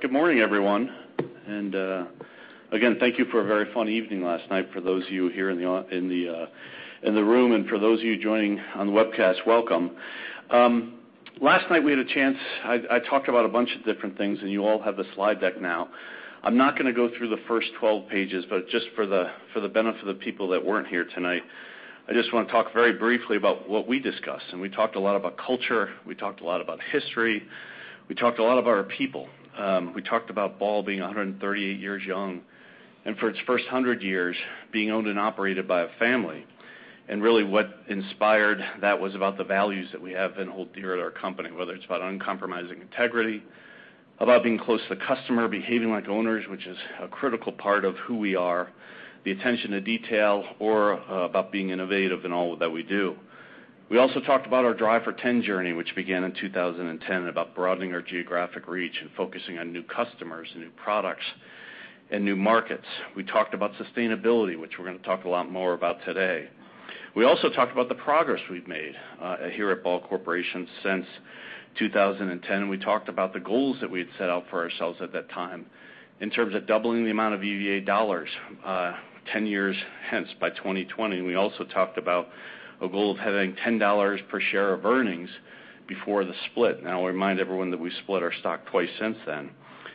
Good morning, everyone. Again, thank you for a very fun evening last night for those of you here in the room, and for those of you joining on the webcast, welcome. Last night, I talked about a bunch of different things, and you all have the slide deck now. I'm not going to go through the first 12 pages, but just for the benefit of the people that weren't here tonight, I just want to talk very briefly about what we discussed. We talked a lot about culture, we talked a lot about history, we talked a lot of our people. We talked about Ball being 138 years young, and for its first 100 years, being owned and operated by a family. Really what inspired that was about the values that we have and hold dear to our company, whether it's about uncompromising integrity, about being close to the customer, behaving like owners, which is a critical part of who we are, the attention to detail or about being innovative in all that we do. We also talked about our Drive for 10 journey, which began in 2010, about broadening our geographic reach and focusing on new customers and new products and new markets. We talked about sustainability, which we're going to talk a lot more about today. We also talked about the progress we've made here at Ball Corporation since 2010, and we talked about the goals that we had set out for ourselves at that time in terms of doubling the amount of EVA dollars 10 years hence, by 2020. We also talked about a goal of having $10 per share of earnings before the split. Now, I remind everyone that we split our stock twice since then.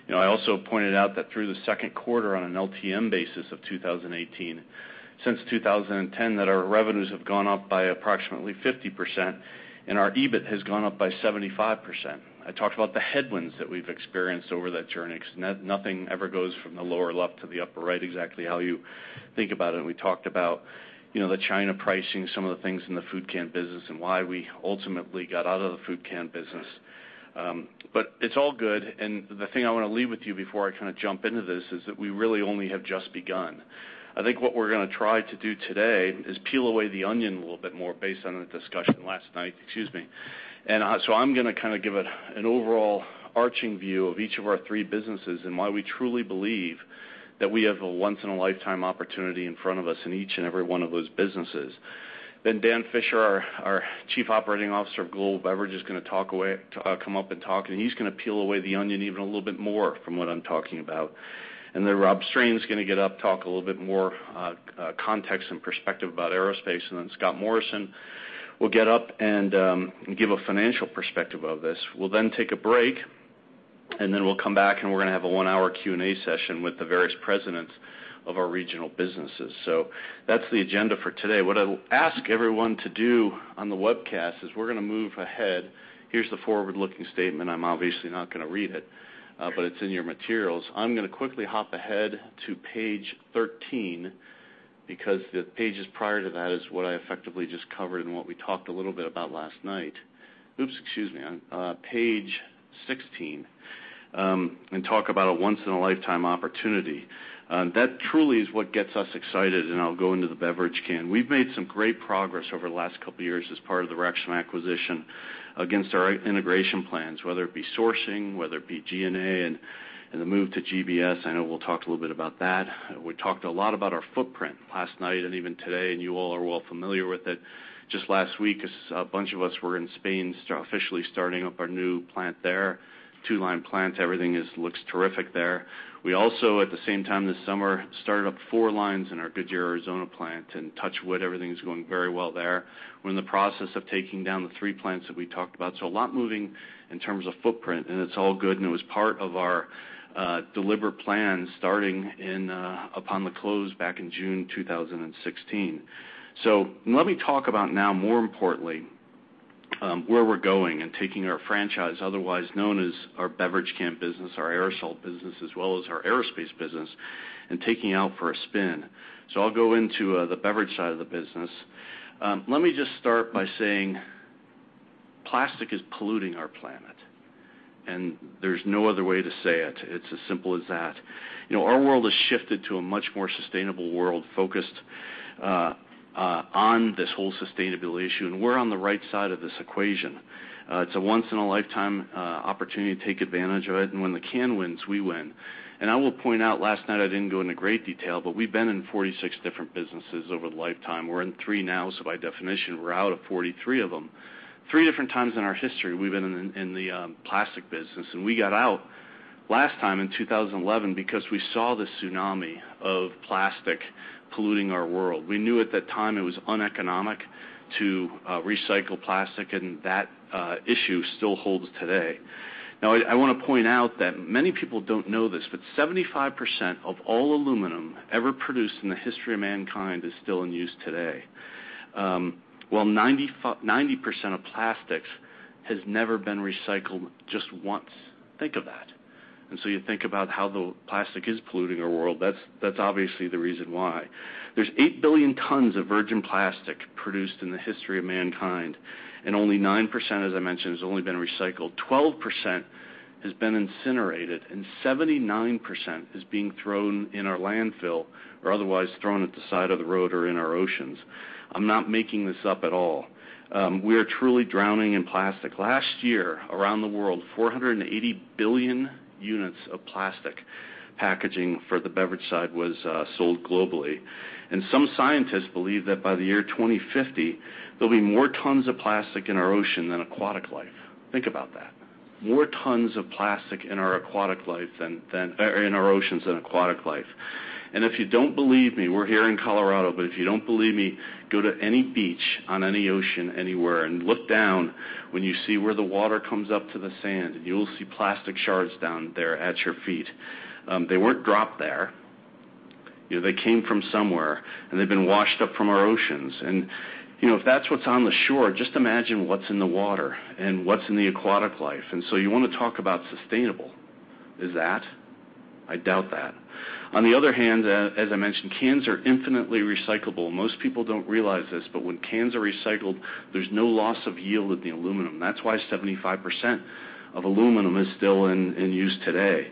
I also pointed out that through the second quarter, on an LTM basis of 2018, since 2010, that our revenues have gone up by approximately 50%, and our EBIT has gone up by 75%. I talked about the headwinds that we've experienced over that journey, because nothing ever goes from the lower left to the upper right exactly how you think about it. We talked about the China pricing, some of the things in the food can business, and why we ultimately got out of the food can business. It's all good. The thing I want to leave with you before I kind of jump into this is that we really only have just begun. I think what we're going to try to do today is peel away the onion a little bit more based on the discussion last night. Excuse me. I'm going to give an overall arching view of each of our three businesses and why we truly believe that we have a once in a lifetime opportunity in front of us in each and every one of those businesses. Dan Fisher, our Chief Operating Officer of Global Beverage, is going to come up and talk, and he's going to peel away the onion even a little bit more from what I'm talking about. Rob Strain is going to get up, talk a little bit more context and perspective about aerospace. Scott Morrison will get up and give a financial perspective of this. We'll then take a break, then we'll come back we're going to have a one-hour Q&A session with the various presidents of our regional businesses. That's the agenda for today. What I'll ask everyone to do on the webcast is we're going to move ahead. Here's the forward-looking statement. I'm obviously not going to read it's in your materials. I'm going to quickly hop ahead to page 13, the pages prior to that is what I effectively just covered and what we talked a little bit about last night. Oops, excuse me. On page 16, talk about a once in a lifetime opportunity. That truly is what gets us excited, I'll go into the beverage can. We've made some great progress over the last couple of years as part of the Rexam acquisition against our integration plans, whether it be sourcing, whether it be G&A and the move to GBS. I know we'll talk a little bit about that. We talked a lot about our footprint last night and even today, you all are well familiar with it. Just last week, a bunch of us were in Spain officially starting up our new plant there. Two-line plant. Everything looks terrific there. We also, at the same time this summer, started up four lines in our Goodyear, Arizona plant, touch wood, everything's going very well there. We're in the process of taking down the three plants that we talked about. A lot moving in terms of footprint, it's all good, it was part of our deliver plan starting upon the close back in June 2016. Let me talk about now, more importantly, where we're going taking our franchise, otherwise known as our beverage can business, our aerosol business, as well as our aerospace business, taking it out for a spin. I'll go into the beverage side of the business. Let me just start by saying plastic is polluting our planet, there's no other way to say it. It's as simple as that. Our world has shifted to a much more sustainable world focused on this whole sustainability issue, we're on the right side of this equation. It's a once in a lifetime opportunity to take advantage of it, when the can wins, we win. I will point out, last night, I didn't go into great detail, we've been in 46 different businesses over the lifetime. We're in three now, by definition, we're out of 43 of them. Three different times in our history, we've been in the plastic business, we got out last time in 2011 we saw the tsunami of plastic polluting our world. We knew at that time it was uneconomic to recycle plastic, that issue still holds today. I want to point out that many people don't know this, 75% of all aluminum ever produced in the history of mankind is still in use today. While 90% of plastics has never been recycled just once. Think of that. You think about how the plastic is polluting our world. That's obviously the reason why. There's 8 billion tons of virgin plastic produced in the history of mankind, and only 9%, as I mentioned, has only been recycled. 12% has been incinerated, and 79% is being thrown in our landfill or otherwise thrown at the side of the road or in our oceans. I'm not making this up at all. We are truly drowning in plastic. Last year, around the world, 480 billion units of plastic packaging for the beverage side was sold globally. Some scientists believe that by the year 2050, there'll be more tons of plastic in our ocean than aquatic life. Think about that. More tons of plastic in our oceans than aquatic life. If you don't believe me, we're here in Colorado, but if you don't believe me, go to any beach on any ocean anywhere and look down. When you see where the water comes up to the sand, you'll see plastic shards down there at your feet. They weren't dropped there. They came from somewhere, and they've been washed up from our oceans. If that's what's on the shore, just imagine what's in the water and what's in the aquatic life. You want to talk about sustainable. Is that? I doubt that. On the other hand, as I mentioned, cans are infinitely recyclable. Most people don't realize this, but when cans are recycled, there's no loss of yield of the aluminum. That's why 75% of aluminum is still in use today.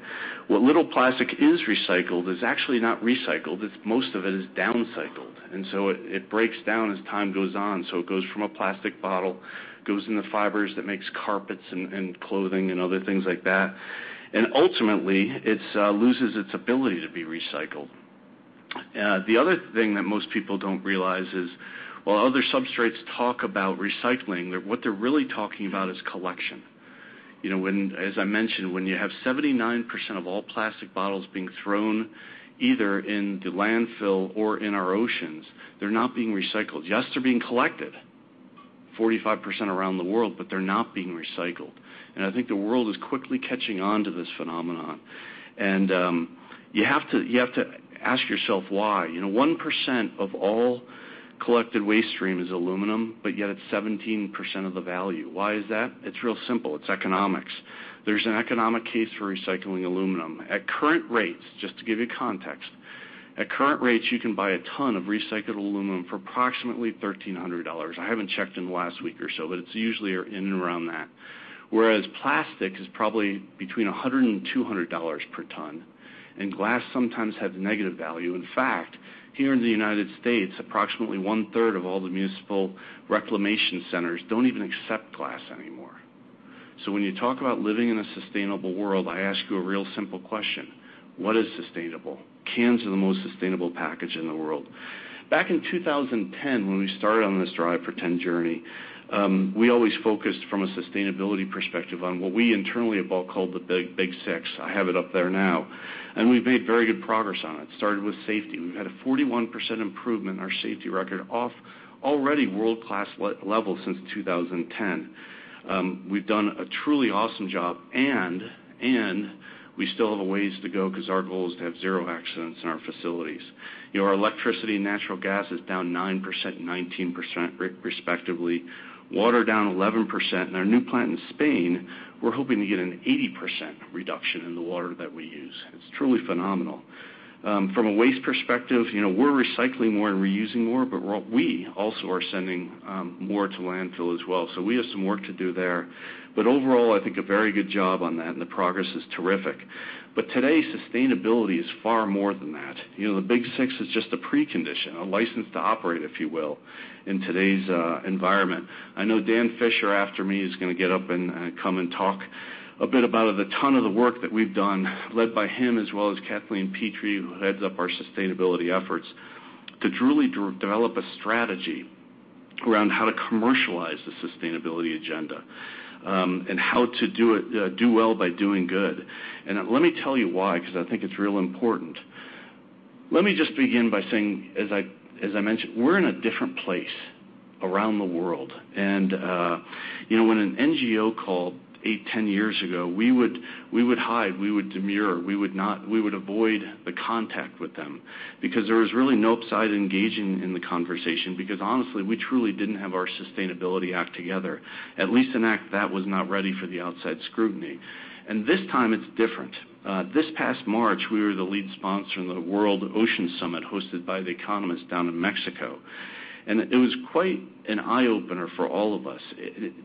What little plastic is recycled is actually not recycled, most of it is downcycled, it breaks down as time goes on. It goes from a plastic bottle, goes in the fibers that makes carpets and clothing and other things like that. Ultimately, it loses its ability to be recycled. The other thing that most people don't realize is, while other substrates talk about recycling, what they're really talking about is collection. As I mentioned, when you have 79% of all plastic bottles being thrown either in the landfill or in our oceans, they're not being recycled. Yes, they're being collected, 45% around the world, but they're not being recycled. I think the world is quickly catching on to this phenomenon. You have to ask yourself why. 1% of all collected waste stream is aluminum, but yet it's 17% of the value. Why is that? It's real simple. It's economics. There's an economic case for recycling aluminum. At current rates, just to give you context, at current rates, you can buy a ton of recycled aluminum for approximately $1,300. I haven't checked in the last week or so, but it's usually in and around that. Whereas plastic is probably between $100 and $200 per ton, and glass sometimes has negative value. In fact, here in the U.S., approximately one-third of all the municipal reclamation centers don't even accept glass anymore. When you talk about living in a sustainable world, I ask you a real simple question: What is sustainable? Cans are the most sustainable package in the world. Back in 2010, when we started on this Drive for 10 journey, we always focused from a sustainability perspective on what we internally at Ball called the Big Six. I have it up there now. We've made very good progress on it. Started with safety. We've had a 41% improvement in our safety record off already world-class levels since 2010. We've done a truly awesome job, and we still have a ways to go because our goal is to have zero accidents in our facilities. Our electricity and natural gas is down 9% and 19%, respectively, water down 11%, and our new plant in Spain, we're hoping to get an 80% reduction in the water that we use. It's truly phenomenal. From a waste perspective, we're recycling more and reusing more, but we also are sending more to landfill as well. We have some work to do there. Overall, I think a very good job on that, and the progress is terrific. Today, sustainability is far more than that. The Big Six is just a precondition, a license to operate, if you will, in today's environment. I know Dan Fisher, after me, is going to get up and come and talk a bit about the ton of the work that we've done, led by him as well as Kathleen Petrie, who heads up our sustainability efforts, to truly develop a strategy around how to commercialize the sustainability agenda and how to do well by doing good. Let me tell you why, because I think it's real important. Let me just begin by saying, as I mentioned, we're in a different place around the world. When an NGO called eight, 10 years ago, we would hide, we would demure. We would avoid the contact with them because there was really no upside engaging in the conversation because honestly, we truly didn't have our sustainability act together, at least an act that was not ready for the outside scrutiny. This time it's different. This past March, we were the lead sponsor in the World Ocean Summit hosted by The Economist down in Mexico. It was quite an eye-opener for all of us.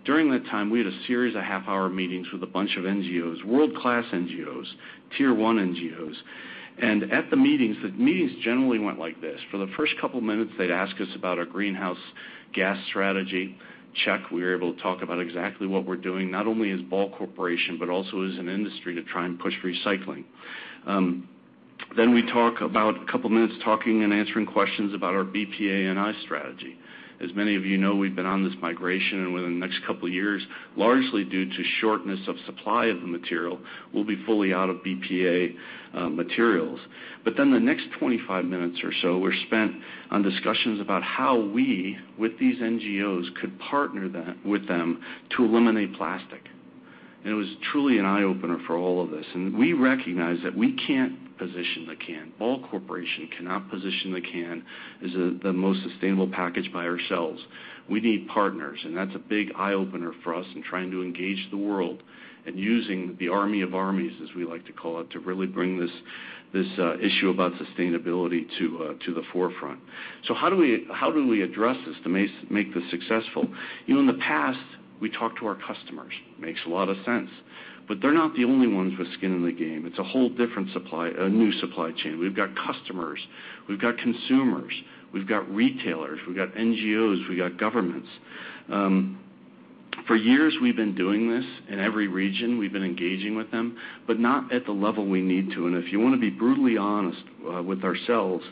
During that time, we had a series of half-hour meetings with a bunch of NGOs, world-class NGOs, Tier 1 NGOs. At the meetings, the meetings generally went like this. For the first couple of minutes, they'd ask us about our greenhouse gas strategy. Check. We were able to talk about exactly what we're doing, not only as Ball Corporation, but also as an industry to try and push recycling. We talk about a couple of minutes talking and answering questions about our BPA-NI strategy. As many of you know, we've been on this migration, and within the next couple of years, largely due to shortness of supply of the material, we'll be fully out of BPA materials. The next 25 minutes or so were spent on discussions about how we, with these NGOs, could partner with them to eliminate plastic. It was truly an eye-opener for all of us. We recognize that we can't position the can. Ball Corporation cannot position the can as the most sustainable package by ourselves. We need partners, and that's a big eye-opener for us in trying to engage the world and using the army of armies, as we like to call it, to really bring this issue about sustainability to the forefront. How do we address this to make this successful? In the past, we talked to our customers. Makes a lot of sense. They're not the only ones with skin in the game. It's a whole different new supply chain. We've got customers, we've got consumers, we've got retailers, we've got NGOs, we've got governments. For years, we've been doing this in every region. We've been engaging with them, but not at the level we need to. If you want to be brutally honest with ourselves,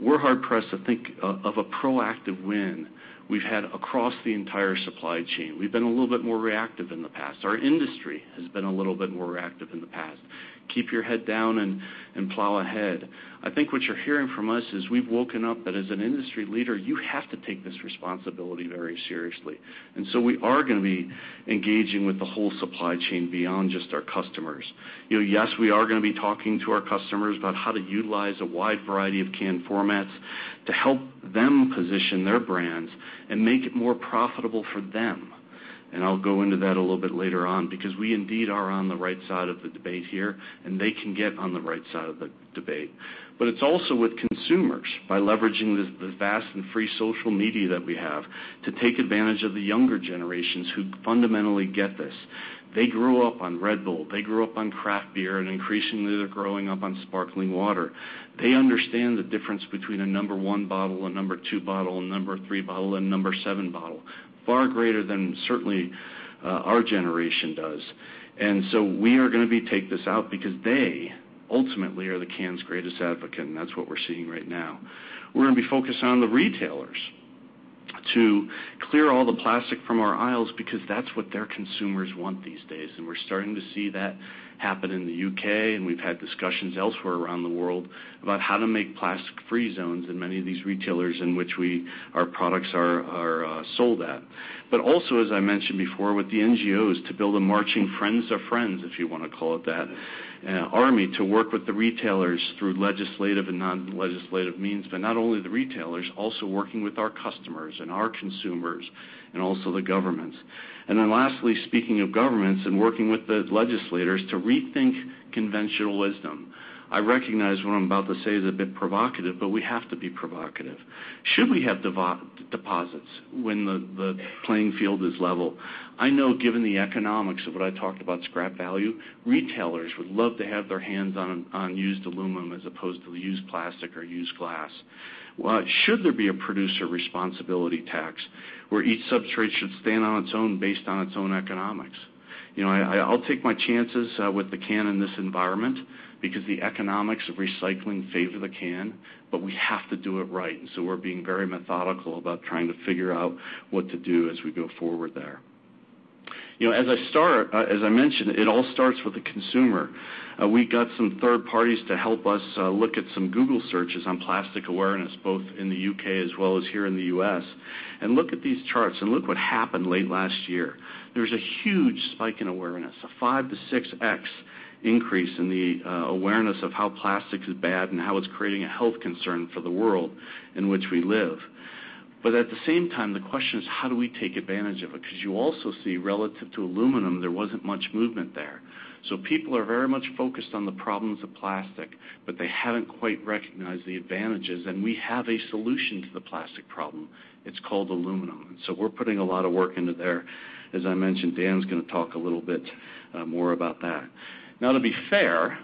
we're hard-pressed to think of a proactive win we've had across the entire supply chain. We've been a little bit more reactive in the past. Our industry has been a little bit more reactive in the past. Keep your head down and plow ahead. I think what you're hearing from us is we've woken up that as an industry leader, you have to take this responsibility very seriously. We are going to be engaging with the whole supply chain beyond just our customers. Yes, we are going to be talking to our customers about how to utilize a wide variety of can formats to help them position their brands and make it more profitable for them. I'll go into that a little bit later on, because we indeed are on the right side of the debate here, and they can get on the right side of the debate. It's also with consumers by leveraging the vast and free social media that we have to take advantage of the younger generations who fundamentally get this. They grew up on Red Bull. They grew up on craft beer, and increasingly, they're growing up on sparkling water. They understand the difference between a number 1 bottle, a number 2 bottle, a number 3 bottle, and a number 7 bottle, far greater than certainly our generation does. We are going to be taking this out because they ultimately are the can's greatest advocate, and that's what we're seeing right now. We're going to be focused on the retailers to clear all the plastic from our aisles because that's what their consumers want these days, and we're starting to see that happen in the U.K., and we've had discussions elsewhere around the world about how to make plastic-free zones in many of these retailers in which our products are sold at. Also, as I mentioned before, with the NGOs to build a marching friends of friends, if you want to call it that, army to work with the retailers through legislative and non-legislative means. Not only the retailers, also working with our customers and our consumers and also the governments. Lastly, speaking of governments and working with the legislators to rethink conventional wisdom. I recognize what I'm about to say is a bit provocative, we have to be provocative. Should we have deposits when the playing field is level? I know given the economics of what I talked about, scrap value, retailers would love to have their hands on used aluminum as opposed to used plastic or used glass. Should there be a producer responsibility tax where each substrate should stand on its own based on its own economics? I'll take my chances with the can in this environment because the economics of recycling favor the can, but we have to do it right, so we're being very methodical about trying to figure out what to do as we go forward there. As I mentioned, it all starts with the consumer. We got some third parties to help us look at some Google searches on plastic awareness, both in the U.K. as well as here in the U.S. Look at these charts and look what happened late last year. There's a huge spike in awareness, a 5 to 6x increase in the awareness of how plastic is bad and how it's creating a health concern for the world in which we live. At the same time, the question is, how do we take advantage of it? You also see relative to aluminum, there wasn't much movement there. People are very much focused on the problems of plastic, they haven't quite recognized the advantages, we have a solution to the plastic problem. It's called aluminum. We're putting a lot of work into there. As I mentioned, Dan's going to talk a little bit more about that. Now, to be fair,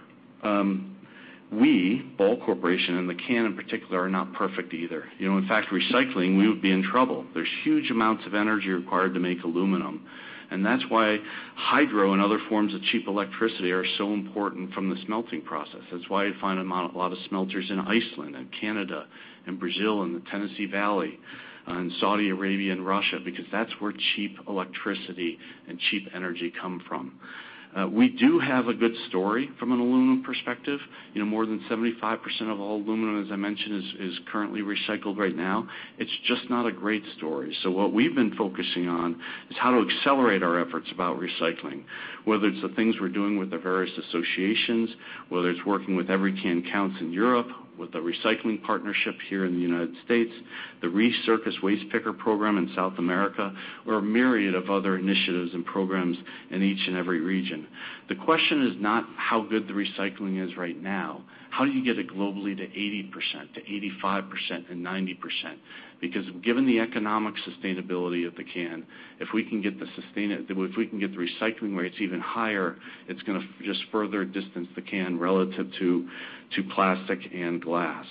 we, Ball Corporation, and the can in particular are not perfect either. In fact, recycling, we would be in trouble. There's huge amounts of energy required to make aluminum, and that's why hydro and other forms of cheap electricity are so important from the smelting process. That's why you find a lot of smelters in Iceland and Canada and Brazil and the Tennessee Valley and Saudi Arabia and Russia, because that's where cheap electricity and cheap energy come from. We do have a good story from an aluminum perspective. More than 75% of all aluminum, as I mentioned, is currently recycled right now. It's just not a great story. What we've been focusing on is how to accelerate our efforts about recycling, whether it's the things we're doing with the various associations, whether it's working with Every Can Counts in Europe, with The Recycling Partnership here in the United States, the Recicleiros Waste Picker program in South America, or a myriad of other initiatives and programs in each and every region. The question is not how good the recycling is right now. How do you get it globally to 80%, 85%, and 90%? Given the economic sustainability of the can, if we can get the recycling rates even higher, it's going to just further distance the can relative to plastic and glass.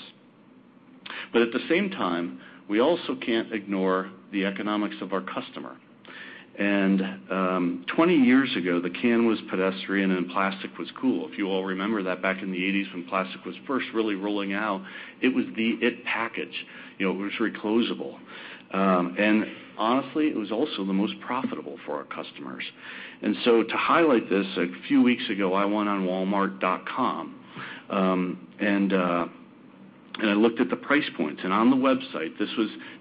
At the same time, we also can't ignore the economics of our customer. 20 years ago, the can was pedestrian and plastic was cool. If you all remember that back in the '80s when plastic was first really rolling out, it was the it package. It was reclosable. Honestly, it was also the most profitable for our customers. To highlight this, a few weeks ago, I went on walmart.com and I looked at the price points. On the website,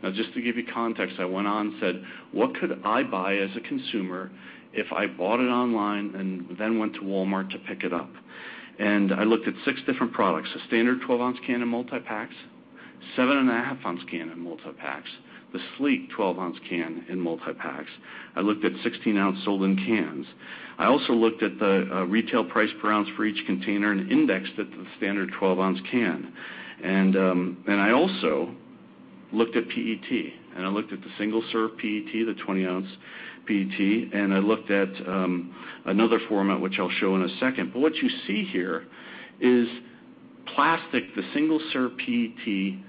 now, just to give you context, I went on and said, "What could I buy as a consumer if I bought it online and then went to Walmart to pick it up?" I looked at six different products, a standard 12-ounce can in multi-packs, 7.5-ounce can in multi-packs, the sleek 12-ounce can in multi-packs. I looked at 16-ounce sold in cans. I also looked at the retail price per ounce for each container and indexed it to the standard 12-ounce can. I also looked at PET, and I looked at the single-serve PET, the 20-ounce PET, and I looked at another format, which I'll show in a second. What you see here is plastic, the single-serve PET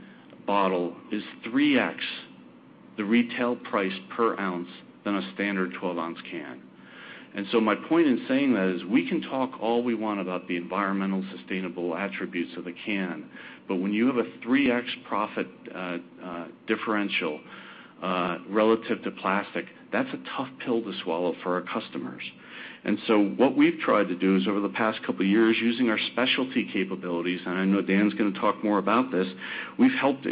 bottle is 3X the retail price per ounce than a standard 12-ounce can. My point in saying that is we can talk all we want about the environmental sustainable attributes of the can, but when you have a 3X profit differential relative to plastic, that's a tough pill to swallow for our customers. What we've tried to do is over the past couple of years, using our specialty capabilities, and I know Dan's going to talk more about this, we've helped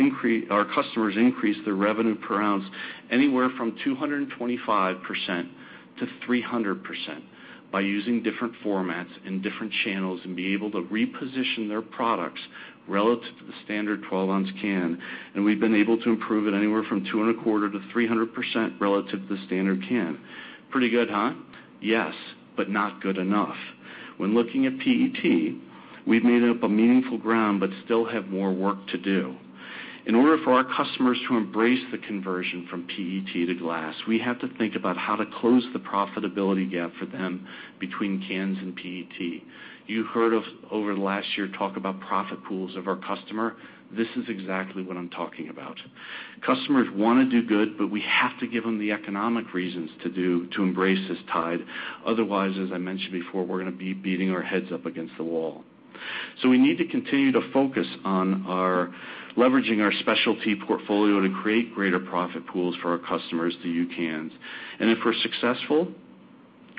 our customers increase their revenue per ounce anywhere from 225%-300% by using different formats and different channels, and be able to reposition their products relative to the standard 12-ounce can. We've been able to improve it anywhere from 225%-300% relative to the standard can. Pretty good, huh? Yes, not good enough. When looking at PET, we've made up a meaningful ground, but still have more work to do. In order for our customers to embrace the conversion from PET and glass, we have to think about how to close the profitability gap for them between cans and PET. You heard of, over the last year, talk about profit pools of our customer. This is exactly what I'm talking about. Customers want to do good, we have to give them the economic reasons to embrace this tide. Otherwise, as I mentioned before, we're going to be beating our heads up against the wall. We need to continue to focus on leveraging our specialty portfolio to create greater profit pools for our customers through cans. If we're successful,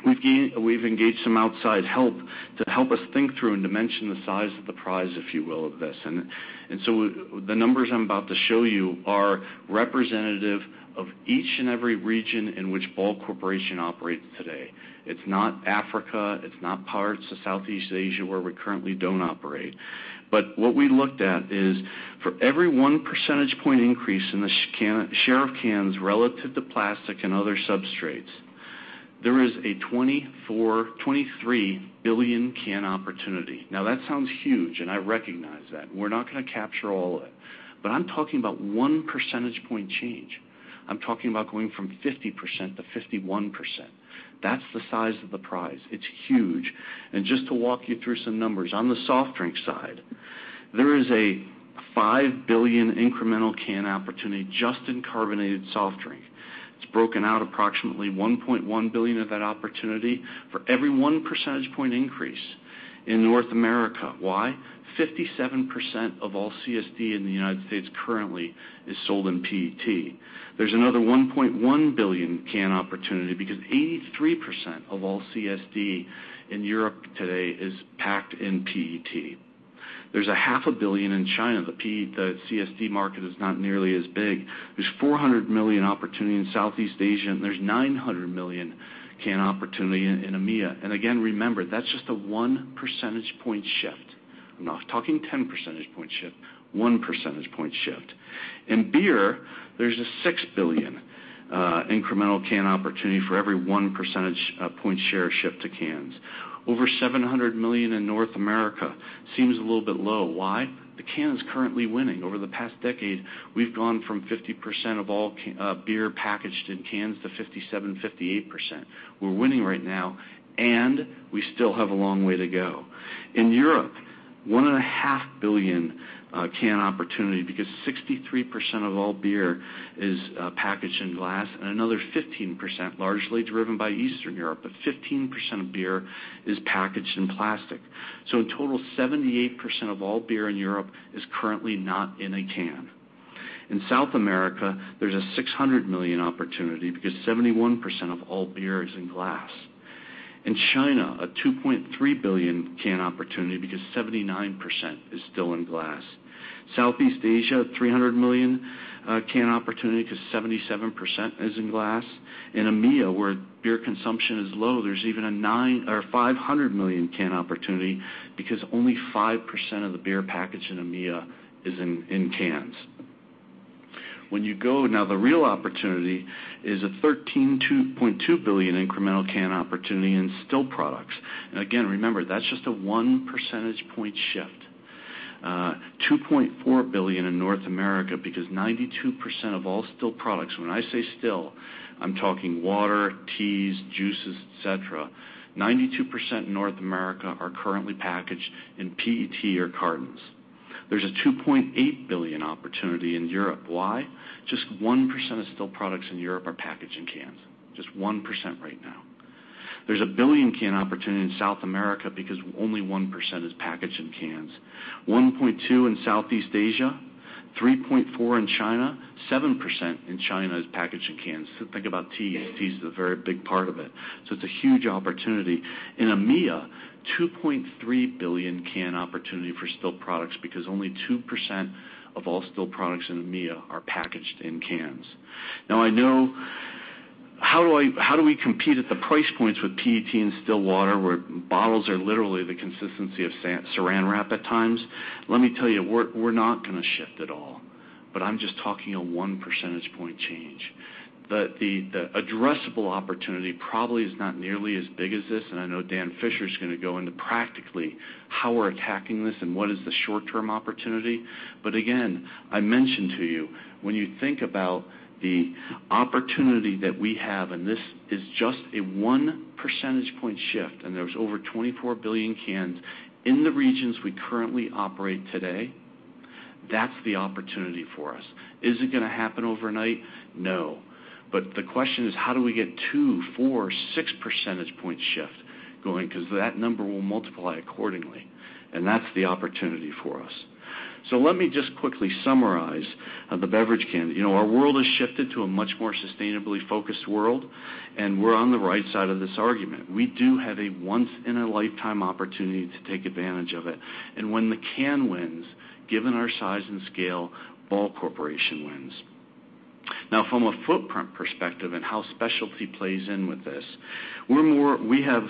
we've engaged some outside help to help us think through and to mention the size of the prize, if you will, of this. The numbers I'm about to show you are representative of each and every region in which Ball Corporation operates today. It's not Africa, it's not parts of Southeast Asia where we currently don't operate. What we looked at is for every one percentage point increase in the share of cans relative to plastic and other substrates, there is a 23 billion can opportunity. That sounds huge, I recognize that, we're not going to capture all of it. I'm talking about one percentage point change. I'm talking about going from 50%-51%. That's the size of the prize. It's huge. Just to walk you through some numbers, on the soft drink side, there is a 5 billion incremental can opportunity just in carbonated soft drink. It's broken out approximately 1.1 billion of that opportunity for every one percentage point increase in North America. Why? 57% of all CSD in the United States currently is sold in PET. There's another 1.1 billion can opportunity because 83% of all CSD in Europe today is packed in PET. There's a half a billion in China. The CSD market is not nearly as big. There's $400 million opportunity in Southeast Asia, $900 million can opportunity in EMEA. Again, remember, that's just a one percentage point shift. I'm not talking 10 percentage point shift, one percentage point shift. In beer, there's a $6 billion incremental can opportunity for every one percentage point share shift to cans. Over $700 million in North America seems a little bit low. Why? The can is currently winning. Over the past decade, we've gone from 50% of all beer packaged in cans to 57%, 58%. We're winning right now, and we still have a long way to go. In Europe, one and a half billion can opportunity because 63% of all beer is packaged in glass and another 15%, largely driven by Eastern Europe, 15% of beer is packaged in plastic. In total, 78% of all beer in Europe is currently not in a can. In South America, there's a $600 million opportunity because 71% of all beer is in glass. In China, a $2.3 billion can opportunity because 79% is still in glass. Southeast Asia, $300 million can opportunity because 77% is in glass. In EMEA, where beer consumption is low, there's even a $500 million can opportunity because only 5% of the beer packaged in EMEA is in cans. Now, the real opportunity is a $13.2 billion incremental can opportunity in still products. Again, remember, that's just a one percentage point shift. $2.4 billion in North America because 92% of all still products, when I say still, I'm talking water, teas, juices, et cetera. 92% in North America are currently packaged in PET or cartons. There's a $2.8 billion opportunity in Europe. Why? Just 1% of still products in Europe are packaged in cans. Just 1% right now. There's a $1 billion can opportunity in South America because only 1% is packaged in cans. $1.2 billion in Southeast Asia, $3.4 billion in China, 7% in China is packaged in cans. Think about tea. Tea is a very big part of it. It's a huge opportunity. In EMEA, $2.3 billion can opportunity for still products because only 2% of all still products in EMEA are packaged in cans. Now, how do we compete at the price points with PET and still water where bottles are literally the consistency of Saran Wrap at times? Let me tell you, we're not going to shift at all, I'm just talking a one percentage point change. The addressable opportunity probably is not nearly as big as this, I know Dan Fisher is going to go into practically how we're attacking this and what is the short-term opportunity. Again, I mentioned to you, when you think about the opportunity that we have, this is just a one percentage point shift, there's over 24 billion cans in the regions we currently operate today. That's the opportunity for us. Is it going to happen overnight? No. The question is, how do we get two, four, six percentage point shift going? Because that number will multiply accordingly, and that's the opportunity for us. Let me just quickly summarize the beverage can. Our world has shifted to a much more sustainably focused world, we're on the right side of this argument. We do have a once in a lifetime opportunity to take advantage of it. When the can wins, given our size and scale, Ball Corporation wins. Now, from a footprint perspective and how specialty plays in with this, we have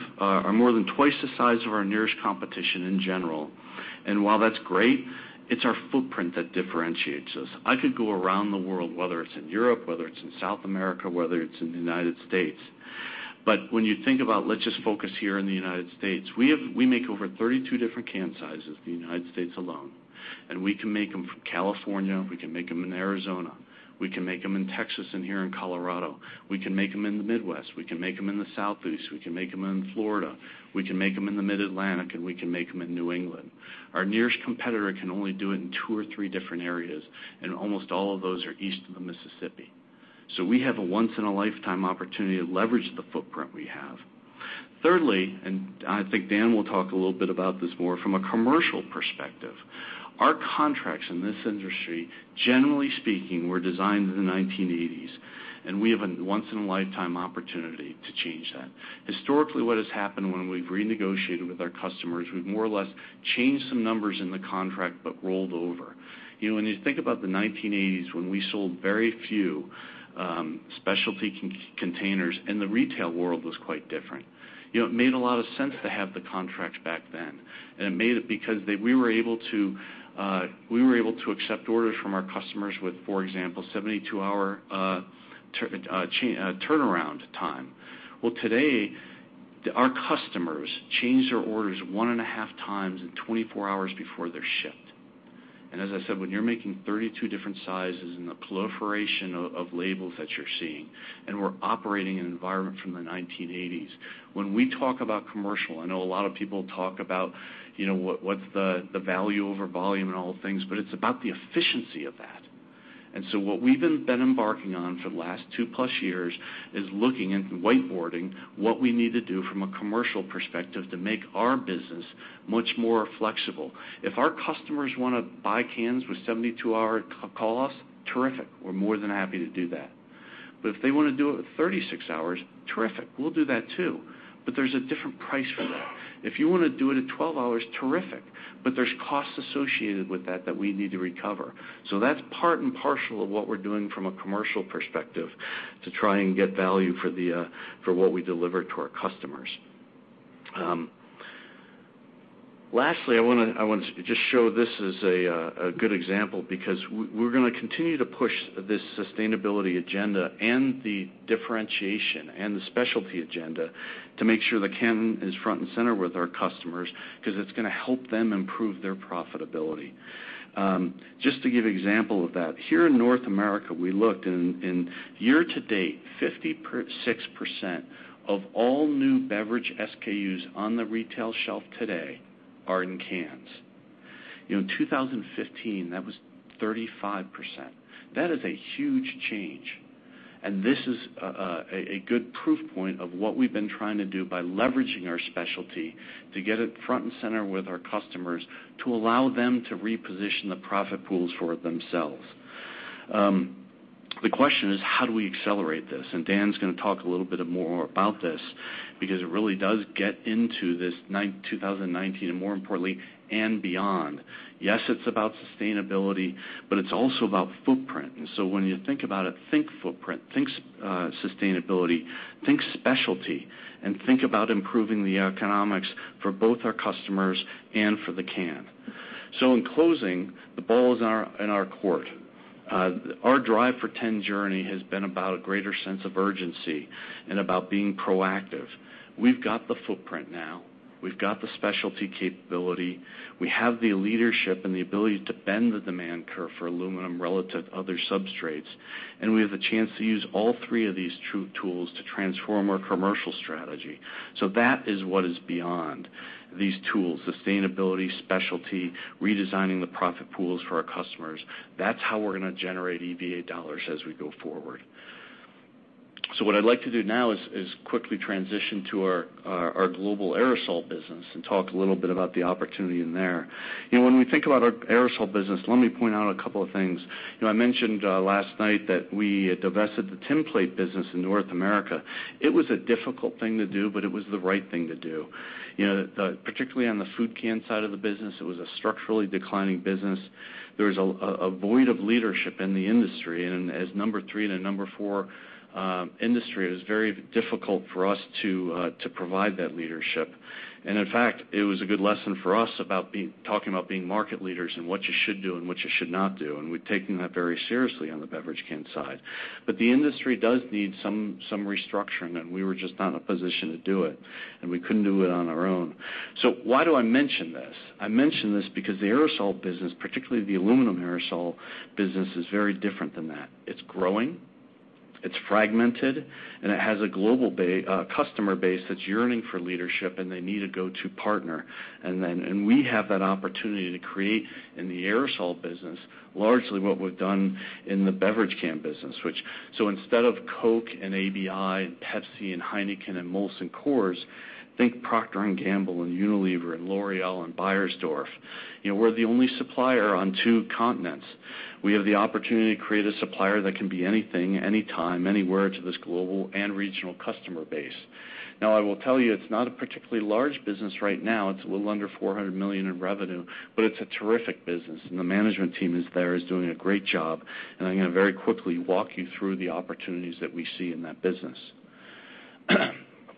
more than twice the size of our nearest competition in general. While that's great, it's our footprint that differentiates us. I could go around the world, whether it's in Europe, whether it's in South America, whether it's in the United States. When you think about let's just focus here in the United States, we make over 32 different can sizes in the United States alone. We can make them from California, we can make them in Arizona, we can make them in Texas and here in Colorado. We can make them in the Midwest. We can make them in the Southeast. We can make them in Florida. We can make them in the Mid-Atlantic, and we can make them in New England. Our nearest competitor can only do it in two or three different areas, and almost all of those are east of the Mississippi. We have a once in a lifetime opportunity to leverage the footprint we have. Thirdly, and I think Dan will talk a little bit about this more from a commercial perspective. Our contracts in this industry, generally speaking, were designed in the 1980s, and we have a once in a lifetime opportunity to change that. Historically, what has happened when we've renegotiated with our customers, we've more or less changed some numbers in the contract, but rolled over. When you think about the 1980s, when we sold very few specialty containers and the retail world was quite different. It made a lot of sense to have the contracts back then, and it made it because we were able to accept orders from our customers with, for example, 72-hour turnaround time. Well, today, our customers change their orders one and a half times in 24 hours before they're shipped. As I said, when you're making 32 different sizes and the proliferation of labels that you're seeing, we're operating in an environment from the 1980s. When we talk about commercial, I know a lot of people talk about what's the value over volume and all things, but it's about the efficiency of that. What we've been embarking on for the last two plus years is looking and whiteboarding what we need to do from a commercial perspective to make our business much more flexible. If our customers want to buy cans with 72-hour call-offs, terrific. We're more than happy to do that. If they want to do it with 36 hours, terrific. We'll do that too. There's a different price for that. If you want to do it in 12 hours, terrific. There's costs associated with that that we need to recover. That's part and parcel of what we're doing from a commercial perspective to try and get value for what we deliver to our customers. Lastly, I want to just show this as a good example, because we're going to continue to push this sustainability agenda and the differentiation and the specialty agenda to make sure the can is front and center with our customers because it's going to help them improve their profitability. Just to give an example of that, here in North America, we looked and year-to-date, 56% of all new beverage SKUs on the retail shelf today are in cans. In 2015, that was 35%. That is a huge change. This is a good proof point of what we've been trying to do by leveraging our specialty to get it front and center with our customers to allow them to reposition the profit pools for themselves. The question is: How do we accelerate this? Dan's going to talk a little bit more about this because it really does get into this 2019, and more importantly, and beyond. Yes, it's about sustainability, but it's also about footprint. When you think about it, think footprint, think sustainability, think specialty, and think about improving the economics for both our customers and for the can. In closing, the Ball is in our court. Our Drive for Ten journey has been about a greater sense of urgency and about being proactive. We've got the footprint now. We've got the specialty capability. We have the leadership and the ability to bend the demand curve for aluminum relative to other substrates. We have the chance to use all three of these tools to transform our commercial strategy. That is what is beyond these tools, sustainability, specialty, redesigning the profit pools for our customers. That's how we're going to generate EVA dollars as we go forward. What I'd like to do now is quickly transition to our global aerosol business and talk a little bit about the opportunity in there. When we think about our aerosol business, let me point out a couple of things. I mentioned last night that we divested the tinplate business in North America. It was a difficult thing to do, but it was the right thing to do. Particularly on the food can side of the business, it was a structurally declining business. There was a void of leadership in the industry. As number 3 and a number 4 industry, it was very difficult for us to provide that leadership. In fact, it was a good lesson for us about talking about being market leaders and what you should do and what you should not do, and we've taken that very seriously on the beverage can side. The industry does need some restructuring, and we were just not in a position to do it, and we couldn't do it on our own. Why do I mention this? I mention this because the aerosol business, particularly the aluminum aerosol business, is very different than that. It's growing. It's fragmented, and it has a global customer base that's yearning for leadership, and they need a go-to partner. We have that opportunity to create in the aerosol business largely what we've done in the beverage can business. Instead of Coke and ABI and Pepsi and Heineken and Molson Coors, think Procter & Gamble and Unilever and L'Oréal and Beiersdorf. We're the only supplier on two continents. We have the opportunity to create a supplier that can be anything, anytime, anywhere to this global and regional customer base. Now, I will tell you, it's not a particularly large business right now. It's a little under $400 million in revenue, but it's a terrific business, and the management team that is there is doing a great job. I'm going to very quickly walk you through the opportunities that we see in that business.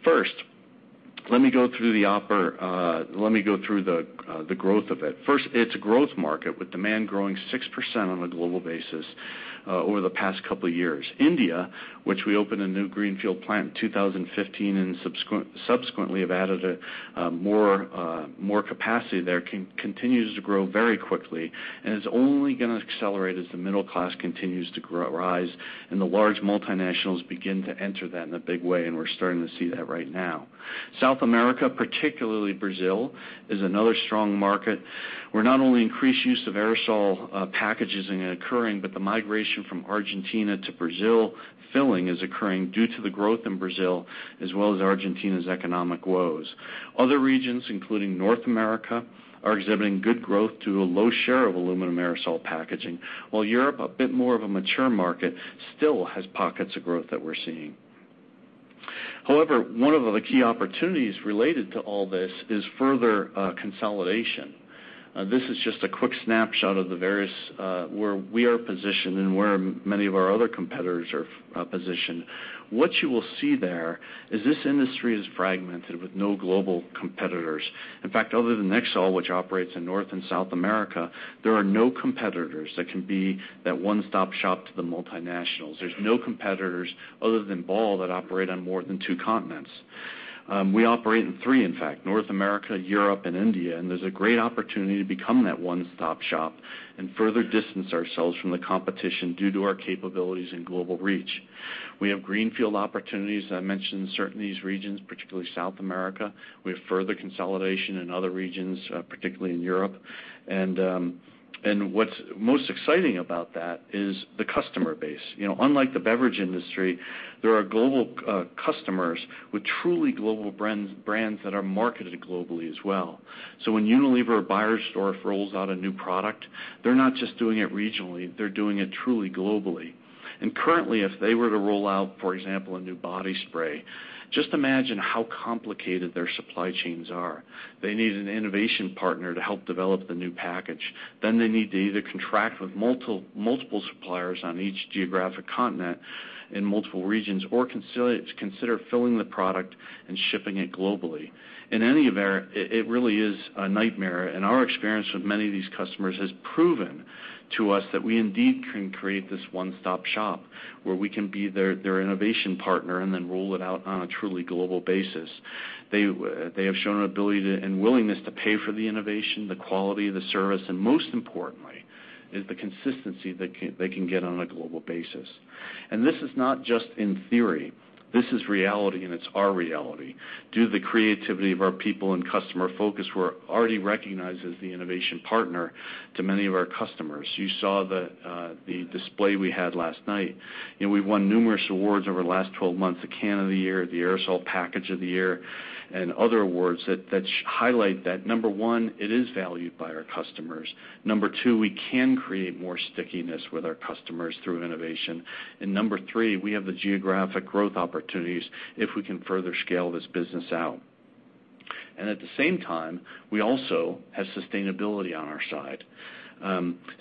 First, let me go through the growth of it. First, it's a growth market with demand growing 6% on a global basis over the past couple of years. India, which we opened a new greenfield plant in 2015 and subsequently have added more capacity there, continues to grow very quickly and is only going to accelerate as the middle class continues to rise and the large multinationals begin to enter that in a big way, and we're starting to see that right now. South America, particularly Brazil, is another strong market where not only increased use of aerosol packaging is occurring, but the migration from Argentina to Brazil filling is occurring due to the growth in Brazil as well as Argentina's economic woes. Other regions, including North America, are exhibiting good growth due to a low share of aluminum aerosol packaging. While Europe, a bit more of a mature market, still has pockets of growth that we're seeing. However, one of the key opportunities related to all this is further consolidation. This is just a quick snapshot of where we are positioned and where many of our other competitors are positioned. What you will see there is this industry is fragmented with no global competitors. In fact, other than Exal, which operates in North and South America, there are no competitors that can be that one-stop shop to the multinationals. There's no competitors other than Ball that operate on more than two continents. We operate in three, in fact, North America, Europe, and India, there's a great opportunity to become that one-stop shop and further distance ourselves from the competition due to our capabilities and global reach. We have greenfield opportunities, as I mentioned, in certain of these regions, particularly South America. We have further consolidation in other regions, particularly in Europe. What's most exciting about that is the customer base. Unlike the beverage industry, there are global customers with truly global brands that are marketed globally as well. So when Unilever or Beiersdorf rolls out a new product, they're not just doing it regionally, they're doing it truly globally. Currently, if they were to roll out, for example, a new body spray, just imagine how complicated their supply chains are. They need an innovation partner to help develop the new package. They need to either contract with multiple suppliers on each geographic continent in multiple regions or consider filling the product and shipping it globally. In any event, it really is a nightmare, our experience with many of these customers has proven to us that we indeed can create this one-stop shop where we can be their innovation partner and then roll it out on a truly global basis. They have shown an ability and willingness to pay for the innovation, the quality, the service, and most importantly, is the consistency that they can get on a global basis. This is not just in theory. This is reality, and it's our reality. Due to the creativity of our people and customer focus, we're already recognized as the innovation partner to many of our customers. You saw the display we had last night. We've won numerous awards over the last 12 months, the Can of the Year, the Aerosol Package of the Year, and other awards that highlight that, number one, it is valued by our customers. Number two, we can create more stickiness with our customers through innovation. Number three, we have the geographic growth opportunities if we can further scale this business out. At the same time, we also have sustainability on our side.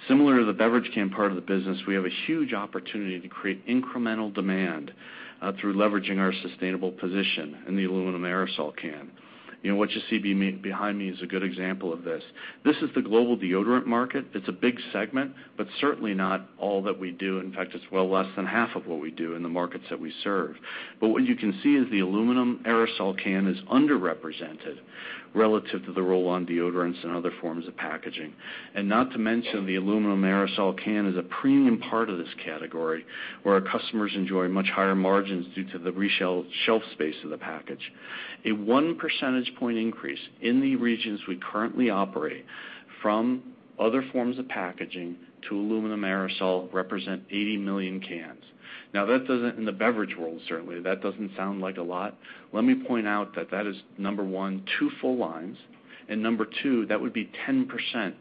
Similar to the beverage can part of the business, we have a huge opportunity to create incremental demand through leveraging our sustainable position in the aluminum aerosol can. What you see behind me is a good example of this. This is the global deodorant market. It's a big segment, but certainly not all that we do. In fact, it's well less than half of what we do in the markets that we serve. What you can see is the aluminum aerosol can is underrepresented relative to the roll-on deodorants and other forms of packaging. Not to mention, the aluminum aerosol can is a premium part of this category where our customers enjoy much higher margins due to the shelf space of the package. A one percentage point increase in the regions we currently operate from other forms of packaging to aluminum aerosol represent 80 million cans. In the beverage world, certainly, that doesn't sound like a lot. Let me point out that that is, number one, two full lines, number two, that would be 10%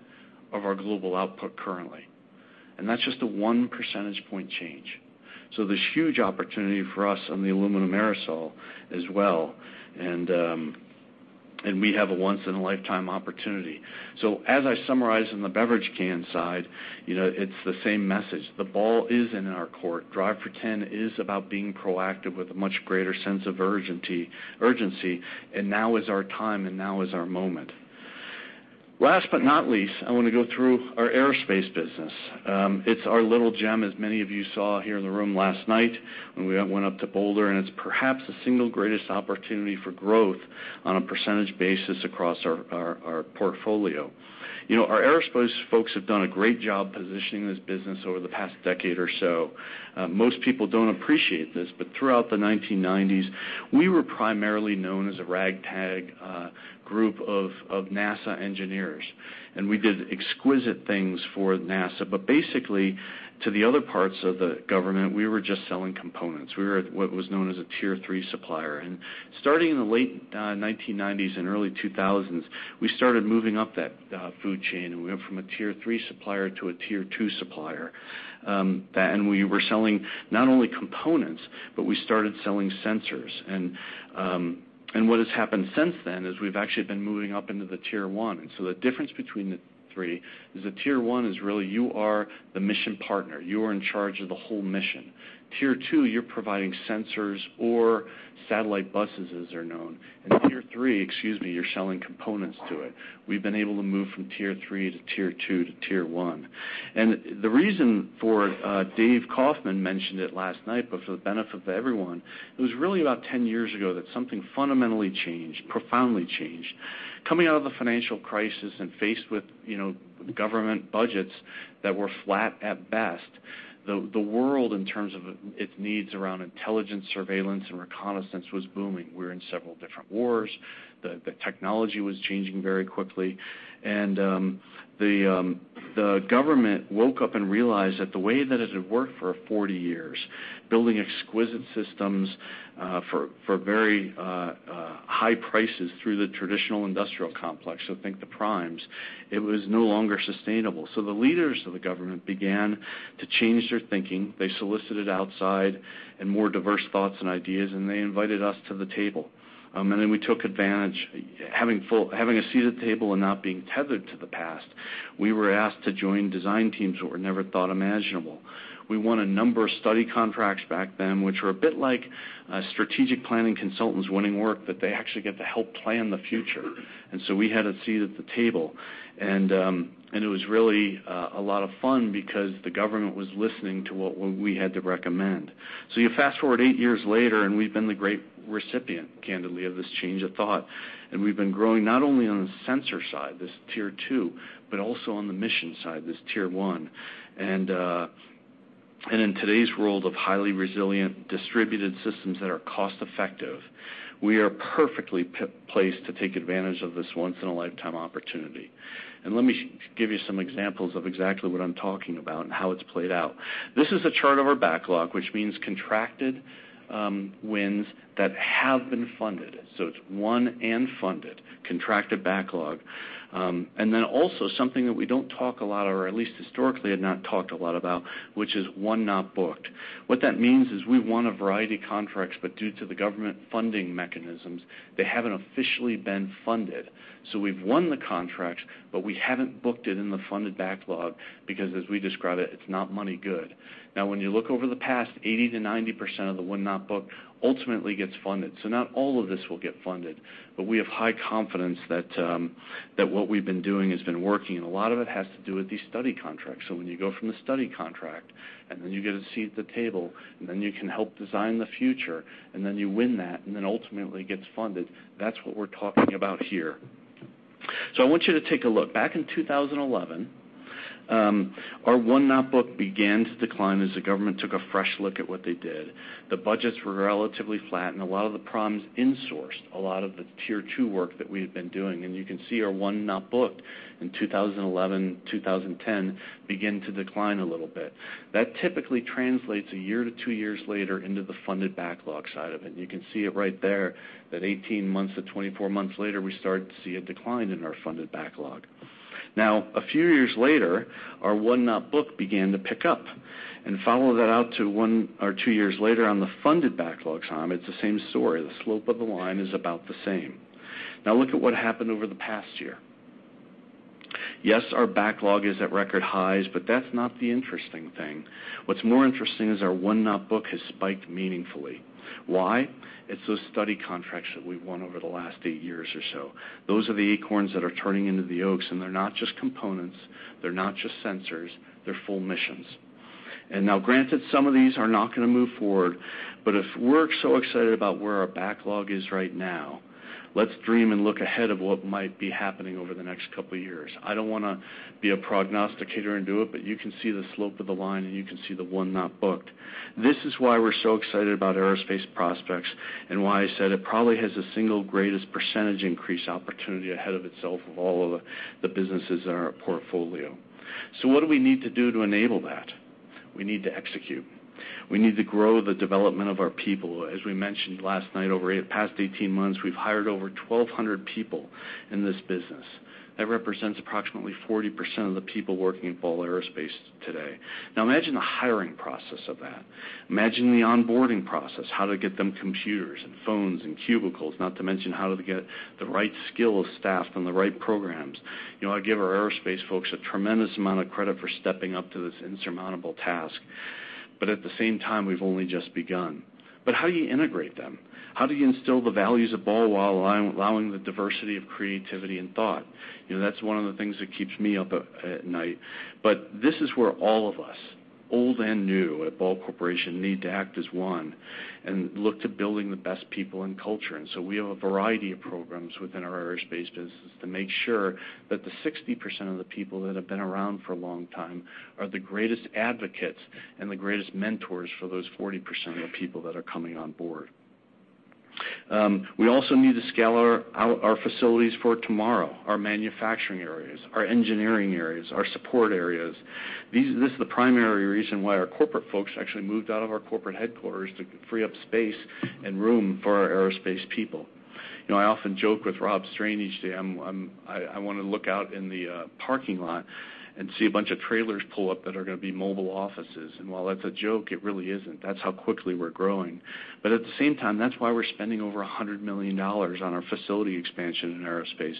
of our global output currently. That's just a one percentage point change. There's huge opportunity for us on the aluminum aerosol as well, we have a once-in-a-lifetime opportunity. As I summarized on the beverage can side, it's the same message. The ball is in our court. Drive for 10 is about being proactive with a much greater sense of urgency, now is our time, now is our moment. Last but not least, I want to go through our aerospace business. It's our little gem, as many of you saw here in the room last night when we went up to Boulder, it's perhaps the single greatest opportunity for growth on a percentage basis across our portfolio. Our aerospace folks have done a great job positioning this business over the past decade or so. Most people don't appreciate this, but throughout the 1990s, we were primarily known as a ragtag group of NASA engineers, we did exquisite things for NASA. Basically, to the other parts of the government, we were just selling components. We were what was known as a Tier 3 supplier. Starting in the late 1990s and early 2000s, we started moving up that food chain, we went from a Tier 3 supplier to a Tier 2 supplier. We were selling not only components, but we started selling sensors. What has happened since then is we've actually been moving up into the Tier 1. The difference between the three is that Tier 1 is really, you are the mission partner. You are in charge of the whole mission. Tier 2, you're providing sensors or satellite buses, as they're known. Tier 3, you're selling components to it. We've been able to move from Tier 3 to Tier 2 to Tier 1. The reason for, Dave Kaufman mentioned it last night, but for the benefit of everyone, it was really about 10 years ago that something fundamentally changed, profoundly changed. Coming out of the financial crisis and faced with government budgets that were flat at best, the world, in terms of its needs around intelligence, surveillance, and reconnaissance, was booming. We were in several different wars. The technology was changing very quickly. The government woke up and realized that the way that it had worked for 40 years, building exquisite systems for very high prices through the traditional industrial complex, so think the primes, it was no longer sustainable. The leaders of the government began to change their thinking. They solicited outside and more diverse thoughts and ideas, and they invited us to the table. We took advantage. Having a seat at the table and not being tethered to the past, we were asked to join design teams that were never thought imaginable. We won a number of study contracts back then, which were a bit like strategic planning consultants winning work, that they actually get to help plan the future. We had a seat at the table. It was really a lot of fun because the government was listening to what we had to recommend. You fast-forward eight years later, and we've been the great recipient, candidly, of this change of thought. We've been growing not only on the sensor side, this is Tier 2, but also on the mission side, this Tier 1. In today's world of highly resilient, distributed systems that are cost-effective, we are perfectly placed to take advantage of this once-in-a-lifetime opportunity. Let me give you some examples of exactly what I'm talking about and how it's played out. This is a chart of our backlog, which means contracted wins that have been funded. It's won and funded, contracted backlog. Also something that we don't talk a lot or at least historically had not talked a lot about, which is won not booked. What that means is we've won a variety of contracts, but due to the government funding mechanisms, they haven't officially been funded. We've won the contract, but we haven't booked it in the funded backlog because, as we describe it's not money good. When you look over the past, 80%-90% of the won not booked ultimately gets funded. Not all of this will get funded, but we have high confidence that what we've been doing has been working, and a lot of it has to do with these study contracts. When you go from the study contract, and then you get a seat at the table, and then you can help design the future, and then you win that, and then ultimately it gets funded, that's what we're talking about here. I want you to take a look. Back in 2011, our won not booked began to decline as the government took a fresh look at what they did. The budgets were relatively flat, and a lot of the problems insourced a lot of the Tier 2 work that we had been doing. You can see our won not booked in 2011, 2010, begin to decline a little bit. That typically translates a year to two years later into the funded backlog side of it. You can see it right there, that 18 months to 24 months later, we started to see a decline in our funded backlog. A few years later, our won not booked began to pick up. Follow that out to one or two years later on the funded backlog time, it's the same story. The slope of the line is about the same. Look at what happened over the past year. Yes, our backlog is at record highs, but that's not the interesting thing. What's more interesting is our won not booked has spiked meaningfully. Why? It's those study contracts that we've won over the last eight years or so. Those are the acorns that are turning into the oaks, and they're not just components, they're not just sensors, they're full missions. Now, granted, some of these are not going to move forward, but if we're so excited about where our backlog is right now, let's dream and look ahead of what might be happening over the next couple of years. I don't want to be a prognosticator and do it, but you can see the slope of the line and you can see the won not booked. This is why we're so excited about aerospace prospects and why I said it probably has the single greatest percentage increase opportunity ahead of itself of all of the businesses in our portfolio. What do we need to do to enable that? We need to execute. We need to grow the development of our people. As we mentioned last night, over the past 18 months, we've hired over 1,200 people in this business. That represents approximately 40% of the people working at Ball Aerospace today. Imagine the hiring process of that. Imagine the onboarding process, how to get them computers and phones and cubicles, not to mention how to get the right skilled staff on the right programs. I give our aerospace folks a tremendous amount of credit for stepping up to this insurmountable task. At the same time, we've only just begun. How do you integrate them? How do you instill the values of Ball while allowing the diversity of creativity and thought? That's one of the things that keeps me up at night. This is where all of us, old and new, at Ball Corporation need to act as one and look to building the best people and culture. We have a variety of programs within our aerospace business to make sure that the 60% of the people that have been around for a long time are the greatest advocates and the greatest mentors for those 40% of the people that are coming on board. We also need to scale our facilities for tomorrow, our manufacturing areas, our engineering areas, our support areas. This is the primary reason why our corporate folks actually moved out of our corporate headquarters to free up space and room for our aerospace people. I often joke with Rob Strain each day, I want to look out in the parking lot and see a bunch of trailers pull up that are going to be mobile offices. While that's a joke, it really isn't. That's how quickly we're growing. We're spending over $100 million on our facility expansion in aerospace,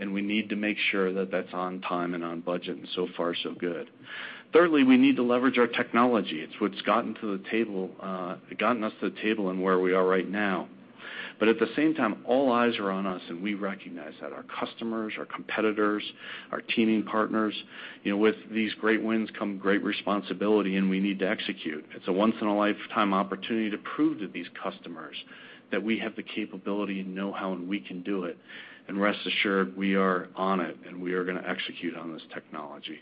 and we need to make sure that that's on time and on budget, and so far so good. Thirdly, we need to leverage our technology. It's what's gotten us to the table and where we are right now. At the same time, all eyes are on us, and we recognize that. Our customers, our competitors, our teaming partners. With these great wins come great responsibility, and we need to execute. It's a once in a lifetime opportunity to prove to these customers that we have the capability and know-how, and we can do it, and rest assured, we are on it, and we are going to execute on this technology.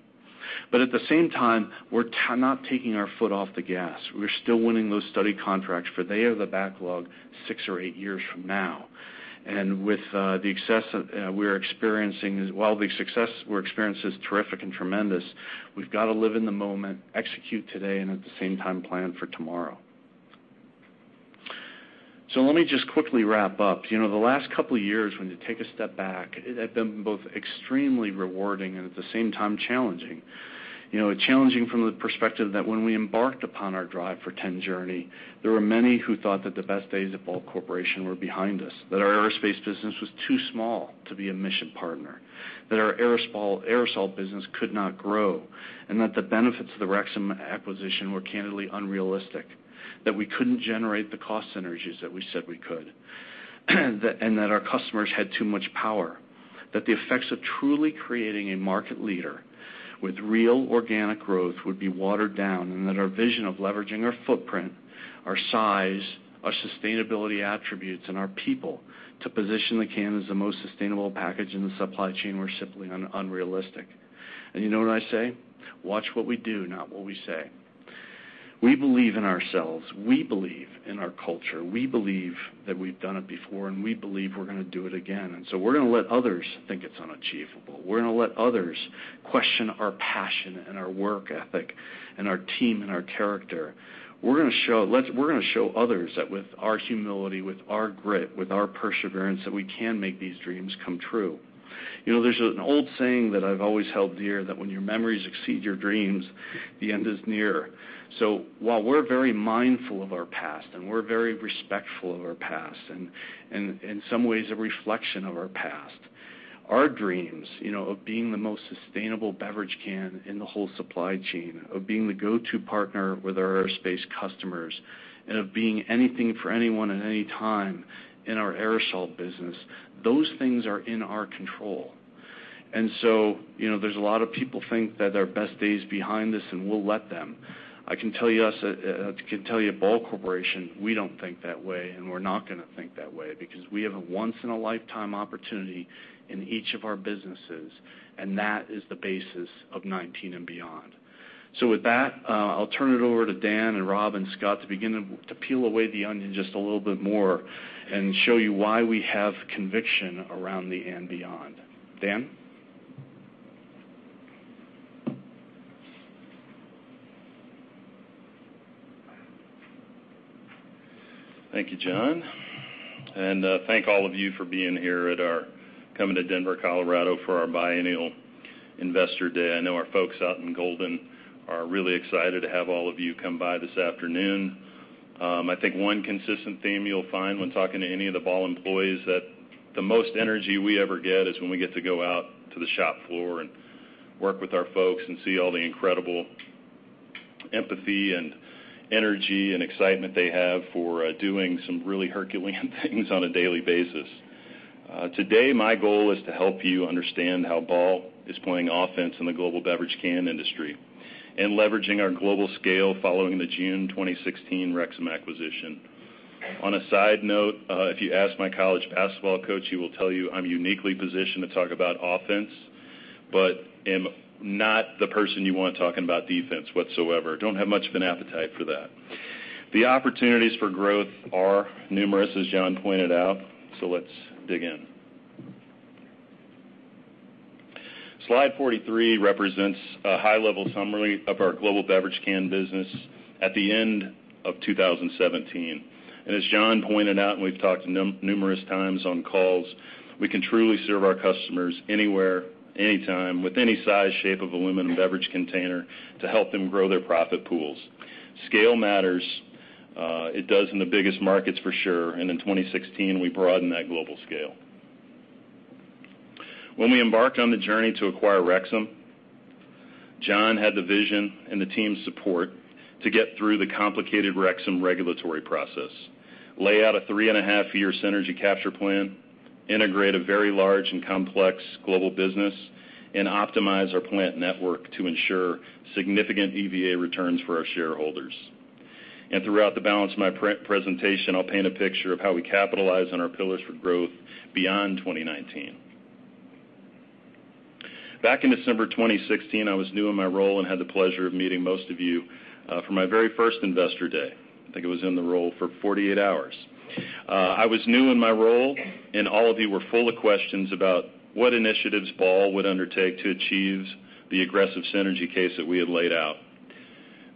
At the same time, we're not taking our foot off the gas. We're still winning those study contracts, for they are the backlog six or eight years from now. While the success we're experiencing is terrific and tremendous, we've got to live in the moment, execute today, and at the same time, plan for tomorrow. Let me just quickly wrap up. The last couple of years, when you take a step back, they've been both extremely rewarding and at the same time challenging. Challenging from the perspective that when we embarked upon our Drive for 10 journey, there were many who thought that the best days of Ball Corporation were behind us, that our aerospace business was too small to be a mission partner, that our aerosol business could not grow, and that the benefits of the Rexam acquisition were candidly unrealistic. That we couldn't generate the cost synergies that we said we could, and that our customers had too much power. That the effects of truly creating a market leader with real organic growth would be watered down, and that our vision of leveraging our footprint, our size, our sustainability attributes, and our people to position the can as the most sustainable package in the supply chain were simply unrealistic. You know what I say? Watch what we do, not what we say. We believe in ourselves. We believe in our culture. We believe that we've done it before, and we believe we're going to do it again. We're going to let others think it's unachievable. We're going to let others question our passion and our work ethic and our team and our character. We're going to show others that with our humility, with our grit, with our perseverance, that we can make these dreams come true. There's an old saying that I've always held dear, that when your memories exceed your dreams, the end is near. While we're very mindful of our past and we're very respectful of our past, and in some ways, a reflection of our past, our dreams of being the most sustainable beverage can in the whole supply chain, of being the go-to partner with our aerospace customers, and of being anything for anyone at any time in our aerosol business, those things are in our control. There's a lot of people think that our best days are behind us, and we'll let them. I can tell you at Ball Corporation, we don't think that way, and we're not going to think that way because we have a once in a lifetime opportunity in each of our businesses, and that is the basis of 2019 and beyond. With that, I'll turn it over to Dan and Rob and Scott to begin to peel away the onion just a little bit more and show you why we have conviction around the and beyond. Dan? Thank you, John. Thank all of you for being here coming to Denver, Colorado for our biennial Investor Day. I know our folks out in Golden are really excited to have all of you come by this afternoon. I think one consistent theme you'll find when talking to any of the Ball employees that the most energy we ever get is when we get to go out to the shop floor and work with our folks and see all the incredible empathy and energy and excitement they have for doing some really Herculean things on a daily basis. Today, my goal is to help you understand how Ball is playing offense in the global beverage can industry and leveraging our global scale following the June 2016 Rexam acquisition. On a side note, if you ask my college basketball coach, he will tell you I'm uniquely positioned to talk about offense, but am not the person you want talking about defense whatsoever. Don't have much of an appetite for that. The opportunities for growth are numerous, as John pointed out. Let's dig in. Slide 43 represents a high-level summary of our global beverage can business at the end of 2017. As John pointed out, and we've talked numerous times on calls, we can truly serve our customers anywhere, anytime with any size, shape of aluminum beverage container to help them grow their profit pools. Scale matters. It does in the biggest markets for sure, and in 2016, we broadened that global scale. When we embarked on the journey to acquire Rexam, John had the vision and the team's support to get through the complicated Rexam regulatory process, lay out a three-and-a-half year synergy capture plan, integrate a very large and complex global business, and optimize our plant network to ensure significant EVA returns for our shareholders. Throughout the balance of my presentation, I'll paint a picture of how we capitalize on our pillars for growth beyond 2019. Back in December 2016, I was new in my role and had the pleasure of meeting most of you for my very first Investor Day. I think I was in the role for 48 hours. I was new in my role, and all of you were full of questions about what initiatives Ball would undertake to achieve the aggressive synergy case that we had laid out.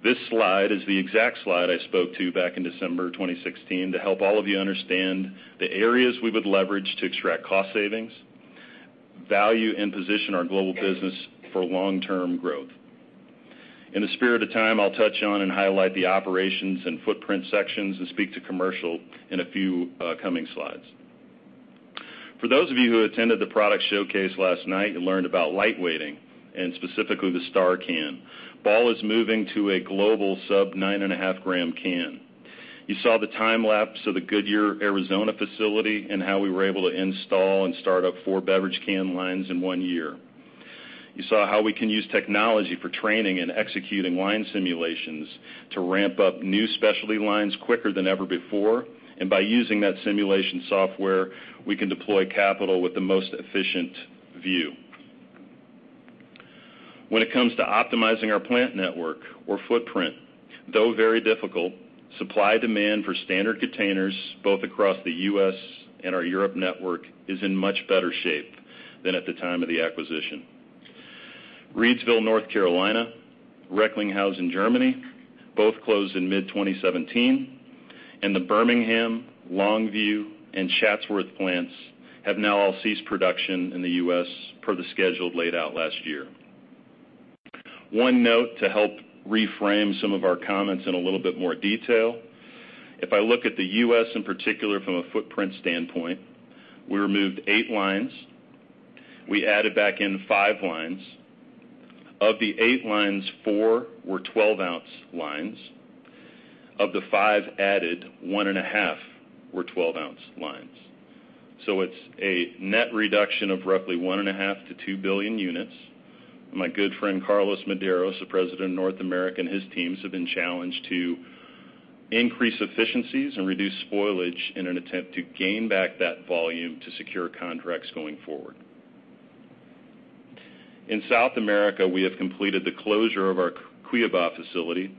This slide is the exact slide I spoke to back in December 2016 to help all of you understand the areas we would leverage to extract cost savings, value, and position our global business for long-term growth. In the spirit of time, I'll touch on and highlight the operations and footprint sections and speak to commercial in a few coming slides. For those of you who attended the product showcase last night and learned about lightweighting, and specifically the STARcan, Ball is moving to a global sub-9.5 gram can. You saw the time lapse of the Goodyear, Arizona facility and how we were able to install and start up four beverage can lines in one year. You saw how we can use technology for training and executing line simulations to ramp up new specialty lines quicker than ever before. By using that simulation software, we can deploy capital with the most efficient view. When it comes to optimizing our plant network or footprint, though very difficult, supply-demand for standard containers, both across the U.S. and our Europe network, is in much better shape than at the time of the acquisition. Reidsville, North Carolina, Recklinghausen, Germany, both closed in mid-2017, and the Birmingham, Longview, and Chatsworth plants have now all ceased production in the U.S. per the schedule laid out last year. One note to help reframe some of our comments in a little bit more detail. If I look at the U.S. in particular from a footprint standpoint, we removed eight lines. We added back in five lines. Of the eight lines, four were 12-ounce lines. Of the five added, 1.5 were 12-ounce lines. It's a net reduction of roughly 1.5 to 2 billion units. My good friend, Carlos Medeiros, the President of North America, and his teams have been challenged to increase efficiencies and reduce spoilage in an attempt to gain back that volume to secure contracts going forward. In South America, we have completed the closure of our Cuiabá facility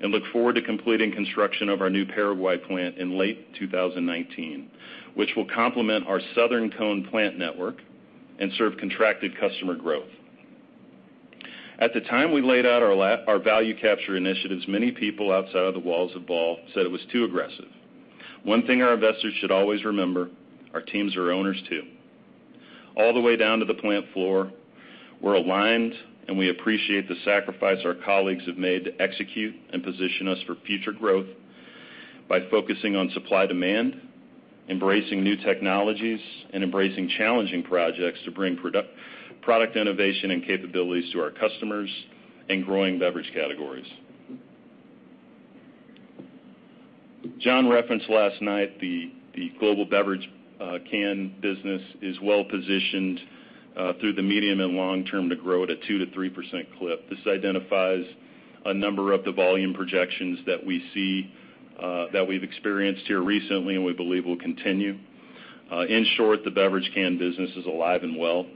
and look forward to completing construction of our new Paraguay plant in late 2019, which will complement our Southern Cone plant network and serve contracted customer growth. At the time we laid out our value capture initiatives, many people outside of the walls of Ball said it was too aggressive. One thing our investors should always remember, our teams are owners, too. All the way down to the plant floor, we're aligned, and we appreciate the sacrifice our colleagues have made to execute and position us for future growth by focusing on supply-demand, embracing new technologies, and embracing challenging projects to bring product innovation and capabilities to our customers and growing beverage categories. John referenced last night the global beverage can business is well-positioned through the medium and long term to grow at a 2%-3% clip. This identifies a number of the volume projections that we see that we've experienced here recently and we believe will continue. In short, the beverage can business is alive and well,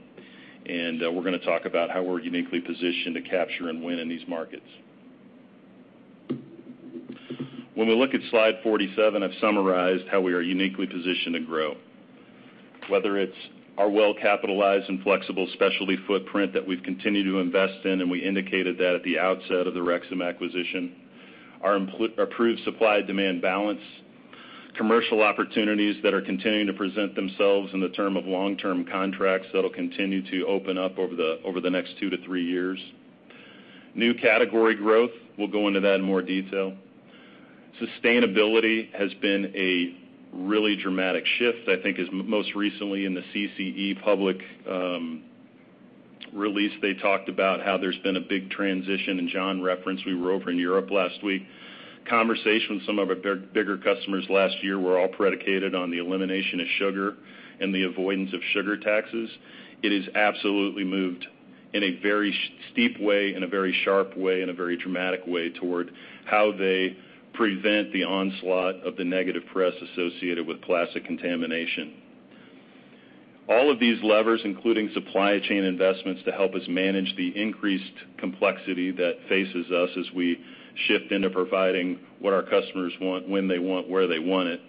and we're going to talk about how we're uniquely positioned to capture and win in these markets. When we look at slide 47, I've summarized how we are uniquely positioned to grow. Whether it's our well-capitalized and flexible specialty footprint that we've continued to invest in, we indicated that at the outset of the Rexam acquisition, our improved supply-demand balance, commercial opportunities that are continuing to present themselves in the term of long-term contracts that'll continue to open up over the next two to three years. New category growth, we'll go into that in more detail. Sustainability has been a really dramatic shift. I think is most recently in the CCE public release, they talked about how there's been a big transition. John referenced we were over in Europe last week. Conversation with some of our bigger customers last year were all predicated on the elimination of sugar and the avoidance of sugar taxes. It has absolutely moved in a very steep way, in a very sharp way, in a very dramatic way toward how they prevent the onslaught of the negative press associated with plastic contamination. All of these levers, including supply chain investments to help us manage the increased complexity that faces us as we shift into providing what our customers want, when they want, where they want it,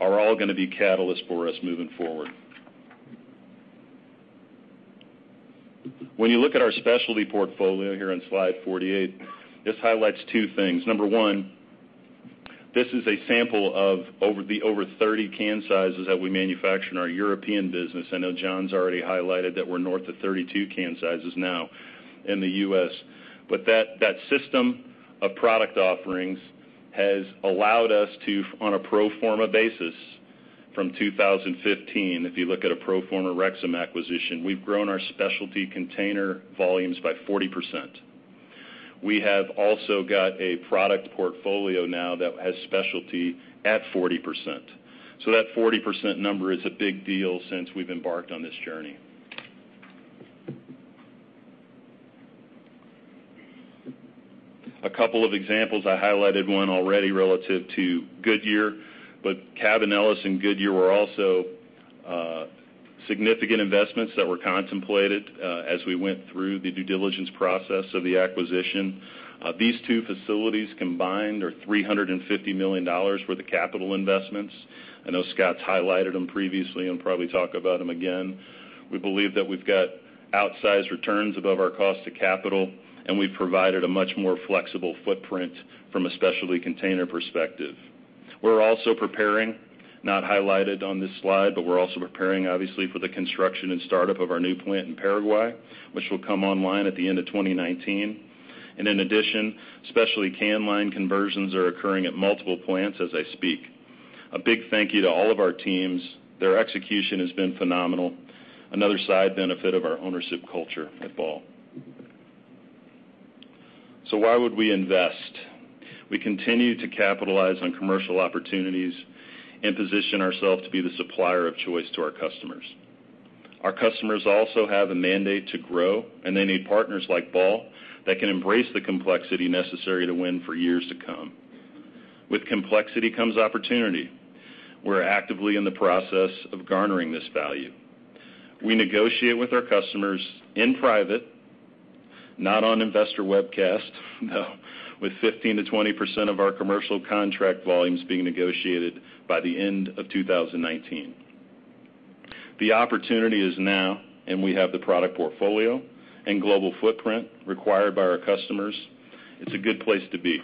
are all going to be catalysts for us moving forward. When you look at our specialty portfolio here on slide 48, this highlights two things. Number one, this is a sample of the over 30 can sizes that we manufacture in our European business. I know John's already highlighted that we're north of 32 can sizes now in the U.S. That system of product offerings has allowed us to, on a pro forma basis from 2015, if you look at a pro forma Rexam acquisition, we've grown our specialty container volumes by 40%. We have also got a product portfolio now that has specialty at 40%. That 40% number is a big deal since we've embarked on this journey. A couple of examples, I highlighted one already relative to Goodyear, but Cabanillas and Goodyear were also significant investments that were contemplated as we went through the due diligence process of the acquisition. These two facilities combined are $350 million worth of capital investments. I know Scott's highlighted them previously and will probably talk about them again. We believe that we've got outsized returns above our cost to capital, and we've provided a much more flexible footprint from a specialty container perspective. We're also preparing, not highlighted on this slide, but we're also preparing, obviously, for the construction and startup of our new plant in Paraguay, which will come online at the end of 2019. In addition, specialty can line conversions are occurring at multiple plants as I speak. A big thank you to all of our teams. Their execution has been phenomenal. Another side benefit of our ownership culture at Ball. Why would we invest? We continue to capitalize on commercial opportunities and position ourselves to be the supplier of choice to our customers. Our customers also have a mandate to grow, and they need partners like Ball that can embrace the complexity necessary to win for years to come. With complexity comes opportunity. We're actively in the process of garnering this value. We negotiate with our customers in private, not on investor webcast. No, with 15%-20% of our commercial contract volumes being negotiated by the end of 2019, the opportunity is now, and we have the product portfolio and global footprint required by our customers. It's a good place to be.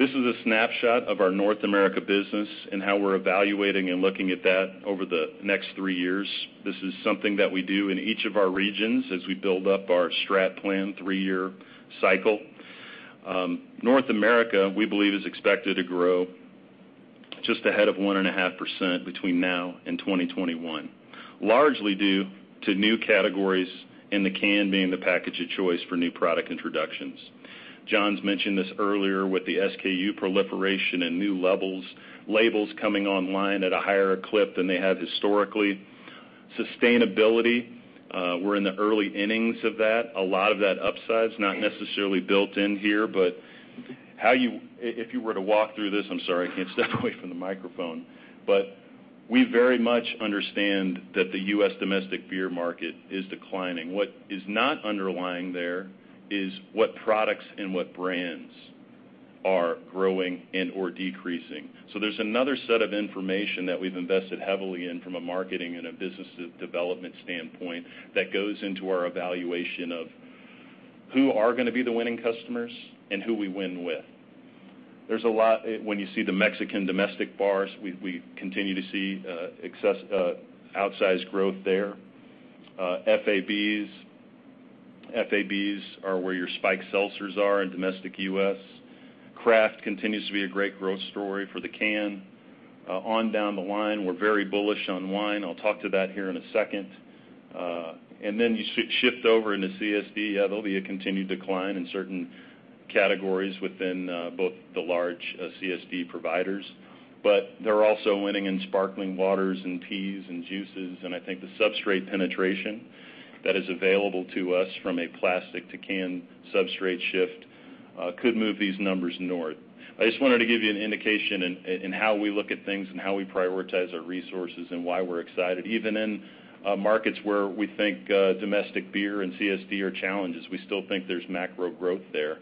This is a snapshot of our North America business and how we're evaluating and looking at that over the next 3 years. This is something that we do in each of our regions as we build up our strat plan 3-year cycle. North America, we believe, is expected to grow just ahead of 1.5% between now and 2021, largely due to new categories in the can being the package of choice for new product introductions. John's mentioned this earlier with the SKU proliferation and new labels coming online at a higher clip than they have historically. Sustainability, we're in the early innings of that. A lot of that upside is not necessarily built in here. But if you were to walk through this, I'm sorry, I can't step away from the microphone. But we very much understand that the U.S. domestic beer market is declining. What is not underlying there is what products and what brands are growing and/or decreasing. So there's another set of information that we've invested heavily in from a marketing and a business development standpoint that goes into our evaluation of who are going to be the winning customers and who we win with. There's a lot when you see the Mexican domestic beers, we continue to see outsized growth there. FABs are where your spiked seltzers are in domestic U.S. Craft continues to be a great growth story for the can. Down the line, we're very bullish on wine. I'll talk to that here in a second. Then you shift over into CSD, there'll be a continued decline in certain categories within both the large CSD providers. But they're also winning in sparkling waters, in teas, in juices, and I think the substrate penetration that is available to us from a plastic-to-can substrate shift could move these numbers north. I just wanted to give you an indication in how we look at things and how we prioritize our resources and why we're excited. Even in markets where we think domestic beer and CSD are challenges, we still think there's macro growth there.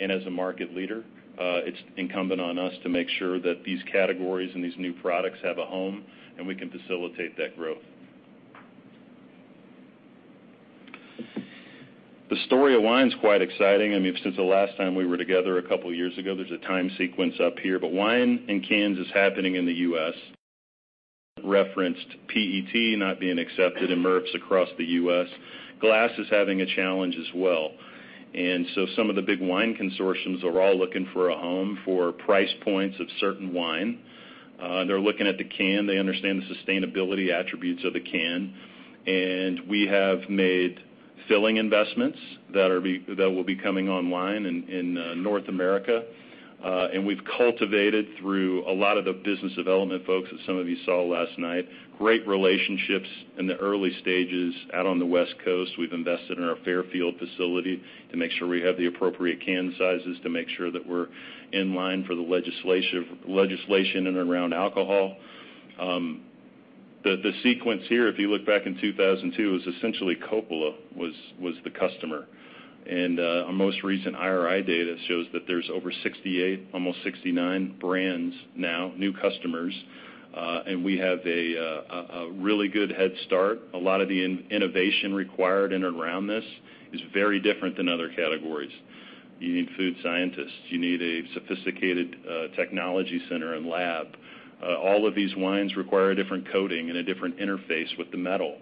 And as a market leader, it's incumbent on us to make sure that these categories and these new products have a home, and we can facilitate that growth. The story of wine is quite exciting. Since the last time we were together a couple of years ago, there's a time sequence up here. Wine in cans is happening in the U.S. Referenced PET not being accepted in MRFs across the U.S. Glass is having a challenge as well. Some of the big wine consortiums are all looking for a home for price points of certain wine. They're looking at the can. They understand the sustainability attributes of the can. And we have made filling investments that will be coming online in North America. And we've cultivated through a lot of the business development folks that some of you saw last night, great relationships in the early stages out on the West Coast. We've invested in our Fairfield facility to make sure we have the appropriate can sizes to make sure that we're in line for the legislation in and around alcohol. The sequence here, if you look back in 2002, was essentially Coppola was the customer. Our most recent IRI data shows that there's over 68, almost 69 brands now, new customers. We have a really good head start. A lot of the innovation required in and around this is very different than other categories. You need food scientists. You need a sophisticated technology center and lab. All of these wines require a different coating and a different interface with the metal.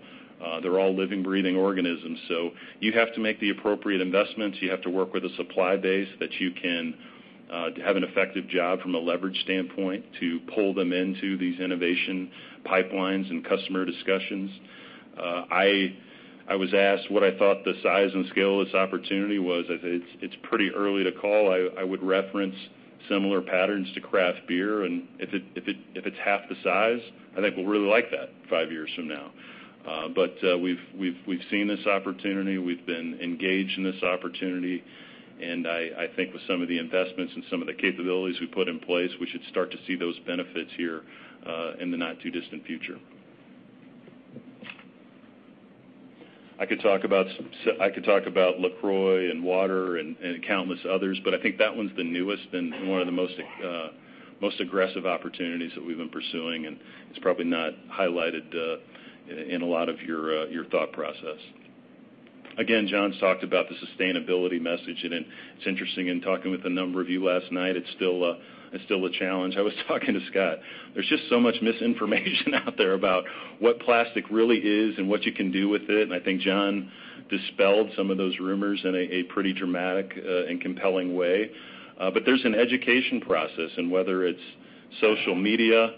They're all living, breathing organisms. You have to make the appropriate investments. You have to work with a supply base that you can have an effective job from a leverage standpoint to pull them into these innovation pipelines and customer discussions. I was asked what I thought the size and scale of this opportunity was. I said it's pretty early to call. I would reference similar patterns to craft beer, if it's half the size, I think we'll really like that five years from now. We've seen this opportunity, we've been engaged in this opportunity, and I think with some of the investments and some of the capabilities we put in place, we should start to see those benefits here in the not-too-distant future. I could talk about LaCroix and water and countless others, but I think that one's the newest and one of the most aggressive opportunities that we've been pursuing, and it's probably not highlighted in a lot of your thought process. Again, John's talked about the sustainability message, it's interesting in talking with a number of you last night, it's still a challenge. I was talking to Scott. There's just so much misinformation out there about what plastic really is and what you can do with it, I think John dispelled some of those rumors in a pretty dramatic and compelling way. There's an education process, whether it's social media,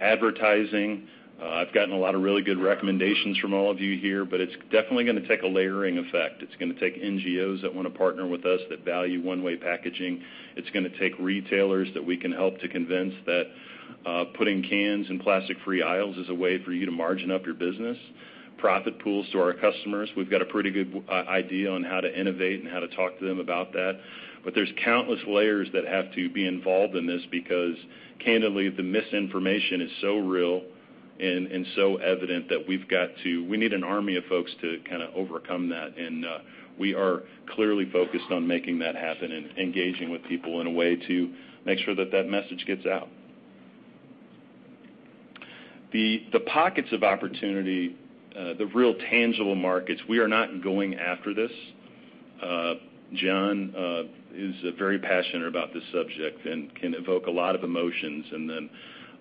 advertising, I've gotten a lot of really good recommendations from all of you here, but it's definitely going to take a layering effect. It's going to take NGOs that want to partner with us that value one-way packaging. It's going to take retailers that we can help to convince that putting cans in plastic-free aisles is a way for you to margin up your business. Profit pools to our customers. We've got a pretty good idea on how to innovate and how to talk to them about that. There's countless layers that have to be involved in this because candidly, the misinformation is so real and so evident that we need an army of folks to kind of overcome that, we are clearly focused on making that happen and engaging with people in a way to make sure that message gets out. The pockets of opportunity, the real tangible markets, we are not going after this. John is very passionate about this subject and can evoke a lot of emotions.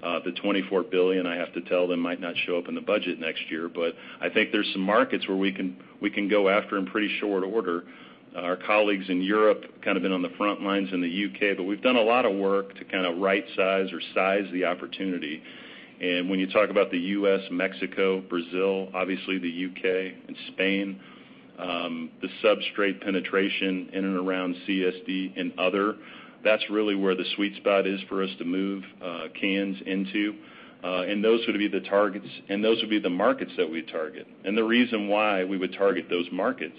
The $24 billion, I have to tell, might not show up in the budget next year, but I think there's some markets where we can go after in pretty short order. Our colleagues in Europe kind of been on the front lines in the U.K., we've done a lot of work to kind of right-size or size the opportunity. When you talk about the U.S., Mexico, Brazil, obviously the U.K., and Spain, the substrate penetration in and around CSD and other, that's really where the sweet spot is for us to move cans into. Those would be the markets that we target. The reason why we would target those markets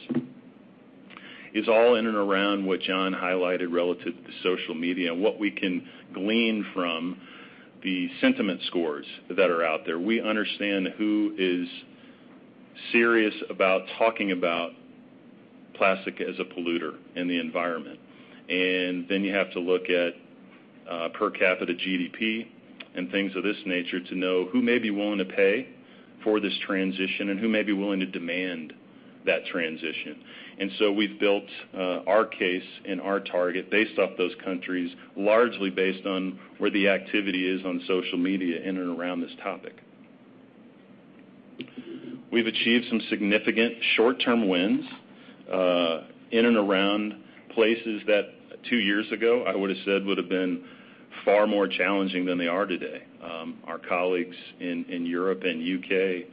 is all in and around what John highlighted relative to social media and what we can glean from the sentiment scores that are out there. We understand who is serious about talking about plastic as a polluter in the environment. Then you have to look at per capita GDP and things of this nature to know who may be willing to pay for this transition and who may be willing to demand that transition. We've built our case and our target based off those countries, largely based on where the activity is on social media in and around this topic. We've achieved some significant short-term wins in and around places that two years ago I would have said would have been far more challenging than they are today. Our colleagues in Europe and U.K.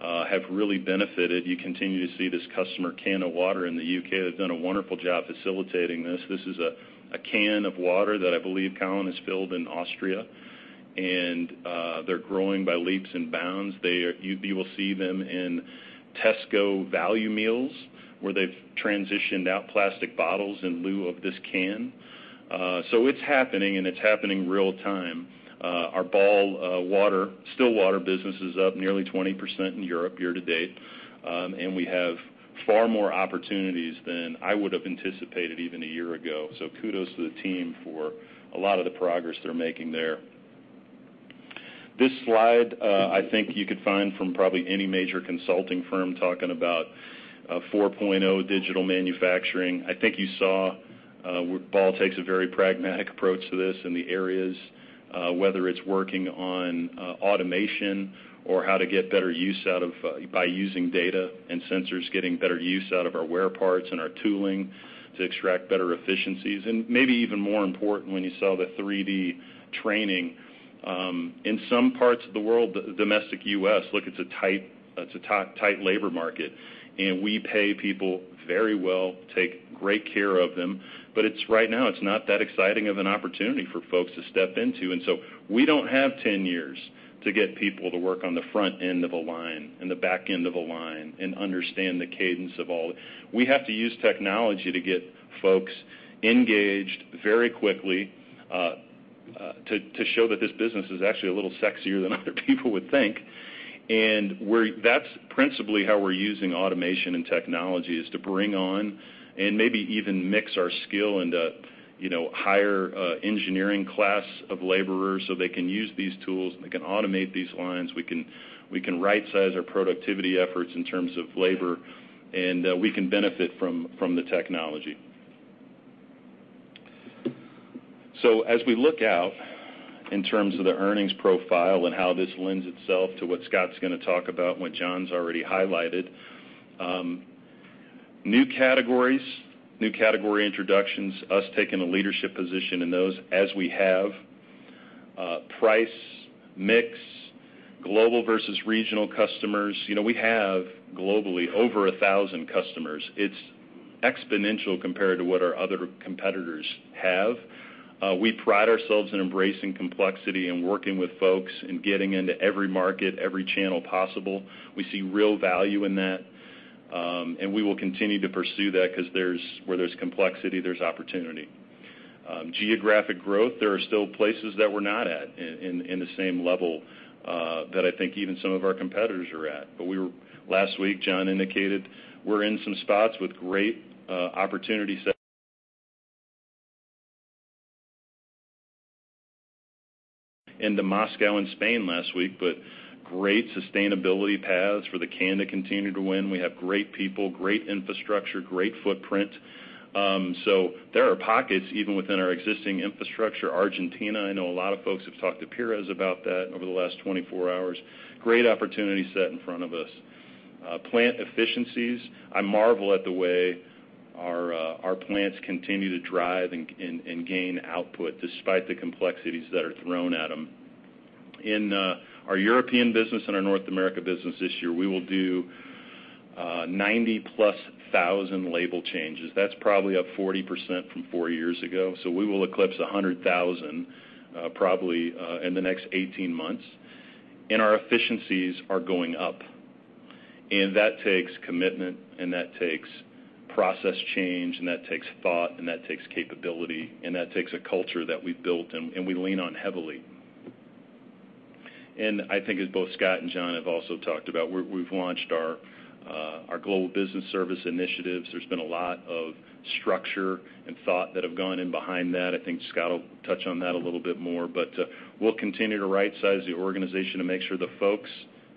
have really benefited. You continue to see this customer can of water in the U.K. They've done a wonderful job facilitating this. This is a can of water that I believe, Colin, is filled in Austria, and they're growing by leaps and bounds. You will see them in Tesco value meals, where they've transitioned out plastic bottles in lieu of this can. It's happening, and it's happening real-time. Our Ball still water business is up nearly 20% in Europe year to date. We have far more opportunities than I would have anticipated even a year ago. Kudos to the team for a lot of the progress they're making there. This slide, I think you could find from probably any major consulting firm talking about 4.0 digital manufacturing. I think you saw Ball takes a very pragmatic approach to this in the areas, whether it's working on automation or how to get better use by using data and sensors, getting better use out of our wear parts and our tooling to extract better efficiencies, and maybe even more important when you saw the 3D training. In some parts of the world, the domestic U.S., look, it's a tight labor market, and we pay people very well, take great care of them. Right now, it's not that exciting of an opportunity for folks to step into. We don't have 10 years to get people to work on the front end of a line and the back end of a line and understand the cadence of all. We have to use technology to get folks engaged very quickly to show that this business is actually a little sexier than other people would think. That's principally how we're using automation and technology is to bring on and maybe even mix our skill into higher engineering class of laborers so they can use these tools, and they can automate these lines. We can right-size our productivity efforts in terms of labor, and we can benefit from the technology. As we look out in terms of the earnings profile and how this lends itself to what Scott's going to talk about and what John's already highlighted, new categories, new category introductions, us taking a leadership position in those as we have, price, mix, global versus regional customers. We have globally over 1,000 customers. It's exponential compared to what our other competitors have. We pride ourselves in embracing complexity and working with folks in getting into every market, every channel possible. We see real value in that, and we will continue to pursue that because where there's complexity, there's opportunity. Geographic growth, there are still places that we're not at in the same level that I think even some of our competitors are at. Last week, John indicated we're in some spots with great opportunity set into Moscow and Spain last week, but great sustainability paths for the can to continue to win. We have great people, great infrastructure, great footprint. There are pockets even within our existing infrastructure. Argentina, I know a lot of folks have talked to Pires about that over the last 24 hours. Great opportunity set in front of us. Plant efficiencies. I marvel at the way our plants continue to drive and gain output despite the complexities that are thrown at them. In our European business and our North America business this year, we will do 90,000-plus label changes. That's probably up 40% from four years ago. We will eclipse 100,000 probably in the next 18 months. Our efficiencies are going up, and that takes commitment, and that takes process change, and that takes thought, and that takes capability, and that takes a culture that we've built and we lean on heavily. I think as both Scott and John have also talked about, we've launched our Global Business Services initiatives. There's been a lot of structure and thought that have gone in behind that. I think Scott will touch on that a little bit more, but we'll continue to rightsize the organization to make sure the folks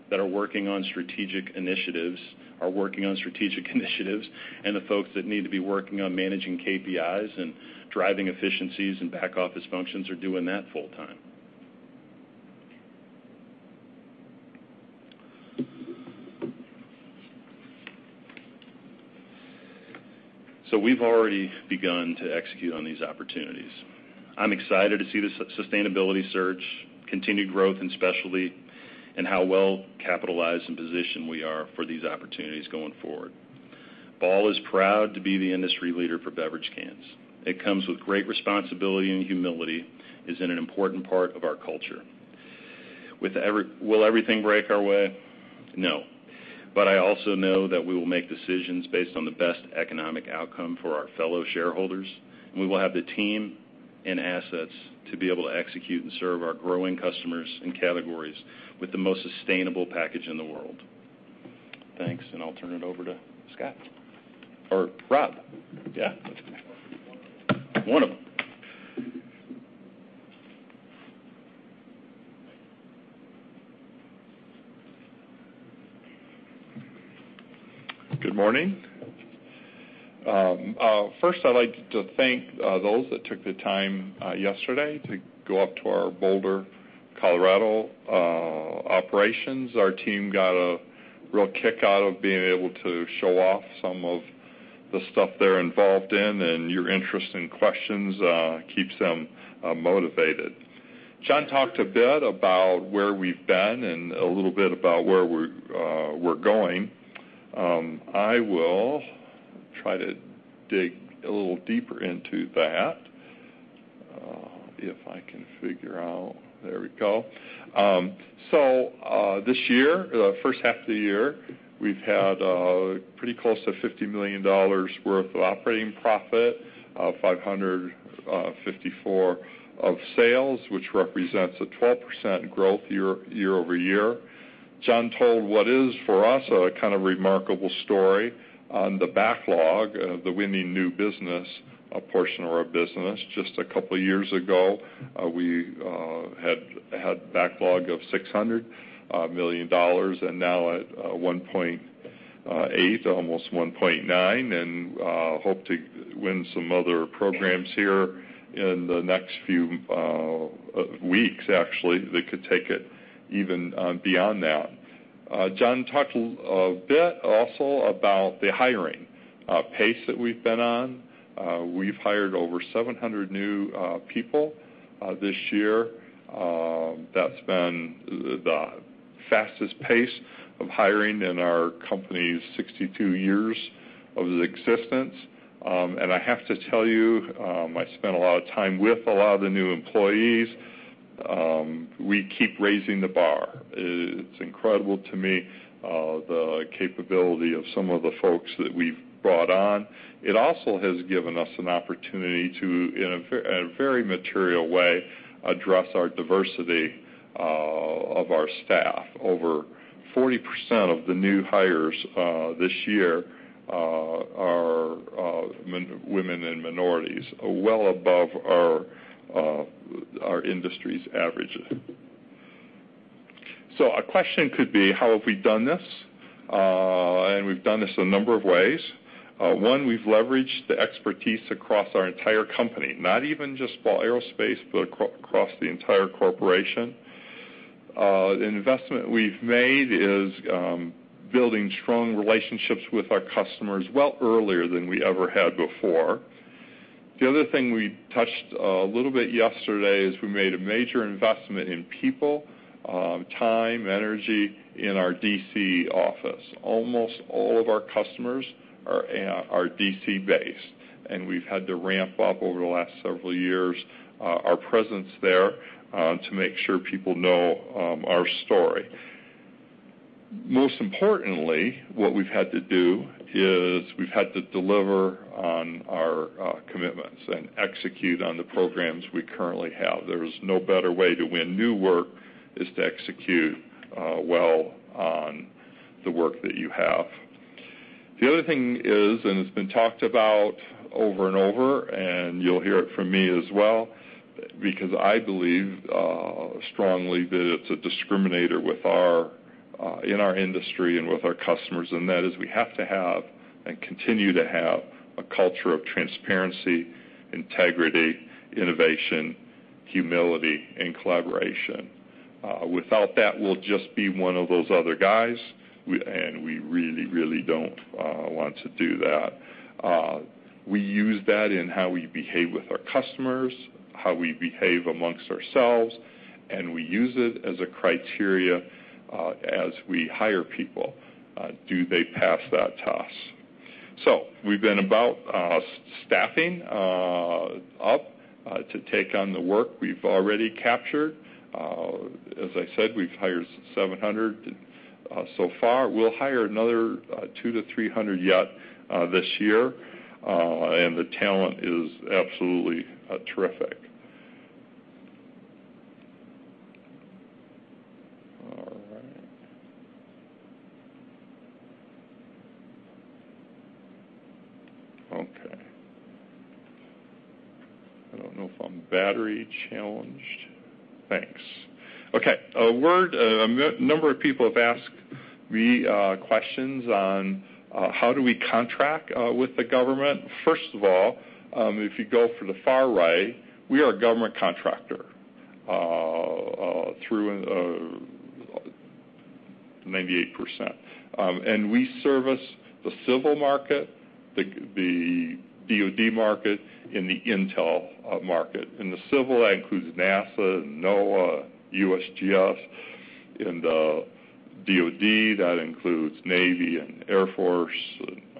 that are working on strategic initiatives are working on strategic initiatives, and the folks that need to be working on managing KPIs and driving efficiencies and back office functions are doing that full time. We've already begun to execute on these opportunities. I'm excited to see the sustainability surge, continued growth in specialty, and how well-capitalized and positioned we are for these opportunities going forward. Ball is proud to be the industry leader for beverage cans. It comes with great responsibility, and humility is an important part of our culture. Will everything break our way? No. I also know that we will make decisions based on the best economic outcome for our fellow shareholders, and we will have the team and assets to be able to execute and serve our growing customers and categories with the most sustainable package in the world. Thanks, and I'll turn it over to Scott or Rob. Yeah. One of them. Good morning. First, I'd like to thank those that took the time yesterday to go up to our Boulder, Colorado operations. Our team got a real kick out of being able to show off some of the stuff they're involved in, and your interest and questions keeps them motivated. John talked a bit about where we've been and a little bit about where we're going. I will try to dig a little deeper into that. There we go. This year, the first half of the year, we've had pretty close to $50 million worth of operating profit, 554 of sales, which represents a 12% growth year-over-year. John told what is, for us, a kind of remarkable story on the backlog of the winning new business portion of our business. Just a couple of years ago, we had backlog of $600 million and now at 1.8, almost 1.9, and hope to win some other programs here in the next few weeks, actually, that could take it even beyond that. John talked a bit also about the hiring pace that we've been on. We've hired over 700 new people this year. That's been the fastest pace of hiring in our company's 62 years of existence. I have to tell you, I spent a lot of time with a lot of the new employees. We keep raising the bar. It's incredible to me the capability of some of the folks that we've brought on. It also has given us an opportunity to, in a very material way, address our diversity of our staff. Over 40% of the new hires this year are women and minorities, well above our industry's averages. A question could be, how have we done this? We've done this a number of ways. One, we've leveraged the expertise across our entire company, not even just Ball Aerospace, but across the entire corporation. The investment we've made is building strong relationships with our customers well earlier than we ever had before. The other thing we touched a little bit yesterday is we made a major investment in people, time, energy in our D.C. office. Almost all of our customers are D.C.-based, and we've had to ramp up, over the last several years, our presence there to make sure people know our story. Most importantly, what we've had to do is we've had to deliver on our commitments and execute on the programs we currently have. There is no better way to win new work is to execute well on the work that you have. The other thing is, it's been talked about over and over, and you'll hear it from me as well, because I believe, strongly, that it's a discriminator in our industry and with our customers, and that is we have to have and continue to have a culture of transparency, integrity, innovation, humility, and collaboration. Without that, we'll just be one of those other guys, and we really, really don't want to do that. We use that in how we behave with our customers, how we behave amongst ourselves, and we use it as a criteria as we hire people. Do they pass that test? We've been about staffing up to take on the work we've already captured. As I said, we've hired 700 so far. We'll hire another 200 to 300 yet this year, and the talent is absolutely terrific. All right. Okay. I don't know if I'm battery challenged. Thanks. Okay. A number of people have asked me questions on how do we contract with the government. First of all, if you go for the far right, we are a government contractor, 98%. We service the civil market, the DOD market, and the intel market. In the civil, that includes NASA and NOAA, USGS. In the DOD, that includes Navy and Air Force,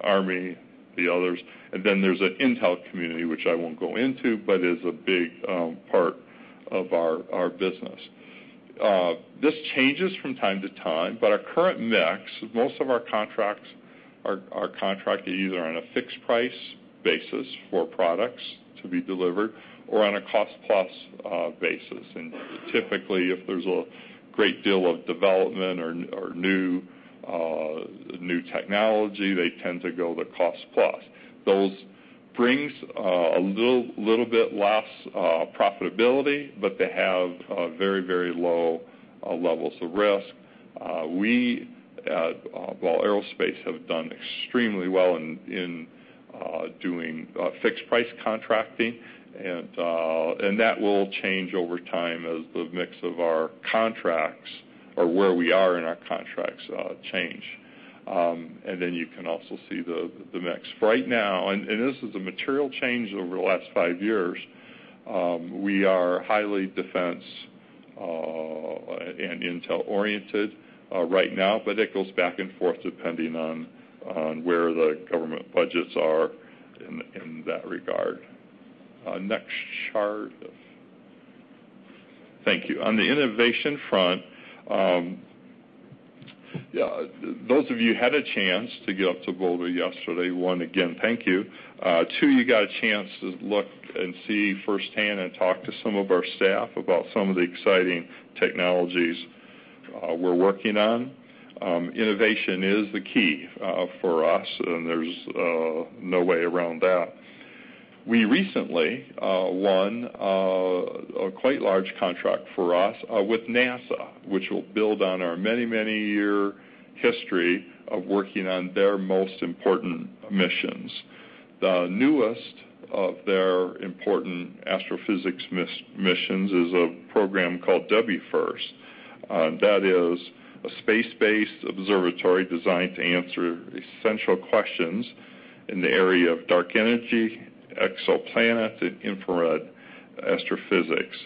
Army, the others. There's an intel community, which I won't go into, but is a big part of our business. This changes from time to time, but our current mix, most of our contracts are contracted either on a fixed-price basis for products to be delivered or on a cost-plus basis. Typically, if there's a great deal of development or new technology, they tend to go to cost-plus. Those bring a little bit less profitability, but they have very, very low levels of risk. We at Ball Aerospace have done extremely well in doing fixed-price contracting, that will change over time as the mix of our contracts or where we are in our contracts change. You can also see the mix. Right now, and this is a material change over the last five years, we are highly defense and intel oriented right now, but it goes back and forth depending on where the government budgets are in that regard. Next chart. Thank you. On the innovation front, those of you who had a chance to get up to Boulder yesterday, one, again, thank you. Two, you got a chance to look and see firsthand and talk to some of our staff about some of the exciting technologies we're working on. Innovation is the key for us, there's no way around that. We recently won a quite large contract for us with NASA, which will build on our many, many year history of working on their most important missions. The newest of their important astrophysics missions is a program called WFIRST. That is a space-based observatory designed to answer essential questions in the area of dark energy, exoplanet, and infrared astrophysics.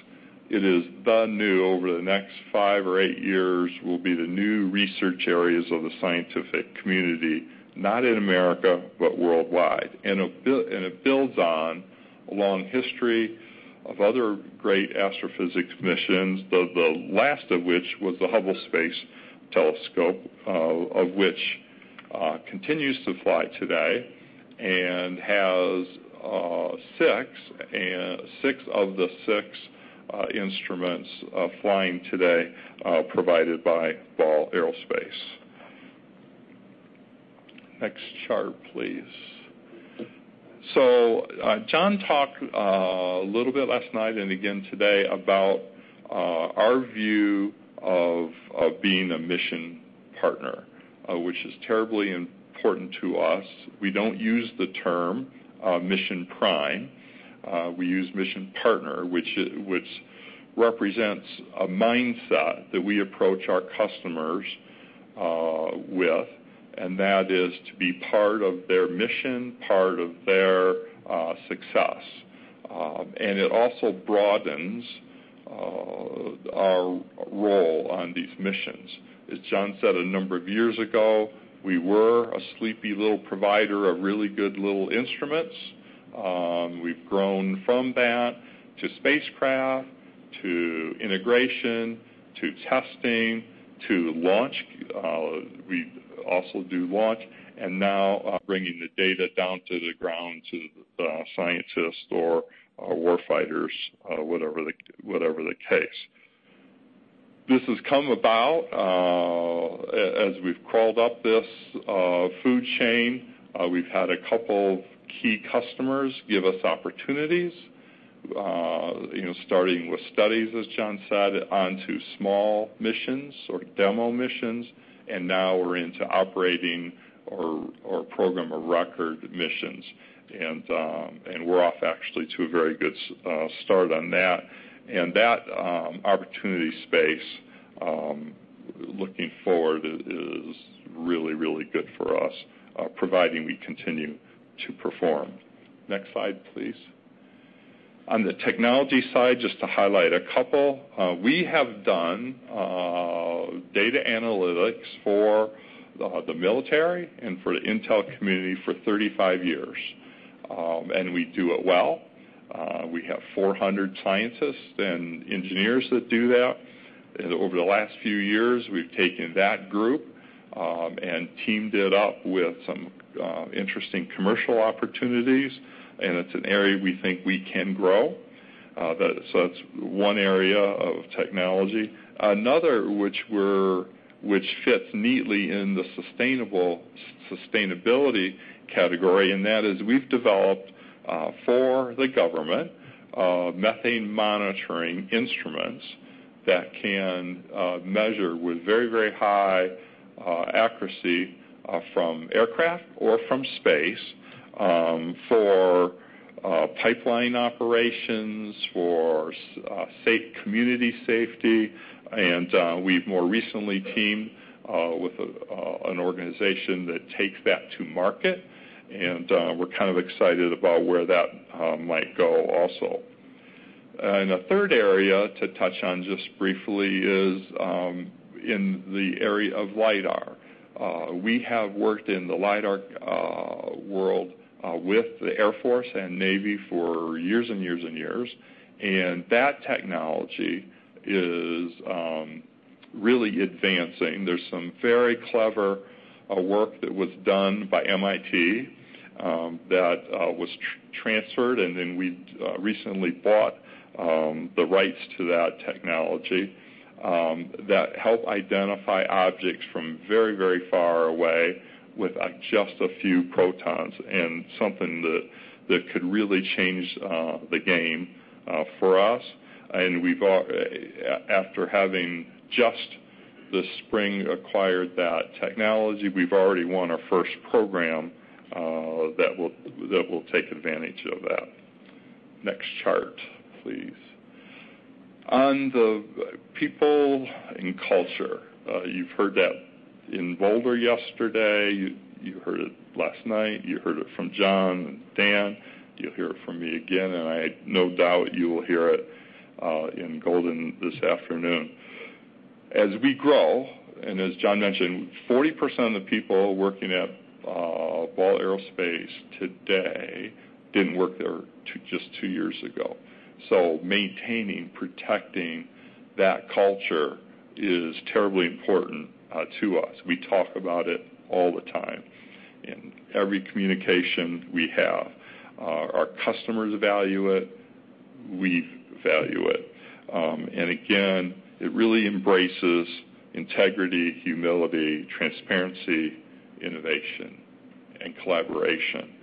It is the new, over the next five or eight years, will be the new research areas of the scientific community, not in America, but worldwide. It builds on a long history of other great astrophysics missions, the last of which was the Hubble Space Telescope, which continues to fly today and has six of the six instruments flying today are provided by Ball Aerospace. Next chart, please. John talked a little bit last night and again today about our view of being a mission partner, which is terribly important to us. We don't use the term mission prime. We use mission partner, which represents a mindset that we approach our customers with, and that is to be part of their mission, part of their success. It also broadens our role on these missions. As John said, a number of years ago, we were a sleepy little provider of really good little instruments. We've grown from that to spacecraft, to integration, to testing, to launch. We also do launch, now bringing the data down to the ground to the scientist or war fighters, whatever the case. This has come about, as we've crawled up this food chain, we've had a couple key customers give us opportunities, starting with studies, as John said, onto small missions or demo missions, and now we're into operating or program of record missions. We're off actually to a very good start on that. That opportunity space, looking forward, is really, really good for us, providing we continue to perform. Next slide, please. On the technology side, just to highlight a couple. We have done data analytics for the military and for the intel community for 35 years. We do it well. We have 400 scientists and engineers that do that. Over the last few years, we've taken that group, and teamed it up with some interesting commercial opportunities, and it's an area we think we can grow. That's one area of technology. Another, which fits neatly in the sustainability category, that is we've developed, for the government, methane monitoring instruments that can measure with very high accuracy, from aircraft or from space, for pipeline operations, for community safety. We've more recently teamed with an organization that takes that to market, and we're kind of excited about where that might go also. A third area to touch on just briefly is in the area of lidar. We have worked in the lidar world with the Air Force and Navy for years and years. That technology is really advancing. There's some very clever work that was done by MIT, that was transferred, and then we recently bought the rights to that technology, that help identify objects from very, very far away with just a few photons and something that could really change the game for us. After having just this spring acquired that technology, we've already won our first program, that will take advantage of that. Next chart, please. On the people and culture, you've heard that in Boulder yesterday, you heard it last night, you heard it from John and Dan, you'll hear it from me again, and I no doubt you will hear it in Golden this afternoon. As we grow, and as John mentioned, 40% of the people working at Ball Aerospace today didn't work there just two years ago. Maintaining, protecting that culture is terribly important to us. We talk about it all the time, in every communication we have. Our customers value it. We value it. Again, it really embraces integrity, humility, transparency, innovation, and collaboration.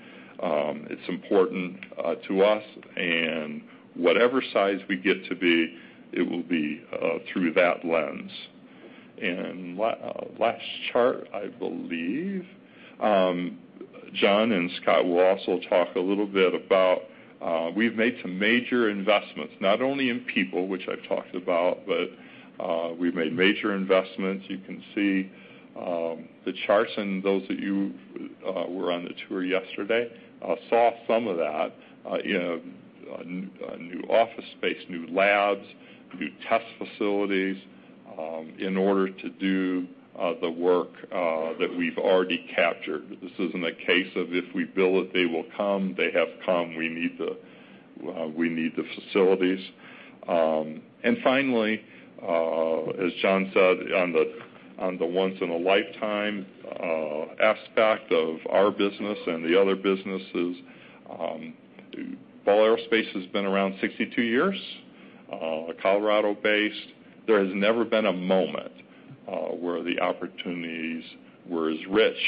It's important to us and whatever size we get to be, it will be through that lens. Last chart, I believe. John and Scott will also talk a little bit about, we've made some major investments, not only in people, which I've talked about, but we've made major investments. You can see the charts and those that you were on the tour yesterday saw some of that. A new office space, new labs, new test facilities, in order to do the work that we've already captured. This isn't a case of if we build it, they will come. They have come. We need the facilities. Finally, as John said on the once in a lifetime aspect of our business and the other businesses, Ball Aerospace has been around 62 years. Colorado-based. There has never been a moment where the opportunities were as rich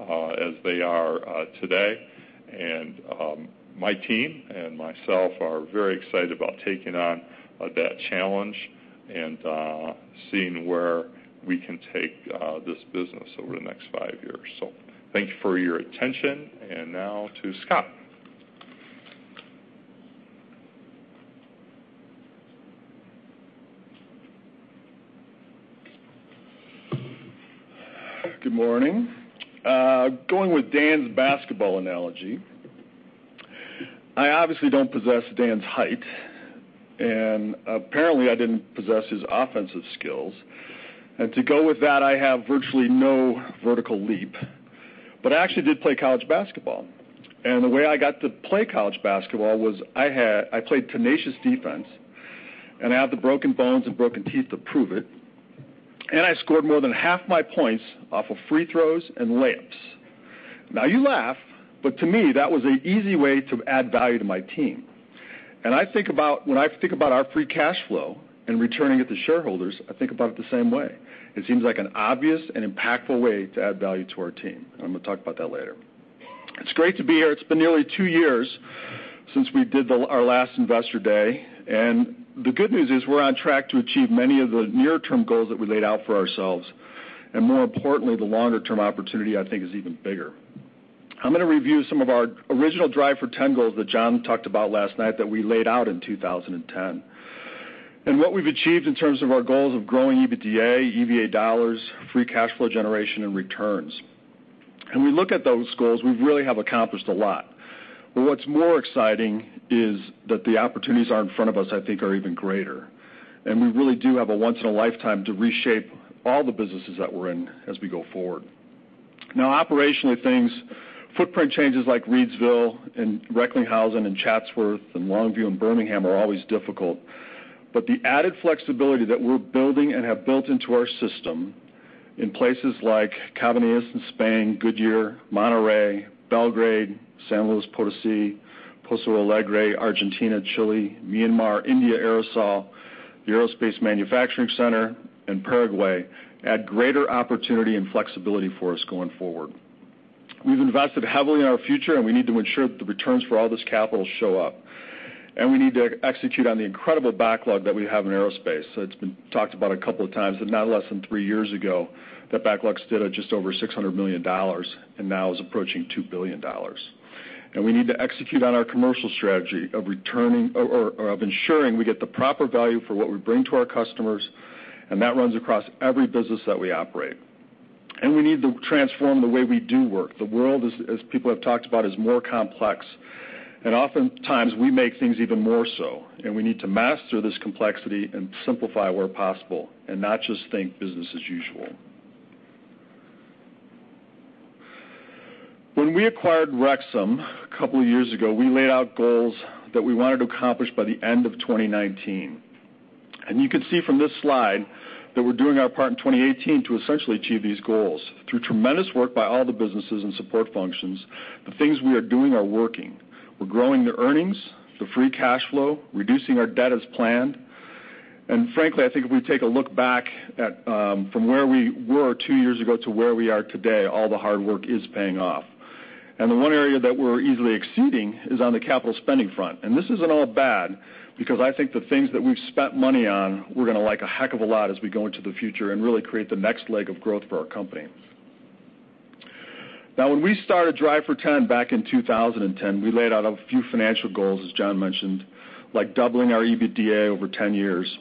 as they are today. My team and myself are very excited about taking on that challenge and seeing where we can take this business over the next five years. Thank you for your attention, and now to Scott. Good morning. Going with Dan's basketball analogy, I obviously don't possess Dan's height, and apparently, I didn't possess his offensive skills. To go with that, I have virtually no vertical leap. I actually did play college basketball. The way I got to play college basketball was I played tenacious defense, and I have the broken bones and broken teeth to prove it. I scored more than half my points off of free throws and layups. Now you laugh, but to me, that was an easy way to add value to my team. When I think about our free cash flow and returning it to shareholders, I think about it the same way. It seems like an obvious and impactful way to add value to our team, and I'm going to talk about that later. It's great to be here. It's been nearly two years since we did our last investor day, and the good news is we're on track to achieve many of the near-term goals that we laid out for ourselves. More importantly, the longer-term opportunity, I think, is even bigger. I'm going to review some of our original Drive for 10 goals that John talked about last night that we laid out in 2010. What we've achieved in terms of our goals of growing EBITDA, EVA dollars, free cash flow generation, and returns. We look at those goals, we really have accomplished a lot. But what's more exciting is that the opportunities are in front of us, I think, are even greater. We really do have a once-in-a-lifetime to reshape all the businesses that we're in as we go forward. Now, operationally things, footprint changes like Reidsville and Recklinghausen and Chatsworth and Longview and Birmingham are always difficult. But the added flexibility that we're building and have built into our system in places like Cabanillas in Spain, Goodyear, Monterrey, Belgrade, San Luis Potosi, Pouso Alegre, Argentina, Chile, Myanmar, India Aerosol, the Aerospace Manufacturing Center, and Paraguay add greater opportunity and flexibility for us going forward. We've invested heavily in our future, and we need to ensure that the returns for all this capital show up. We need to execute on the incredible backlog that we have in aerospace. It's been talked about a couple of times, and not less than three years ago, that backlog stood at just over $600 million, and now is approaching $2 billion. We need to execute on our commercial strategy of ensuring we get the proper value for what we bring to our customers, and that runs across every business that we operate. We need to transform the way we do work. The world, as people have talked about, is more complex, and oftentimes, we make things even more so, and we need to master this complexity and simplify where possible and not just think business as usual. When we acquired Rexam a couple of years ago, we laid out goals that we wanted to accomplish by the end of 2019. You can see from this slide that we're doing our part in 2018 to essentially achieve these goals. Through tremendous work by all the businesses and support functions, the things we are doing are working. We're growing the earnings, the free cash flow, reducing our debt as planned. Frankly, I think if we take a look back at from where we were two years ago to where we are today, all the hard work is paying off. The one area that we're easily exceeding is on the capital spending front. This isn't all bad because I think the things that we've spent money on, we're going to like a heck of a lot as we go into the future and really create the next leg of growth for our company. Now, when we started Drive for 10 back in 2010, we laid out a few financial goals, as John mentioned, like doubling our EBITDA over 10 years.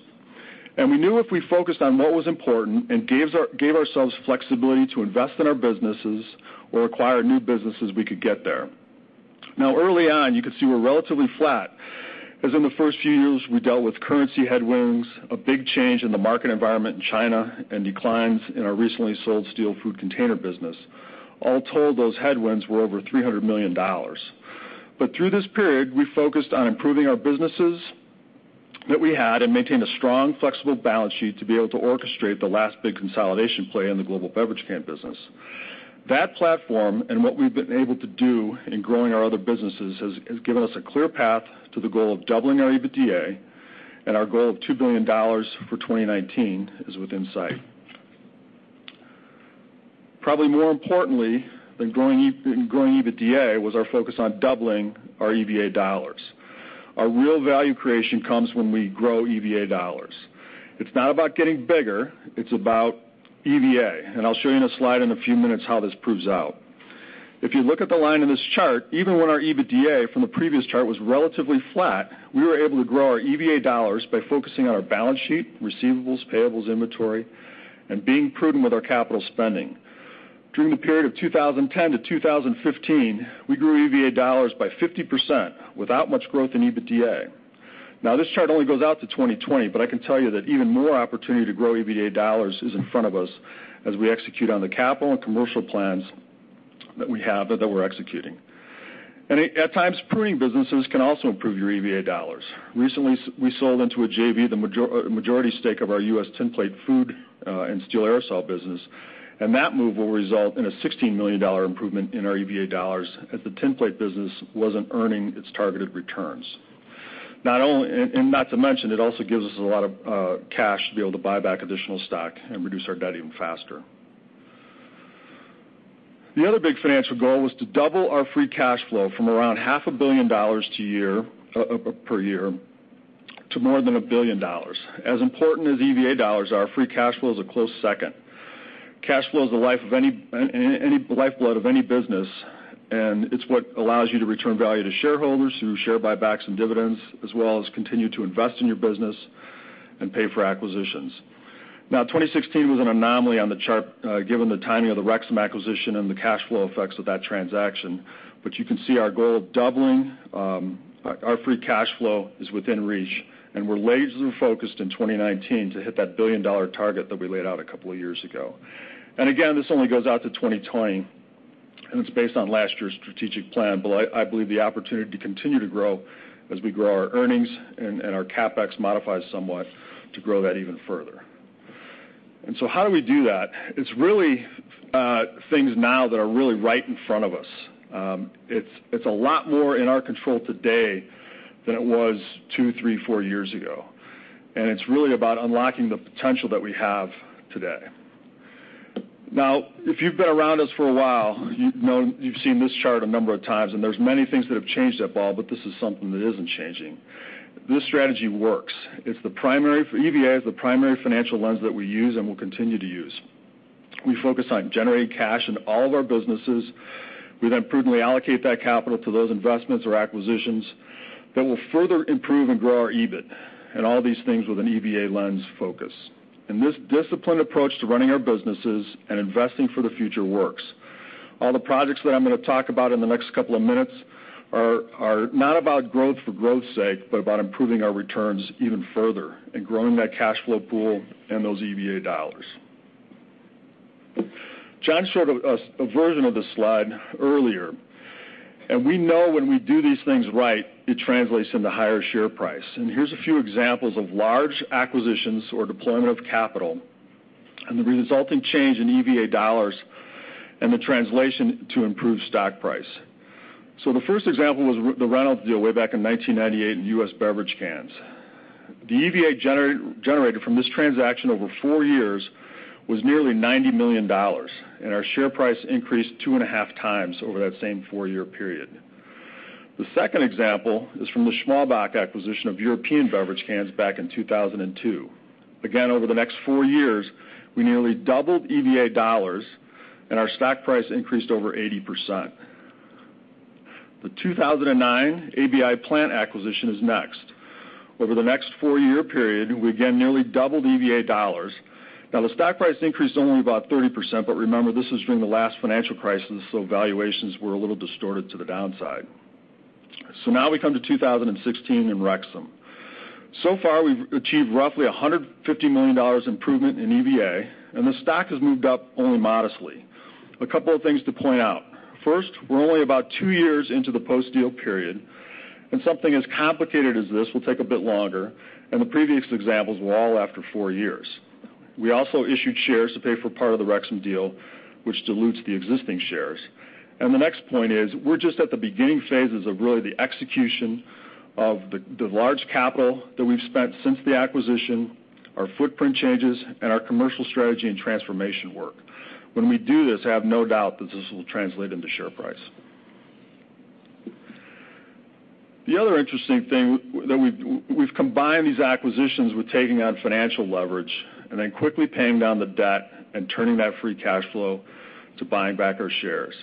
We knew if we focused on what was important and gave ourselves flexibility to invest in our businesses or acquire new businesses, we could get there. Now, early on, you could see we're relatively flat, as in the first few years, we dealt with currency headwinds, a big change in the market environment in China, and declines in our recently sold steel food container business. All told, those headwinds were over $300 million. Through this period, we focused on improving our businesses that we had and maintained a strong, flexible balance sheet to be able to orchestrate the last big consolidation play in the global beverage can business. That platform, and what we've been able to do in growing our other businesses, has given us a clear path to the goal of doubling our EBITDA and our goal of $2 billion for 2019 is within sight. Probably more importantly than growing EBITDA was our focus on doubling our EVA dollars. Our real value creation comes when we grow EVA dollars. It's not about getting bigger, it's about EVA, and I'll show you in a slide in a few minutes how this proves out. If you look at the line in this chart, even when our EBITDA from the previous chart was relatively flat, we were able to grow our EVA dollars by focusing on our balance sheet, receivables, payables, inventory, and being prudent with our capital spending. During the period of 2010 to 2015, we grew EVA dollars by 50% without much growth in EBITDA. Now, this chart only goes out to 2020, but I can tell you that even more opportunity to grow EVA dollars is in front of us as we execute on the capital and commercial plans that we have that we're executing. At times, pruning businesses can also improve your EVA dollars. Recently, we sold into a JV the majority stake of our U.S. Tin Plate food and steel aerosol business. That move will result in a $16 million improvement in our EVA dollars as the tin plate business wasn't earning its targeted returns. Not to mention, it also gives us a lot of cash to be able to buy back additional stock and reduce our debt even faster. The other big financial goal was to double our free cash flow from around half a billion dollars per year, to more than $1 billion. As important as EVA dollars are, free cash flow is a close second. Cash flow is the lifeblood of any business, and it's what allows you to return value to shareholders through share buybacks and dividends, as well as continue to invest in your business and pay for acquisitions. 2016 was an anomaly on the chart, given the timing of the Rexam acquisition and the cash flow effects of that transaction. You can see our goal of doubling our free cash flow is within reach, and we're laser-focused in 2019 to hit that $1 billion-dollar target that we laid out a couple of years ago. Again, this only goes out to 2020, and it's based on last year's strategic plan. I believe the opportunity to continue to grow as we grow our earnings and our CapEx modifies somewhat to grow that even further. How do we do that? It's really things now that are really right in front of us. It's a lot more in our control today than it was two, three, four years ago. It's really about unlocking the potential that we have today. If you've been around us for a while, you've seen this chart a number of times, and there's many things that have changed at Ball, but this is something that isn't changing. This strategy works. EVA is the primary financial lens that we use and will continue to use. We focus on generating cash in all of our businesses. We then prudently allocate that capital to those investments or acquisitions that will further improve and grow our EBIT, and all these things with an EVA lens focus. This disciplined approach to running our businesses and investing for the future works. All the projects that I'm going to talk about in the next couple of minutes are not about growth for growth's sake, but about improving our returns even further and growing that cash flow pool and those EVA dollars. John showed a version of this slide earlier. We know when we do these things right, it translates into higher share price. Here's a few examples of large acquisitions or deployment of capital and the resulting change in EVA dollars and the translation to improved stock price. The first example was the Reynolds deal way back in 1998 in U.S. beverage cans. The EVA generated from this transaction over four years was nearly $90 million, and our share price increased two and a half times over that same four-year period. The second example is from the Schmalbach acquisition of European Beverage Cans back in 2002. Over the next four years, we nearly doubled EVA dollars, and our stock price increased over 80%. The 2009 ABI plant acquisition is next. Over the next four-year period, we again nearly doubled EVA dollars. The stock price increased only about 30%, but remember, this is during the last financial crisis, valuations were a little distorted to the downside. We come to 2016 and Rexam. We've achieved roughly $150 million improvement in EVA, and the stock has moved up only modestly. A couple of things to point out. First, we're only about two years into the post-deal period, and something as complicated as this will take a bit longer, and the previous examples were all after four years. We also issued shares to pay for part of the Rexam deal, which dilutes the existing shares. The next point is we're just at the beginning phases of really the execution of the large capital that we've spent since the acquisition, our footprint changes, and our commercial strategy and transformation work. When we do this, I have no doubt that this will translate into share price. The other interesting thing that we've combined these acquisitions with taking on financial leverage and then quickly paying down the debt and turning that free cash flow to buying back our shares.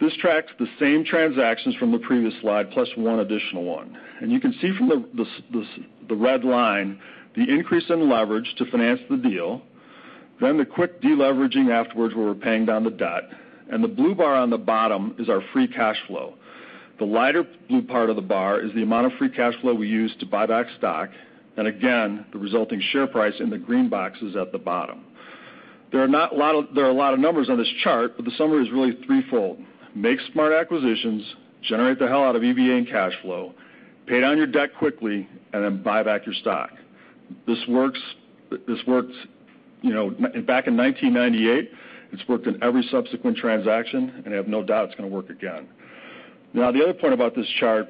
This tracks the same transactions from the previous slide plus one additional one. You can see from the red line the increase in leverage to finance the deal, then the quick deleveraging afterwards where we're paying down the debt, and the blue bar on the bottom is our free cash flow. The lighter blue part of the bar is the amount of free cash flow we use to buy back stock, and again, the resulting share price in the green box is at the bottom. There are a lot of numbers on this chart, the summary is really threefold: make smart acquisitions, generate the hell out of EVA and cash flow, pay down your debt quickly, buy back your stock. This works back in 1998. It's worked in every subsequent transaction, I have no doubt it's going to work again. The other point about this chart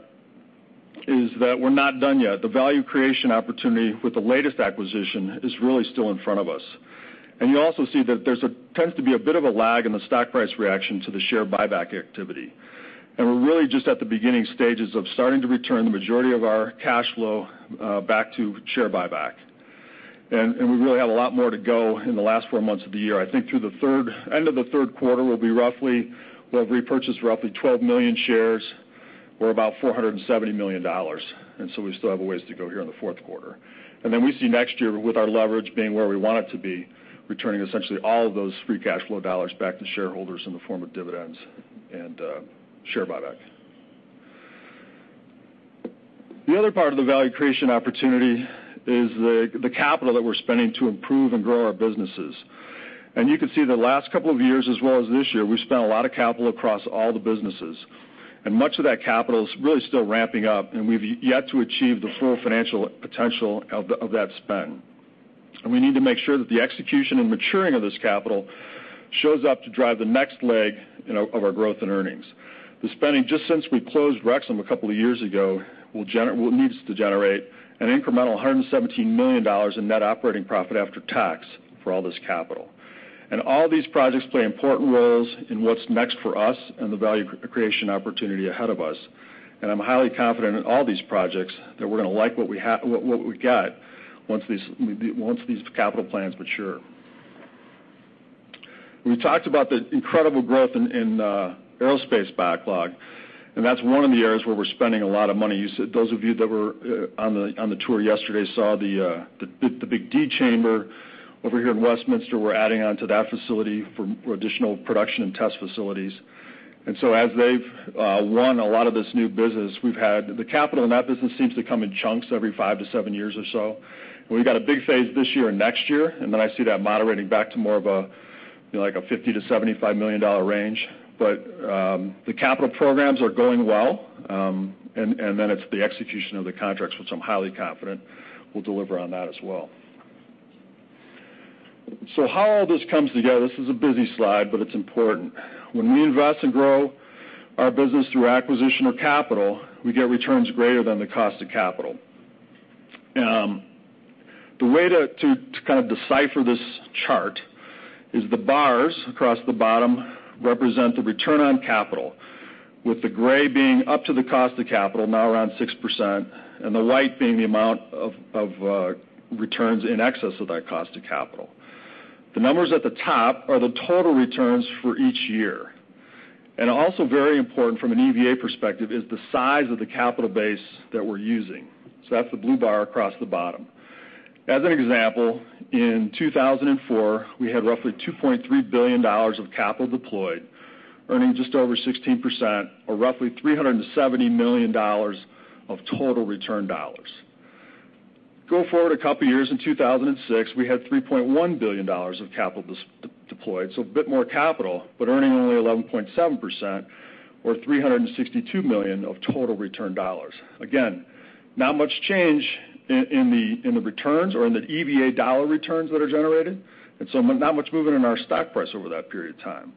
is that we're not done yet. The value creation opportunity with the latest acquisition is really still in front of us. You also see that there tends to be a bit of a lag in the stock price reaction to the share buyback activity. We're really just at the beginning stages of starting to return the majority of our cash flow back to share buyback. We really have a lot more to go in the last four months of the year. I think through the end of the third quarter, we'll have repurchased roughly 12 million shares or about $470 million. We still have a ways to go here in the fourth quarter. We see next year with our leverage being where we want it to be, returning essentially all of those free cash flow dollars back to shareholders in the form of dividends and share buyback. The other part of the value creation opportunity is the capital that we're spending to improve and grow our businesses. You can see the last couple of years as well as this year, we've spent a lot of capital across all the businesses, and much of that capital is really still ramping up, and we've yet to achieve the full financial potential of that spend. We need to make sure that the execution and maturing of this capital shows up to drive the next leg of our growth and earnings. The spending just since we closed Rexam a couple of years ago, needs to generate an incremental $117 million in net operating profit after tax for all this capital. All these projects play important roles in what's next for us and the value creation opportunity ahead of us, and I'm highly confident in all these projects that we're going to like what we got once these capital plans mature. We talked about the incredible growth in aerospace backlog, and that's one of the areas where we're spending a lot of money. Those of you that were on the tour yesterday saw the big D chamber over here in Westminster. We're adding on to that facility for additional production and test facilities. As they've won a lot of this new business, the capital in that business seems to come in chunks every five to seven years or so. We got a big phase this year and next year, then I see that moderating back to more of a $50 million to $75 million range. The capital programs are going well, then it's the execution of the contracts, which I'm highly confident we'll deliver on that as well. How all this comes together, this is a busy slide, but it's important. When we invest and grow our business through acquisition or capital, we get returns greater than the cost of capital. The way to kind of decipher this chart is the bars across the bottom represent the return on capital, with the gray being up to the cost of capital, now around 6%, and the right being the amount of returns in excess of that cost of capital. The numbers at the top are the total returns for each year. Also very important from an EVA perspective is the size of the capital base that we're using. That's the blue bar across the bottom. As an example, in 2004, we had roughly $2.3 billion of capital deployed, earning just over 16%, or roughly $370 million of total return dollars. Go forward a couple of years, in 2006, we had $3.1 billion of capital deployed. A bit more capital, but earning only 11.7%, or $362 million of total return dollars. Again, not much change in the returns or in the EVA dollar returns that are generated, not much movement in our stock price over that period of time.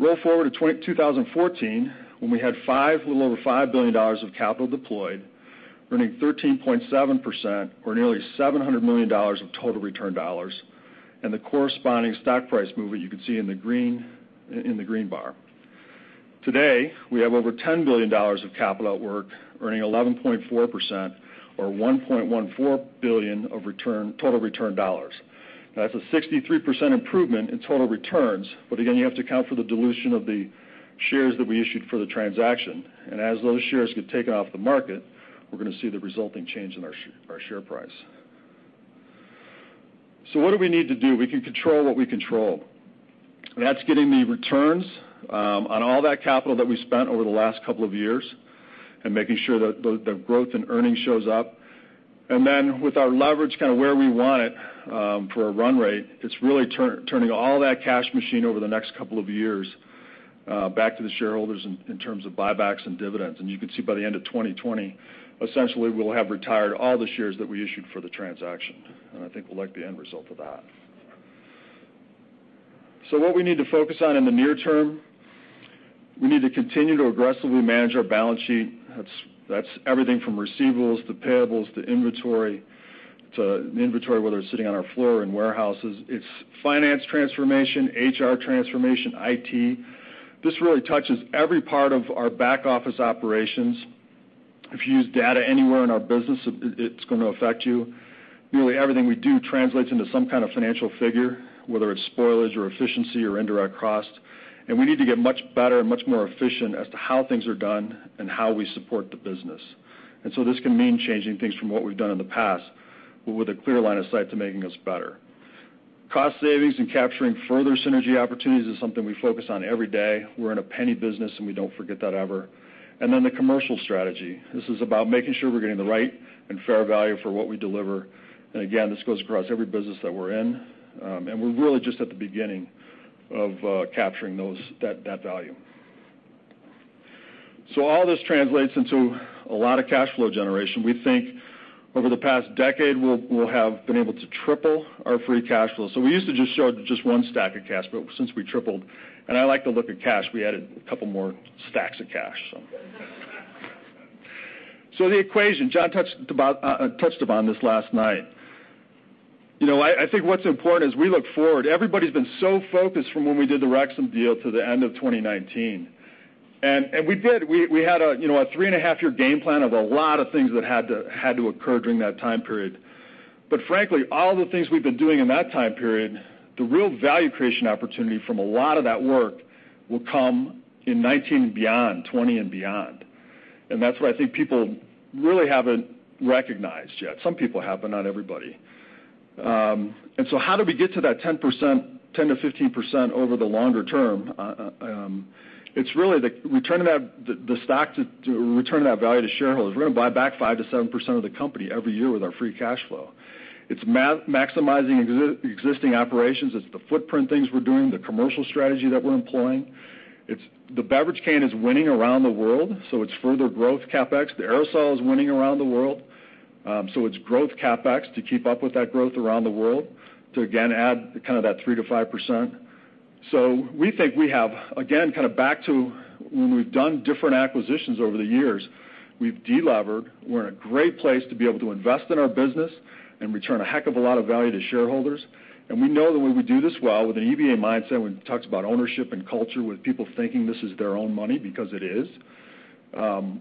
Roll forward to 2014, when we had a little over $5 billion of capital deployed, earning 13.7%, or nearly $700 million of total return dollars, and the corresponding stock price movement you can see in the green bar. Today, we have over $10 billion of capital at work, earning 11.4%, or $1.14 billion of total return dollars. That's a 63% improvement in total returns. Again, you have to account for the dilution of the shares that we issued for the transaction. As those shares get taken off the market, we're going to see the resulting change in our share price. What do we need to do? We can control what we control. That's getting the returns on all that capital that we spent over the last couple of years and making sure that the growth in earnings shows up. With our leverage kind of where we want it for a run rate, it's really turning all that cash machine over the next couple of years back to the shareholders in terms of buybacks and dividends. You can see by the end of 2020, essentially, we'll have retired all the shares that we issued for the transaction, and I think we'll like the end result of that. What we need to focus on in the near term, we need to continue to aggressively manage our balance sheet. That's everything from receivables to payables to inventory, whether it's sitting on our floor or in warehouses. It's finance transformation, HR transformation, IT. This really touches every part of our back office operations. If you use data anywhere in our business, it's going to affect you. Nearly everything we do translates into some kind of financial figure, whether it's spoilage or efficiency or indirect cost, and we need to get much better and much more efficient as to how things are done and how we support the business. This can mean changing things from what we've done in the past, but with a clear line of sight to making us better. Cost savings and capturing further synergy opportunities is something we focus on every day. We're in a penny business, and we don't forget that ever. The commercial strategy. This is about making sure we're getting the right and fair value for what we deliver, and again, this goes across every business that we're in. We're really just at the beginning of capturing that value. All this translates into a lot of cash flow generation. We think over the past decade, we'll have been able to triple our free cash flow. We used to just show just one stack of cash, but since we tripled, and I like to look at cash, we added a couple more stacks of cash. The equation, John touched upon this last night. I think what's important is we look forward. Everybody's been so focused from when we did the Rexam deal to the end of 2019. We did. We had a three-and-a-half-year game plan of a lot of things that had to occur during that time period. Frankly, all the things we've been doing in that time period, the real value creation opportunity from a lot of that work will come in 2019 and beyond, 2020 and beyond. That's what I think people really haven't recognized yet. Some people have, but not everybody. How do we get to that 10%-15% over the longer term? It's really the return of that value to shareholders. We're going to buy back 5%-7% of the company every year with our free cash flow. It's maximizing existing operations. It's the footprint things we're doing, the commercial strategy that we're employing. The beverage can is winning around the world, so it's further growth CapEx. The aerosol is winning around the world, so it's growth CapEx to keep up with that growth around the world to again add kind of that 3%-5%. We think we have, again, back to when we've done different acquisitions over the years, we've de-levered. We're in a great place to be able to invest in our business and return a heck of a lot of value to shareholders. We know that when we do this well with an EVA mindset, when it talks about ownership and culture, with people thinking this is their own money, because it is,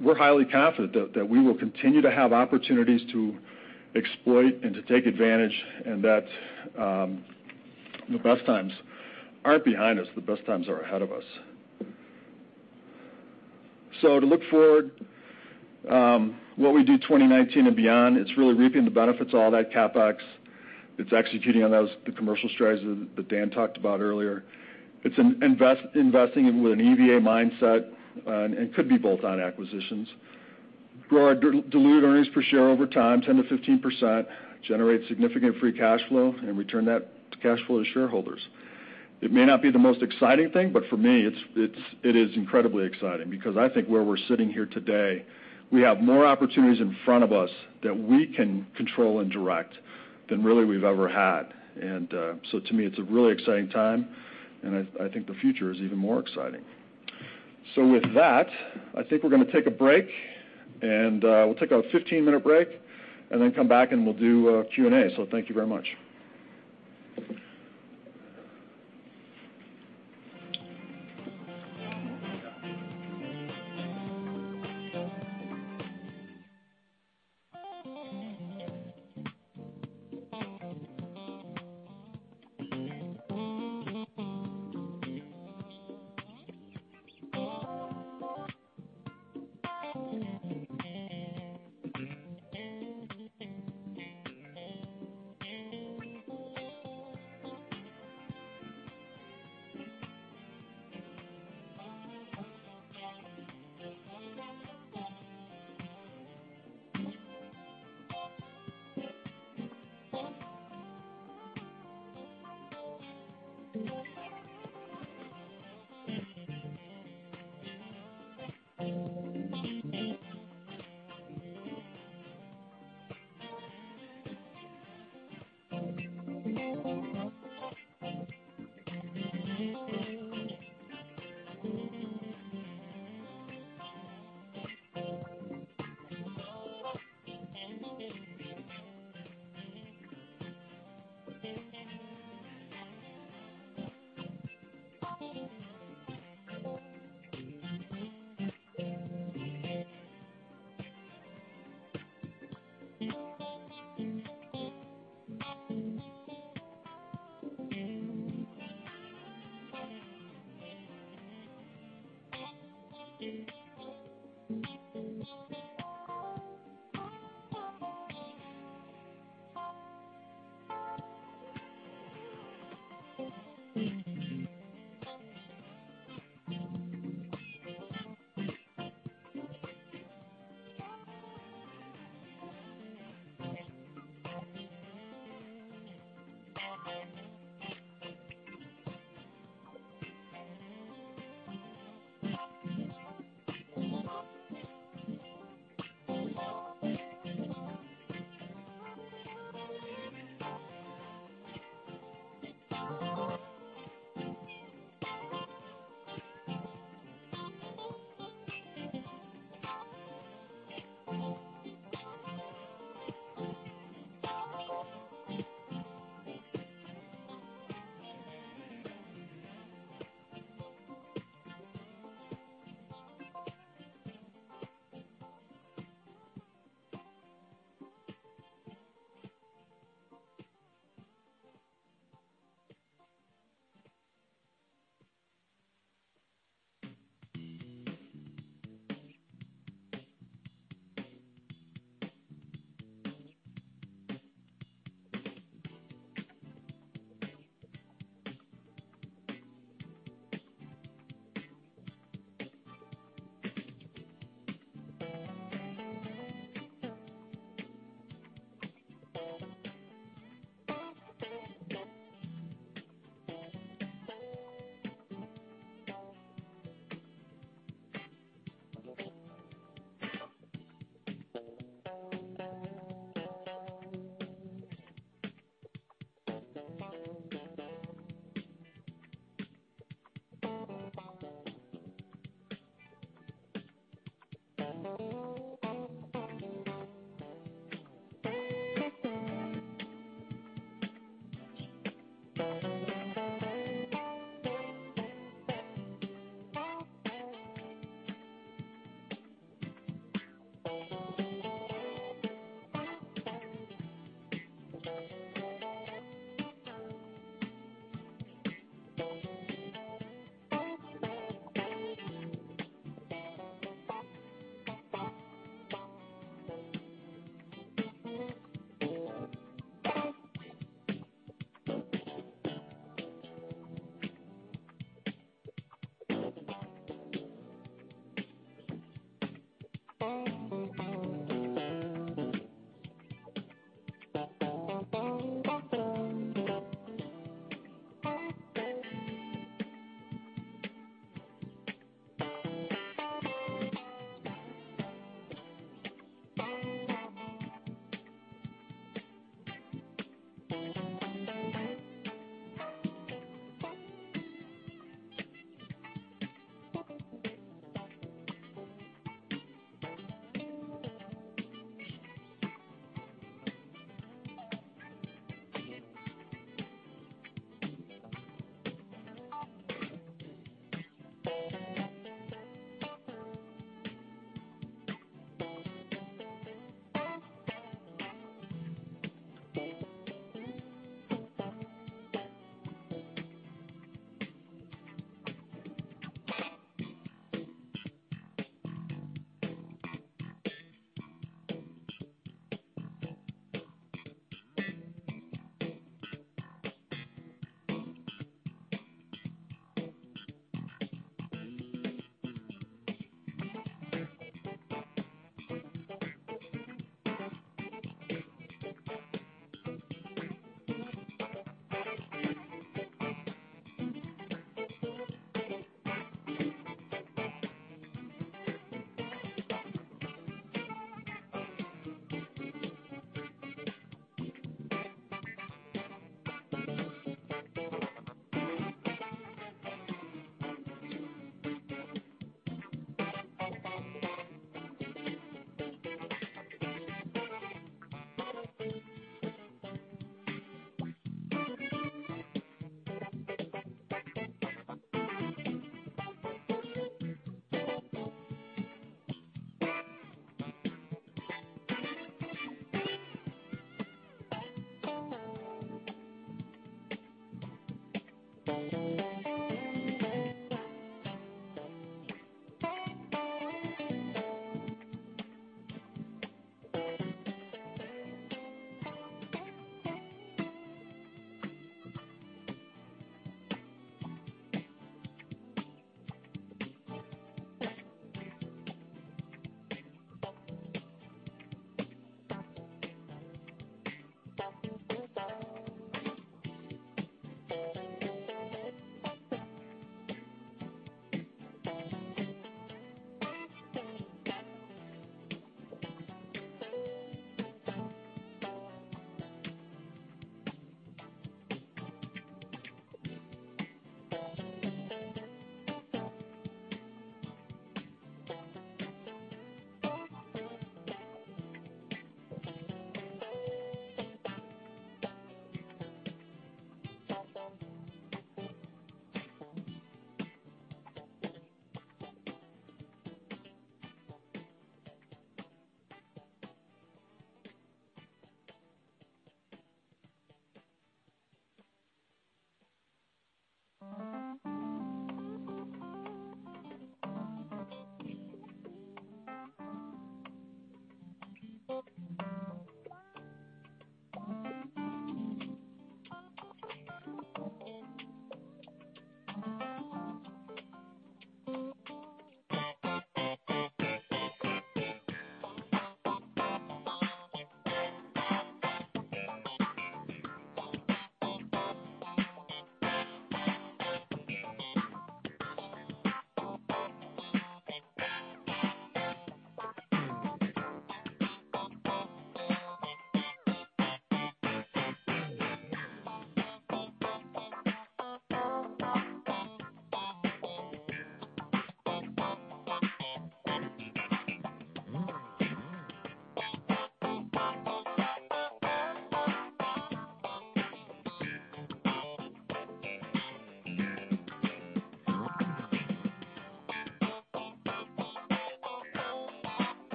we're highly confident that we will continue to have opportunities to exploit and to take advantage, and that the best times aren't behind us. The best times are ahead of us. To look forward, what we do 2019 and beyond, it's really reaping the benefits of all that CapEx. It's executing on the commercial strategies that Dan talked about earlier. It's investing with an EVA mindset, and could be both on acquisitions. Grow our dilute earnings per share over time, 10%-15%, generate significant free cash flow, and return that cash flow to shareholders. It may not be the most exciting thing, but for me, it is incredibly exciting because I think where we're sitting here today, we have more opportunities in front of us that we can control and direct than really we've ever had. To me, it's a really exciting time, and I think the future is even more exciting. With that, I think we're going to take a break, and we'll take a 15-minute break and then come back and we'll do a Q&A. Thank you very much.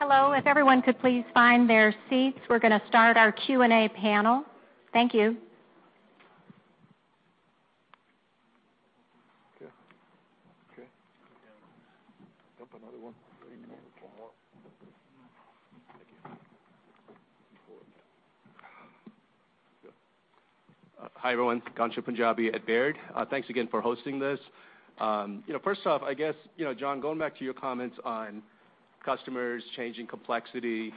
Hello. If everyone could please find their seats, we're going to start our Q&A panel. Thank you. Okay. Dump another one. One more. Thank you. Hi, everyone. Ghansham Panjabi at Baird. Thanks again for hosting this. First off, I guess, John, going back to your comments on customers changing complexity,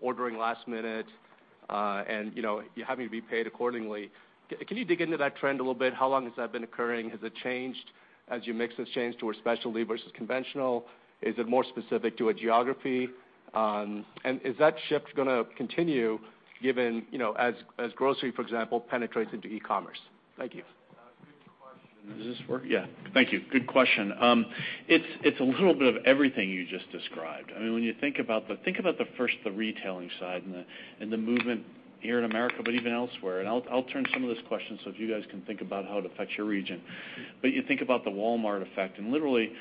ordering last minute. You're having to be paid accordingly. Can you dig into that trend a little bit? How long has that been occurring? Has it changed as your mix has changed towards specialty versus conventional? Is it more specific to a geography? Is that shift going to continue as grocery, for example, penetrates into e-commerce? Thank you. Good question. Does this work? Thank you. Good question. It's a little bit of everything you just described. When you think about the first, the retailing side and the movement here in America, but even elsewhere, I'll turn some of this question so if you guys can think about how it affects your region. You think about the Walmart effect, and literally,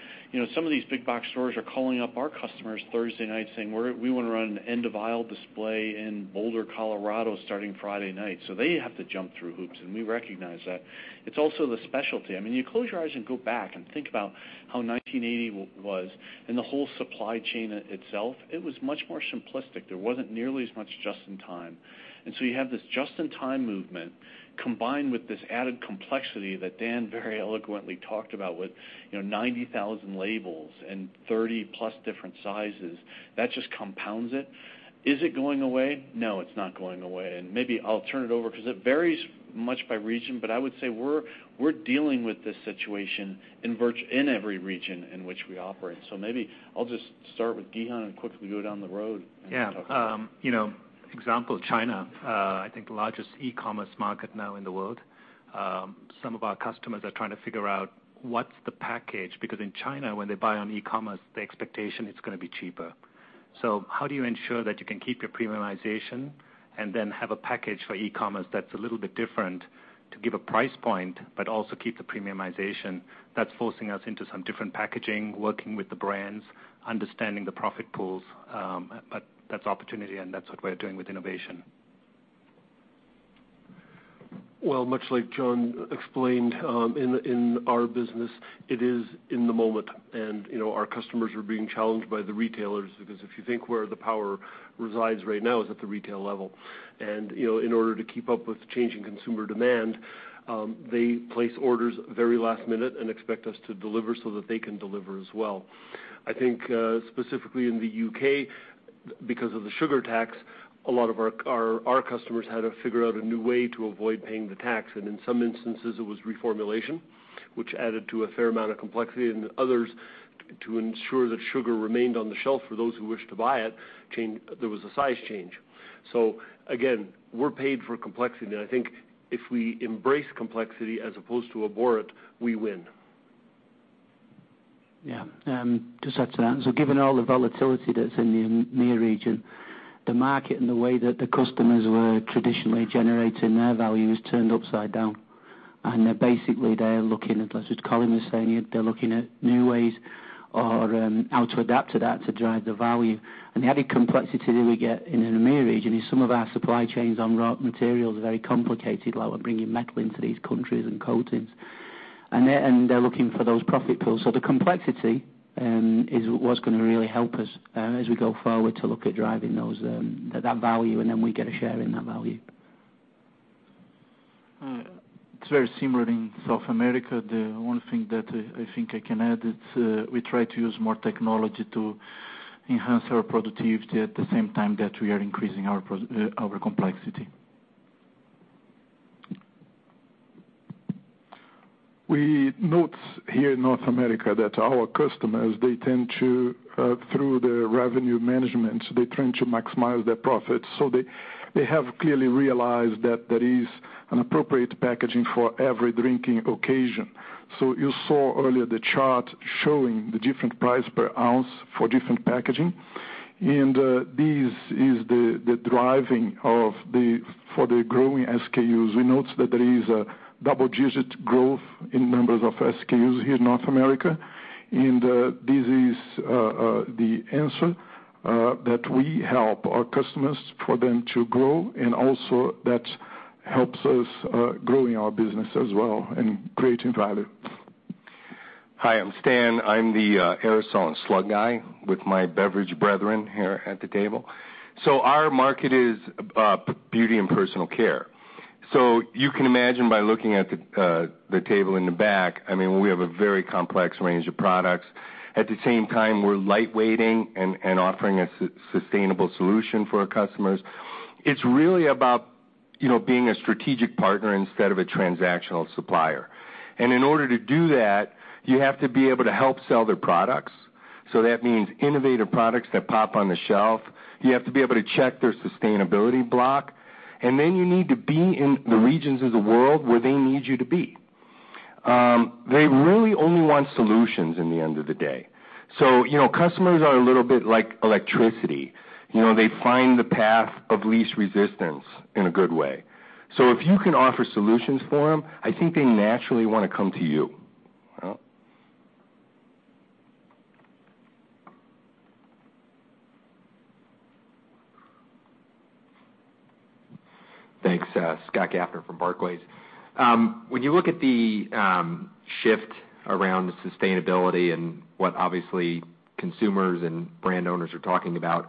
some of these big box stores are calling up our customers Thursday night saying, "We want to run an end-of-aisle display in Boulder, Colorado starting Friday night." They have to jump through hoops, and we recognize that. It's also the specialty. You close your eyes and go back and think about how 1980 was and the whole supply chain itself. It was much more simplistic. There wasn't nearly as much just in time. You have this just-in-time movement combined with this added complexity that Dan very eloquently talked about with 90,000 labels and 30-plus different sizes. That just compounds it. Is it going away? No, it's not going away. Maybe I'll turn it over because it varies much by region, but I would say we're dealing with this situation in every region in which we operate. Maybe I'll just start with Ghan and quickly go down the road and talk about it. Example, China, I think the largest e-commerce market now in the world. Some of our customers are trying to figure out what's the package, because in China, when they buy on e-commerce, the expectation it's going to be cheaper. How do you ensure that you can keep your premiumization and then have a package for e-commerce that's a little bit different to give a price point, but also keep the premiumization? That's forcing us into some different packaging, working with the brands, understanding the profit pools. That's opportunity, and that's what we're doing with innovation. Well, much like John explained, in our business, it is in the moment, and our customers are being challenged by the retailers because if you think where the power resides right now is at the retail level. In order to keep up with changing consumer demand, they place orders very last minute and expect us to deliver so that they can deliver as well. I think, specifically in the U.K., because of the sugar tax, a lot of our customers had to figure out a new way to avoid paying the tax, and in some instances, it was reformulation, which added to a fair amount of complexity, and others to ensure that sugar remained on the shelf for those who wished to buy it, there was a size change. Again, we're paid for complexity, and I think if we embrace complexity as opposed to avoid, we win. Yeah. Just add to that. Given all the volatility that's in the EMEA region, the market and the way that the customers were traditionally generating their value is turned upside down, and they're basically looking at, as Colin was saying, they're looking at new ways or how to adapt to that to drive the value. The added complexity that we get in the EMEA region is some of our supply chains on raw materials are very complicated, like we're bringing metal into these countries and coatings. They're looking for those profit pools. The complexity is what's going to really help us as we go forward to look at driving that value, and then we get a share in that value. It's very similar in South America. The one thing that I think I can add, is we try to use more technology to enhance our productivity at the same time that we are increasing our complexity. We note here in North America that our customers, through the revenue management, they're trying to maximize their profits. They have clearly realized that there is an appropriate packaging for every drinking occasion. You saw earlier the chart showing the different price per ounce for different packaging. This is the driving for the growing SKUs. We note that there is a double-digit growth in numbers of SKUs here in North America, this is the answer that we help our customers for them to grow, and also that helps us growing our business as well and creating value. Hi, I'm Stan. I'm the aerosol and slug guy with my beverage brethren here at the table. Our market is beauty and personal care. You can imagine by looking at the table in the back, we have a very complex range of products. At the same time, we're lightweighting and offering a sustainable solution for our customers. It's really about being a strategic partner instead of a transactional supplier. In order to do that, you have to be able to help sell their products. That means innovative products that pop on the shelf. You have to be able to check their sustainability block, and you need to be in the regions of the world where they need you to be. They really only want solutions in the end of the day. Customers are a little bit like electricity. They find the path of least resistance in a good way. If you can offer solutions for them, I think they naturally want to come to you. Well. Thanks. Scott Gaffner from Barclays. When you look at the shift around sustainability and what obviously consumers and brand owners are talking about,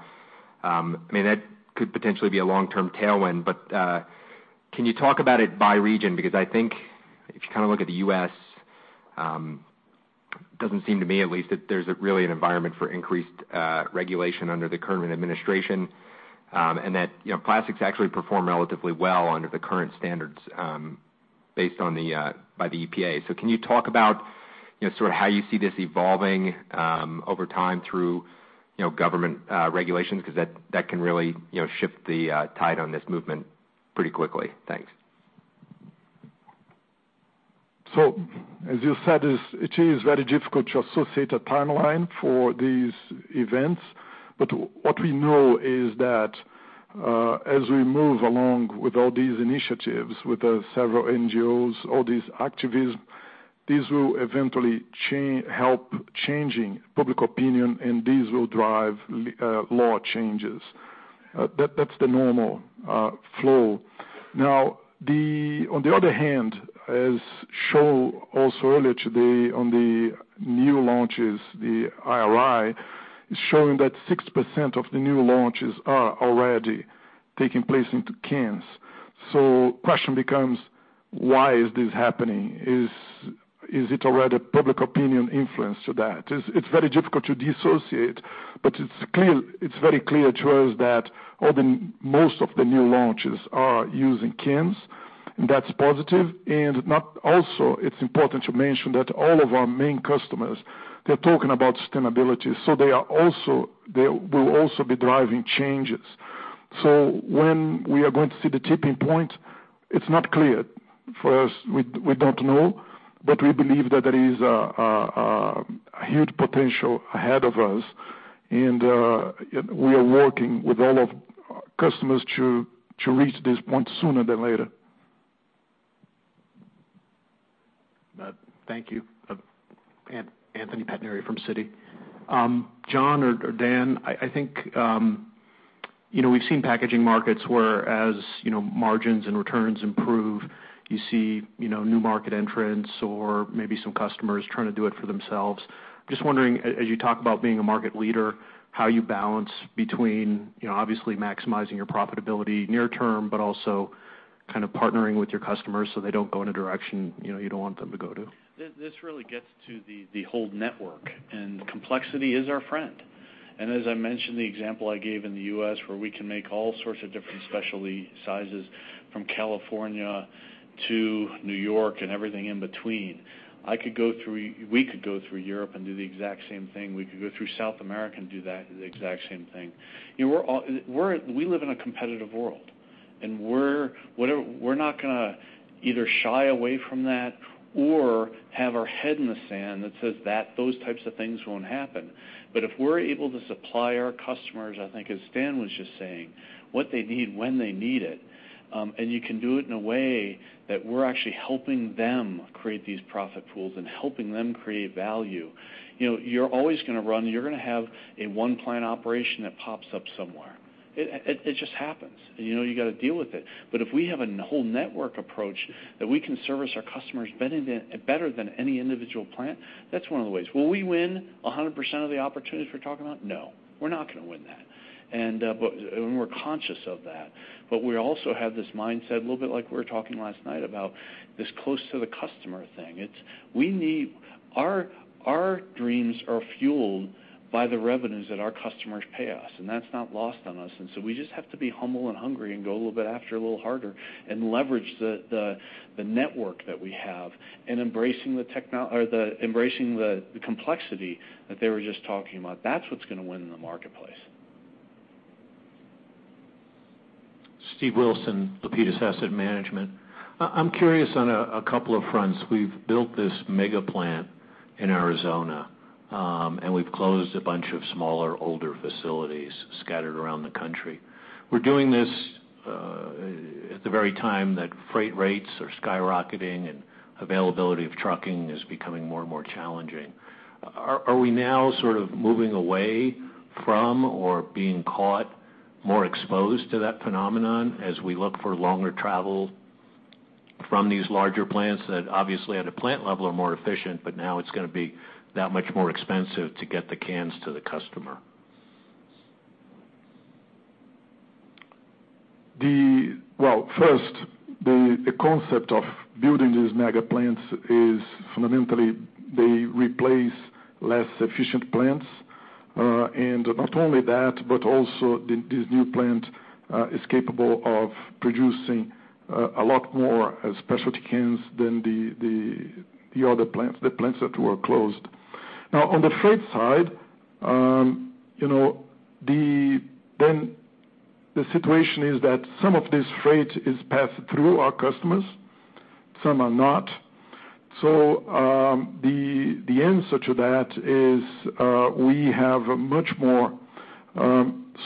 that could potentially be a long-term tailwind, can you talk about it by region? I think if you look at the U.S. Doesn't seem to me, at least, that there's really an environment for increased regulation under the current administration, and that plastics actually perform relatively well under the current standards based on by the EPA. Can you talk about sort of how you see this evolving over time through government regulations? That can really shift the tide on this movement pretty quickly. Thanks. As you said, it is very difficult to associate a timeline for these events. What we know is that, as we move along with all these initiatives, with the several NGOs, all these activists, these will eventually help changing public opinion, and these will drive law changes. That's the normal flow. On the other hand, as shown also earlier today on the new launches, the IRI is showing that 6% of the new launches are already taking place into cans. The question becomes, why is this happening? Is it already public opinion influence to that? It's very difficult to dissociate, but it's very clear to us that most of the new launches are using cans, and that's positive. Also, it's important to mention that all of our main customers, they're talking about sustainability, so they will also be driving changes. When we are going to see the tipping point, it's not clear for us. We don't know. We believe that there is a huge potential ahead of us, and we are working with all of our customers to reach this point sooner than later. Thank you. Anthony Pettinari from Citi. John or Dan, I think we've seen packaging markets where as margins and returns improve, you see new market entrants or maybe some customers trying to do it for themselves. Just wondering, as you talk about being a market leader, how you balance between obviously maximizing your profitability near term, but also kind of partnering with your customers so they don't go in a direction you don't want them to go to. This really gets to the whole network, complexity is our friend. As I mentioned, the example I gave in the U.S., where we can make all sorts of different specialty sizes from California to New York and everything in between, we could go through Europe and do the exact same thing. We could go through South America and do the exact same thing. We live in a competitive world, we're not going to either shy away from that or have our head in the sand that says that those types of things won't happen. If we're able to supply our customers, I think, as Strain was just saying, what they need when they need it, and you can do it in a way that we're actually helping them create these profit pools and helping them create value. You're always going to have a one-plant operation that pops up somewhere. It just happens, and you got to deal with it. If we have a whole network approach that we can service our customers better than any individual plant, that's one of the ways. Will we win 100% of the opportunities we're talking about? No, we're not going to win that. We're conscious of that. We also have this mindset, a little bit like we were talking last night, about this close to the customer thing. Our dreams are fueled by the revenues that our customers pay us, and that's not lost on us. We just have to be humble and hungry and go a little bit after a little harder and leverage the network that we have and embracing the complexity that they were just talking about. That's what's going to win in the marketplace. Steve Wilson, Lapides Asset Management. I'm curious on a couple of fronts. We've built this mega plant in Arizona, we've closed a bunch of smaller, older facilities scattered around the country. We're doing this at the very time that freight rates are skyrocketing and availability of trucking is becoming more and more challenging. Are we now sort of moving away from or being caught more exposed to that phenomenon as we look for longer travel from these larger plants that obviously at a plant level are more efficient, but now it's going to be that much more expensive to get the cans to the customer? First, the concept of building these mega plants is fundamentally they replace less efficient plants. Not only that, but also this new plant is capable of producing a lot more specialty cans than the other plants, the plants that were closed. On the freight side, the situation is that some of this freight is passed through our customers, some are not. The answer to that is, we have a much more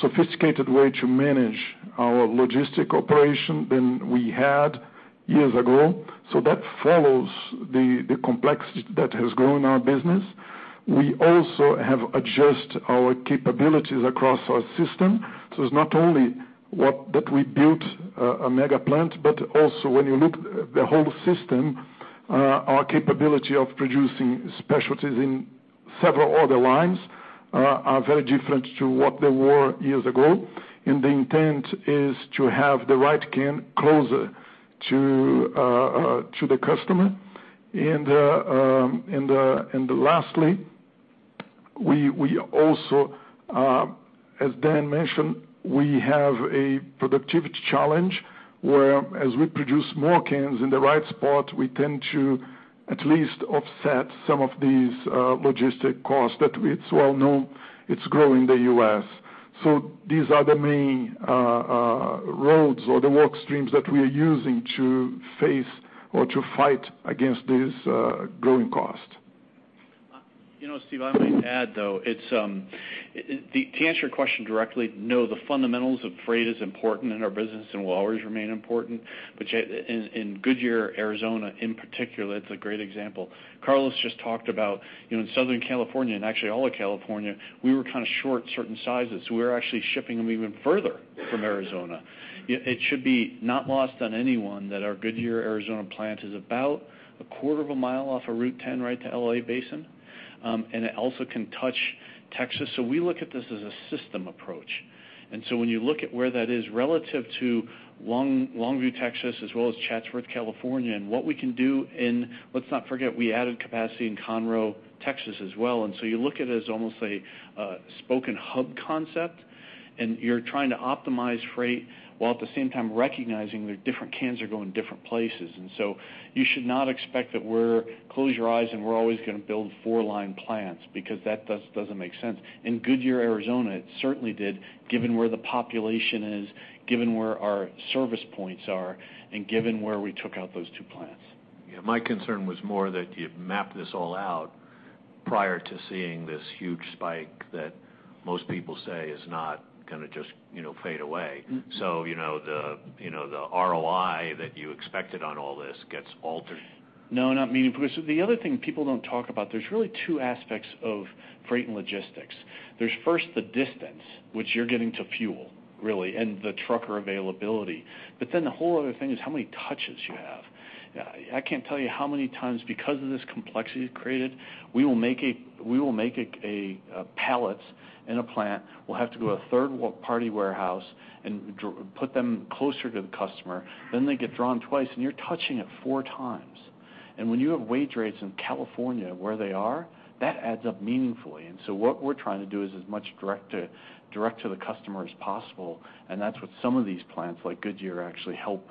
sophisticated way to manage our logistic operation than we had years ago. That follows the complexity that has grown our business. We also have adjusted our capabilities across our system. It's not only that we built a mega plant, but also when you look at the whole system, our capability of producing specialties in several other lines are very different to what they were years ago. The intent is to have the right can closer to the customer. Lastly, we also, as Dan mentioned, we have a productivity challenge where as we produce more cans in the right spot, we tend to at least offset some of these logistic costs that it's well known it's growing in the U.S. These are the main roads or the work streams that we are using to face or to fight against this growing cost. Steve, I might add, though, to answer your question directly, no, the fundamentals of freight is important in our business and will always remain important. In Goodyear, Arizona in particular, it's a great example. Carlos just talked about in Southern California, and actually all of California, we were kind of short certain sizes, so we were actually shipping them even further from Arizona. It should be not lost on anyone that our Goodyear, Arizona plant is about a quarter of a mile off of Route 10, right to L.A. Basin, and it also can touch Texas. We look at this as a system approach. When you look at where that is relative to Longview, Texas, as well as Chatsworth, California, and what we can do in-- let's not forget, we added capacity in Conroe, Texas, as well. You look at it as almost a spoke-and-hub concept, and you're trying to optimize freight while at the same time recognizing that different cans are going different places. You should not expect that we're close your eyes, and we're always going to build four-line plants because that doesn't make sense. In Goodyear, Arizona, it certainly did, given where the population is, given where our service points are, and given where we took out those two plants. Yeah. My concern was more that you mapped this all out prior to seeing this huge spike that most people say is not going to just fade away. The ROI that you expected on all this gets altered. No, not meaningfully. The other thing people don't talk about, there's really two aspects of freight and logistics. There's first the distance, which you're getting to fuel, really, and the trucker availability. The whole other thing is how many touches you have. I can't tell you how many times, because of this complexity it created, we will make pallets in a plant, we'll have to go to a third-party warehouse and put them closer to the customer. Then they get drawn twice, and you're touching it four times. When you have wage rates in California where they are, that adds up meaningfully. What we're trying to do is as much direct to the customer as possible, and that's what some of these plants, like Goodyear, actually help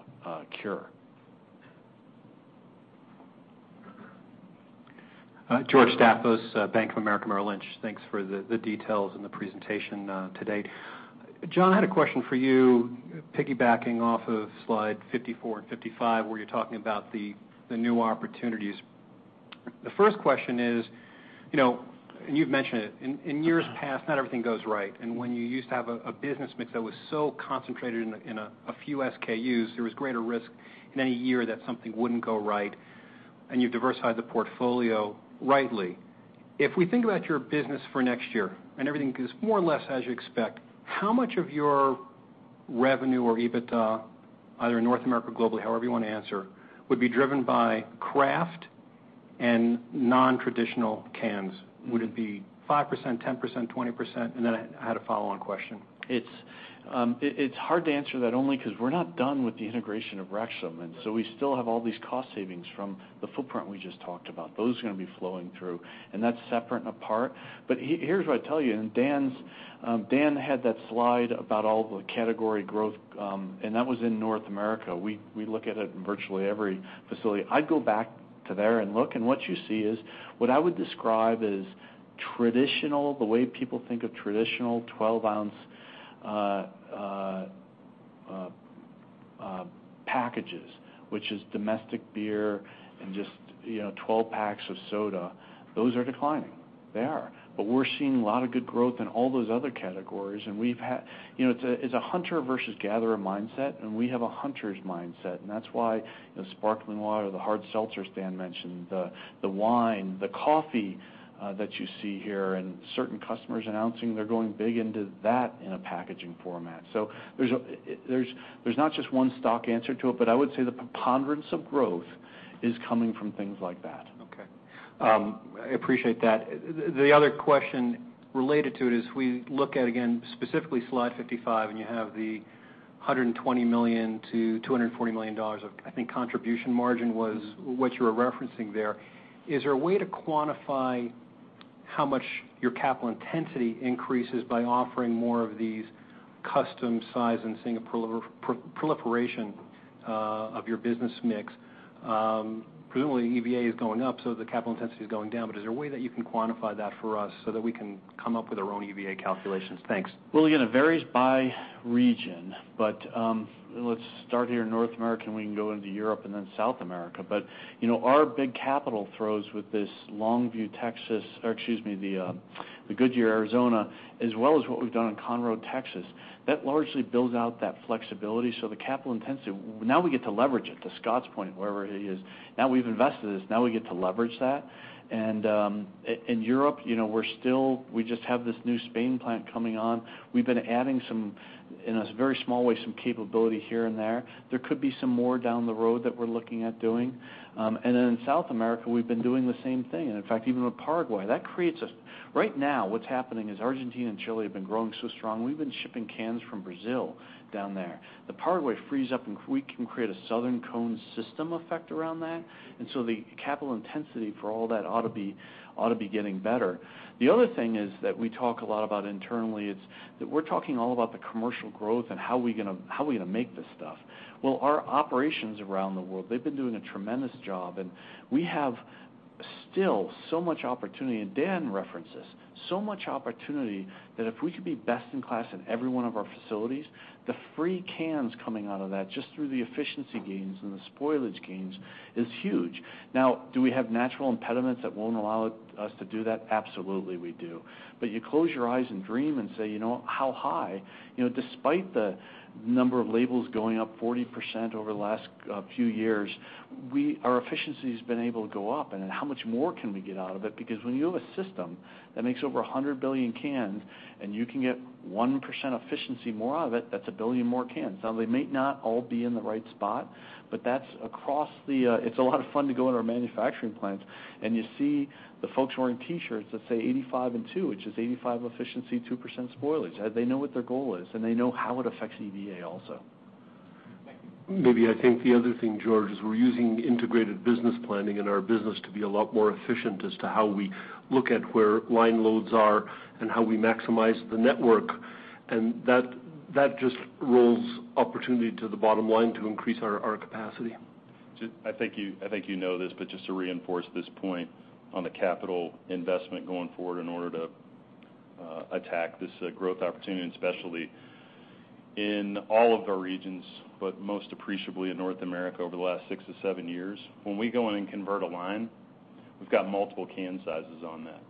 cure. George Staphos, Bank of America Merrill Lynch. Thanks for the details and the presentation today. John, I had a question for you, piggybacking off of slide 54 and 55, where you're talking about the new opportunities. The first question is, and you've mentioned it, in years past, not everything goes right. When you used to have a business mix that was so concentrated in a few SKUs, there was greater risk in any year that something wouldn't go right, and you've diversified the portfolio rightly. If we think about your business for next year and everything goes more or less as you expect, how much of your revenue or EBITDA, either in North America or globally, however you want to answer, would be driven by craft and non-traditional cans? Would it be 5%, 10%, 20%? I had a follow-on question. It's hard to answer that only because we're not done with the integration of Rexam, we still have all these cost savings from the footprint we just talked about. Those are going to be flowing through, and that's separate and apart. Here's what I tell you. Dan had that slide about all the category growth, and that was in North America. We look at it in virtually every facility. I'd go back to there and look, what you see is what I would describe as traditional, the way people think of traditional 12-ounce packages, which is domestic beer and just 12-packs of soda. Those are declining. They are. We're seeing a lot of good growth in all those other categories. It's a hunter versus gatherer mindset, and we have a hunter's mindset, and that's why the sparkling water, the hard seltzers Dan mentioned, the wine, the coffee that you see here, and certain customers announcing they're going big into that in a packaging format. There's not just one stock answer to it, but I would say the preponderance of growth is coming from things like that. Okay. I appreciate that. The other question related to it is we look at, again, specifically slide 55, and you have the $120 million-$240 million of, I think, contribution margin was what you were referencing there. Is there a way to quantify how much your capital intensity increases by offering more of these custom size and seeing a proliferation of your business mix? Presumably, EVA is going up, the capital intensity is going down, is there a way that you can quantify that for us so that we can come up with our own EVA calculations? Thanks. Again, it varies by region, let's start here in North America, we can go into Europe South America. Our big capital throws with this Longview, Texas, or excuse me, the Goodyear, Arizona, as well as what we've done in Conroe, Texas. That largely builds out that flexibility, the capital intensity, now we get to leverage it, to Scott's point, wherever he is. Now we've invested this, now we get to leverage that. In Europe, we just have this new Spain plant coming on. We've been adding, in a very small way, some capability here and there. There could be some more down the road that we're looking at doing. In South America, we've been doing the same thing. In fact, even with Paraguay. Right now, what's happening is Argentina and Chile have been growing so strong, we've been shipping cans from Brazil down there. The Paraguay frees up, we can create a southern cone system effect around that. The capital intensity for all that ought to be getting better. The other thing is that we talk a lot about internally is that we're talking all about the commercial growth and how we're going to make this stuff. Our operations around the world, they've been doing a tremendous job, we have still so much opportunity. Dan referenced this, so much opportunity that if we could be best in class in every one of our facilities, the free cans coming out of that, just through the efficiency gains and the spoilage gains is huge. Now, do we have natural impediments that won't allow us to do that? Absolutely, we do. You close your eyes and dream and say, how high? Despite the number of labels going up 40% over the last few years, our efficiency's been able to go up. How much more can we get out of it? Because when you have a system that makes over 100 billion cans and you can get 1% efficiency more out of it, that's a billion more cans. They may not all be in the right spot, but it's a lot of fun to go into our manufacturing plants and you see the folks wearing T-shirts that say 85 and two, which is 85% efficiency, 2% spoilage. They know what their goal is, and they know how it affects EVA also. Maybe I think the other thing, George, is we're using integrated business planning in our business to be a lot more efficient as to how we look at where line loads are and how we maximize the network. That just rolls opportunity to the bottom line to increase our capacity. I think you know this, just to reinforce this point on the capital investment going forward in order to attack this growth opportunity, especially in all of our regions, but most appreciably in North America over the last six to seven years. When we go in and convert a line, we've got multiple can sizes on that.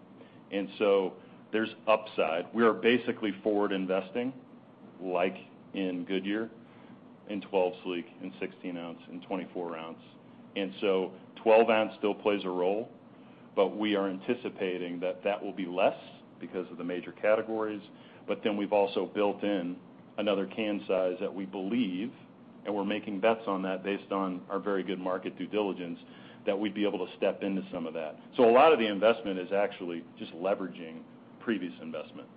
There's upside. We are basically forward investing, like in Goodyear, in 12 sleek, in 16 ounce, in 24 ounce. 12 ounce still plays a role, but we are anticipating that that will be less because of the major categories. We've also built in another can size that we believe, and we're making bets on that based on our very good market due diligence, that we'd be able to step into some of that. A lot of the investment is actually just leveraging previous investment.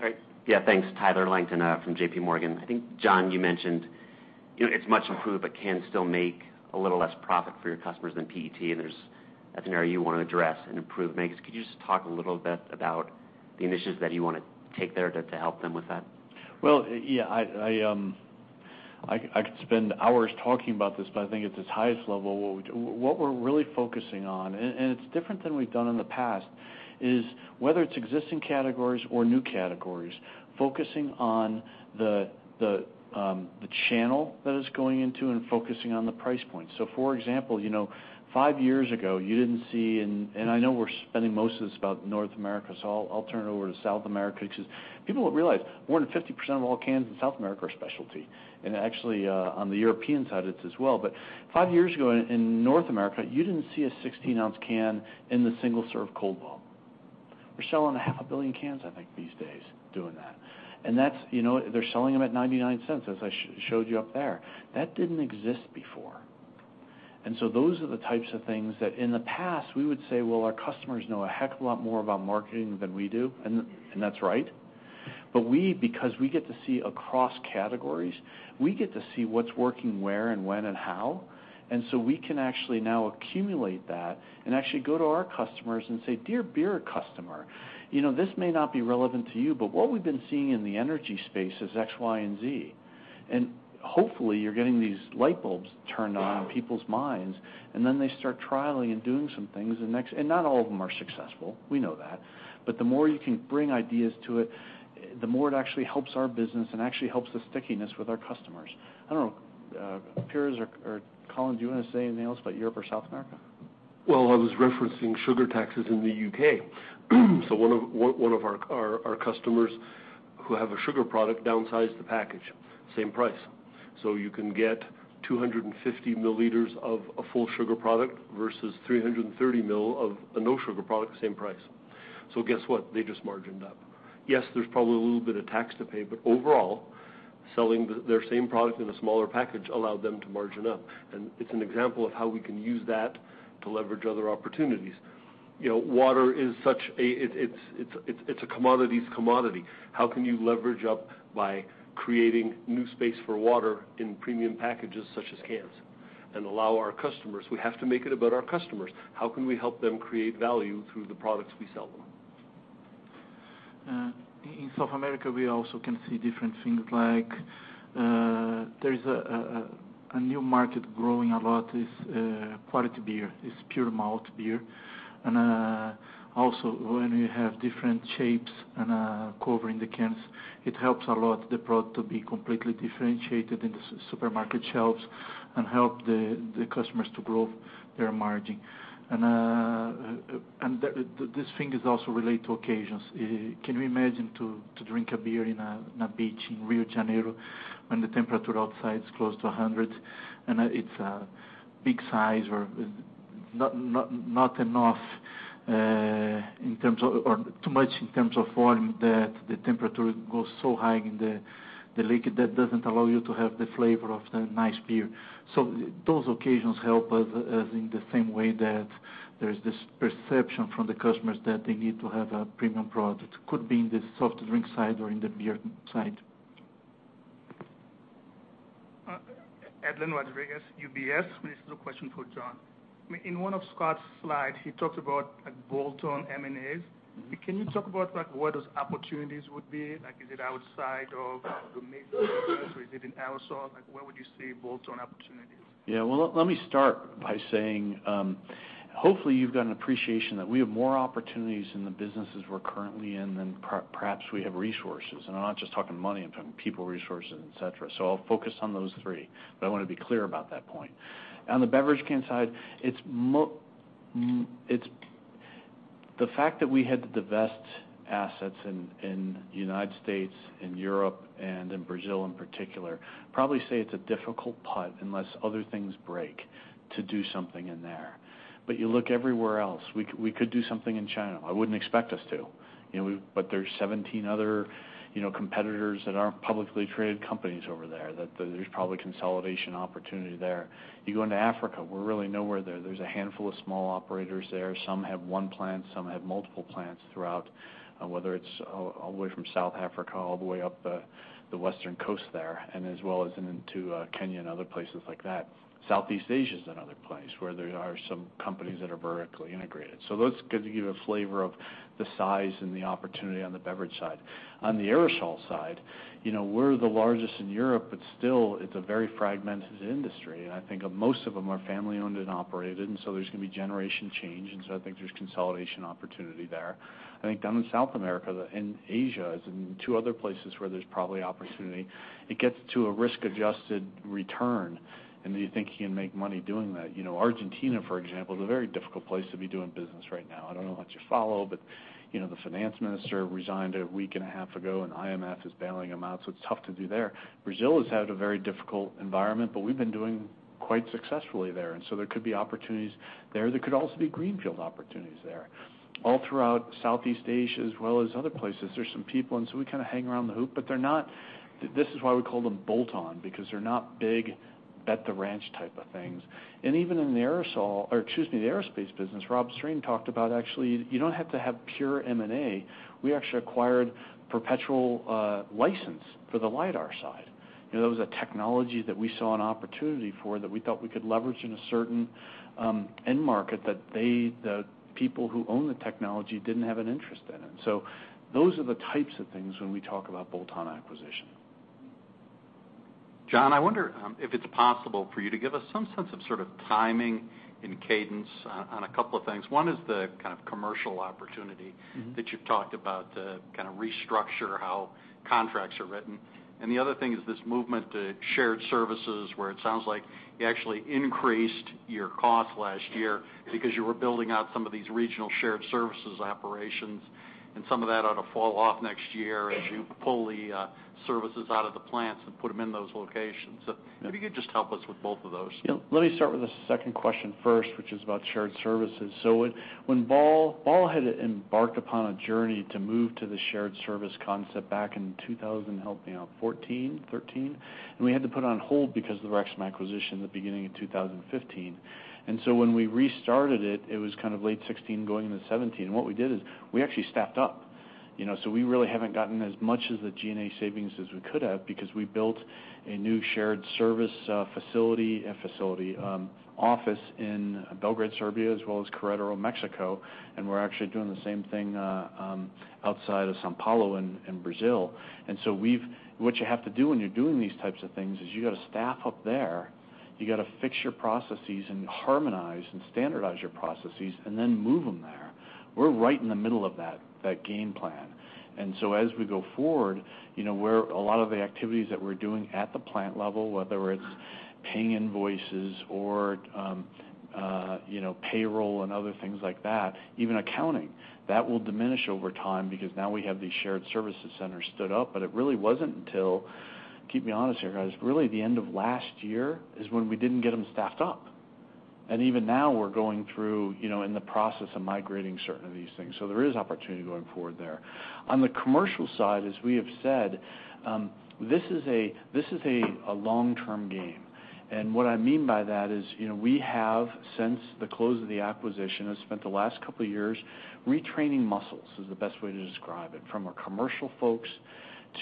That's great. Thank you. All right. Yeah, thanks. Tyler Langton from J.P. Morgan. I think, John, you mentioned it's much improved, can still make a little less profit for your customers than PET, and that's an area you want to address and improve. Could you just talk a little bit about the initiatives that you want to take there to help them with that? Well, yeah. I could spend hours talking about this, I think at its highest level, what we're really focusing on, and it's different than we've done in the past, is whether it's existing categories or new categories, focusing on the channel that it's going into and focusing on the price point. For example, five years ago, you didn't see, and I know we're spending most of this about North America, I'll turn it over to South America, because people don't realize more than 50% of all cans in South America are specialty. Actually, on the European side, it's as well. Five years ago in North America, you didn't see a 16-ounce can in the single-serve cold vault. We're selling a half a billion cans, I think, these days doing that. They're selling them at $0.99, as I showed you up there. That didn't exist before. Those are the types of things that in the past we would say, "Well, our customers know a heck of a lot more about marketing than we do." That's right. We, because we get to see across categories, we get to see what's working where and when and how. We can actually now accumulate that and actually go to our customers and say, "Dear beer customer, this may not be relevant to you, but what we've been seeing in the energy space is X, Y, and Z." Hopefully, you're getting these light bulbs turned on in people's minds, and then they start trialing and doing some things. Not all of them are successful. We know that. The more you can bring ideas to it, the more it actually helps our business and actually helps the stickiness with our customers. I don't know. Pires or Colin, do you want to say anything else about Europe or South America? Well, I was referencing sugar taxes in the U.K. One of our customers who have a sugar product downsized the package, same price. You can get 250 ml of a full sugar product versus 330 ml of a no sugar product, same price. Guess what? They just margined up. Yes, there's probably a little bit of tax to pay, but overall, selling their same product in a smaller package allowed them to margin up, and it's an example of how we can use that to leverage other opportunities. Water, it's a commodity's commodity. How can you leverage up by creating new space for water in premium packages such as cans? We have to make it about our customers. How can we help them create value through the products we sell them? In South America, we also can see different things like there is a new market growing a lot is quality beer, is pure malt beer. Also when we have different shapes and covering the cans, it helps a lot the product to be completely differentiated in the supermarket shelves and help the customers to grow their margin. This thing is also related to occasions. Can you imagine to drink a beer in a beach in Rio de Janeiro when the temperature outside is close to 100, and it's a big size or not enough, or too much in terms of volume that the temperature goes so high in the liquid that doesn't allow you to have the flavor of the nice beer. Those occasions help us in the same way that there's this perception from the customers that they need to have a premium product. Could be in the soft drink side or in the beer side. Edlain Rodriguez, UBS. This is a question for John. In one of Scott's slides, he talked about bolt-on M&As. Can you talk about what those opportunities would be? Is it outside of the [inaudible] or is it in aerosol? Where would you see bolt-on opportunities? Yeah. Well, let me start by saying, hopefully you've got an appreciation that we have more opportunities in the businesses we're currently in than perhaps we have resources. I'm not just talking money, I'm talking people resources, et cetera. I'll focus on those three, but I want to be clear about that point. On the beverage can side, the fact that we had to divest assets in U.S., in Europe, and in Brazil in particular, probably say it's a difficult putt unless other things break to do something in there. You look everywhere else, we could do something in China. I wouldn't expect us to. There's 17 other competitors that aren't publicly traded companies over there, that there's probably consolidation opportunity there. You go into Africa, we're really nowhere there. There's a handful of small operators there. Some have one plant, some have multiple plants throughout, whether it's all the way from South Africa all the way up the western coast there, and as well as into Kenya and other places like that. Southeast Asia is another place where there are some companies that are vertically integrated. Those give you a flavor of the size and the opportunity on the beverage side. On the aerosol side, we're the largest in Europe, but still, it's a very fragmented industry. I think most of them are family owned and operated, and so there's going to be generation change, and so I think there's consolidation opportunity there. I think down in South America and Asia is in two other places where there's probably opportunity. It gets to a risk-adjusted return, and do you think you can make money doing that? Argentina, for example, is a very difficult place to be doing business right now. The finance minister resigned a week and a half ago, IMF is bailing them out, so it's tough to do there. Brazil has had a very difficult environment, we've been doing quite successfully there, and so there could be opportunities there. There could also be greenfield opportunities there. All throughout Southeast Asia as well as other places, there's some people, and so we kind of hang around the hoop, but this is why we call them bolt-on because they're not big bet the ranch type of things. Even in the aerosol, or excuse me, the aerospace business, Rob Strain talked about actually, you don't have to have pure M&A. We actually acquired perpetual license for the lidar side. That was a technology that we saw an opportunity for that we thought we could leverage in a certain end market that the people who own the technology didn't have an interest in it. Those are the types of things when we talk about bolt-on acquisition. John, I wonder if it's possible for you to give us some sense of sort of timing and cadence on a couple of things. One is the kind of commercial opportunity- that you've talked about to kind of restructure how contracts are written. The other thing is this movement to shared services where it sounds like you actually increased your cost last year because you were building out some of these regional shared services operations, and some of that ought to fall off next year as you pull the services out of the plants and put them in those locations. Maybe you could just help us with both of those. Yeah. Let me start with the second question first, which is about shared services. When Ball had embarked upon a journey to move to the shared service concept back in 2000, help me out, 2014, 2013, and we had to put on hold because of the Rexam acquisition at the beginning of 2015. When we restarted it was kind of late 2016 going into 2017. What we did is we actually staffed up. We really haven't gotten as much of the G&A savings as we could have because we built a new shared service office in Belgrade, Serbia, as well as Querétaro, Mexico, and we're actually doing the same thing outside of São Paulo in Brazil. What you have to do when you're doing these types of things is you got to staff up there, you got to fix your processes and harmonize and standardize your processes, then move them there. We're right in the middle of that game plan. As we go forward, a lot of the activities that we're doing at the plant level, whether it's paying invoices or payroll and other things like that, even accounting, that will diminish over time because now we have these shared services centers stood up. It really wasn't until, keep me honest here, guys, really the end of last year is when we didn't get them staffed up. Even now we're going through in the process of migrating certain of these things. There is opportunity going forward there. On the commercial side, as we have said, this is a long-term game. What I mean by that is we have, since the close of the acquisition, have spent the last couple of years retraining muscles, is the best way to describe it, from our commercial folks to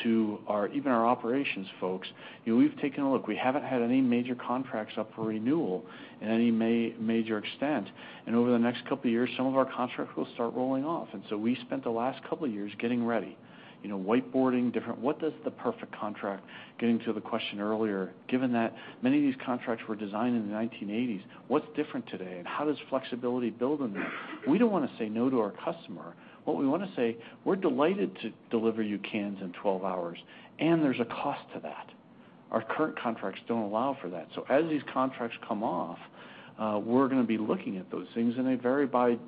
even our operations folks. We've taken a look. We haven't had any major contracts up for renewal in any major extent. Over the next couple of years, some of our contracts will start rolling off. We spent the last couple of years getting ready. Whiteboarding different what does the perfect contract, getting to the question earlier, given that many of these contracts were designed in the 1980s, what's different today and how does flexibility build in that? We don't want to say no to our customer. What we want to say, "We're delighted to deliver you cans in 12 hours," and there's a cost to that. Our current contracts don't allow for that. As these contracts come off, we're going to be looking at those things, and they vary by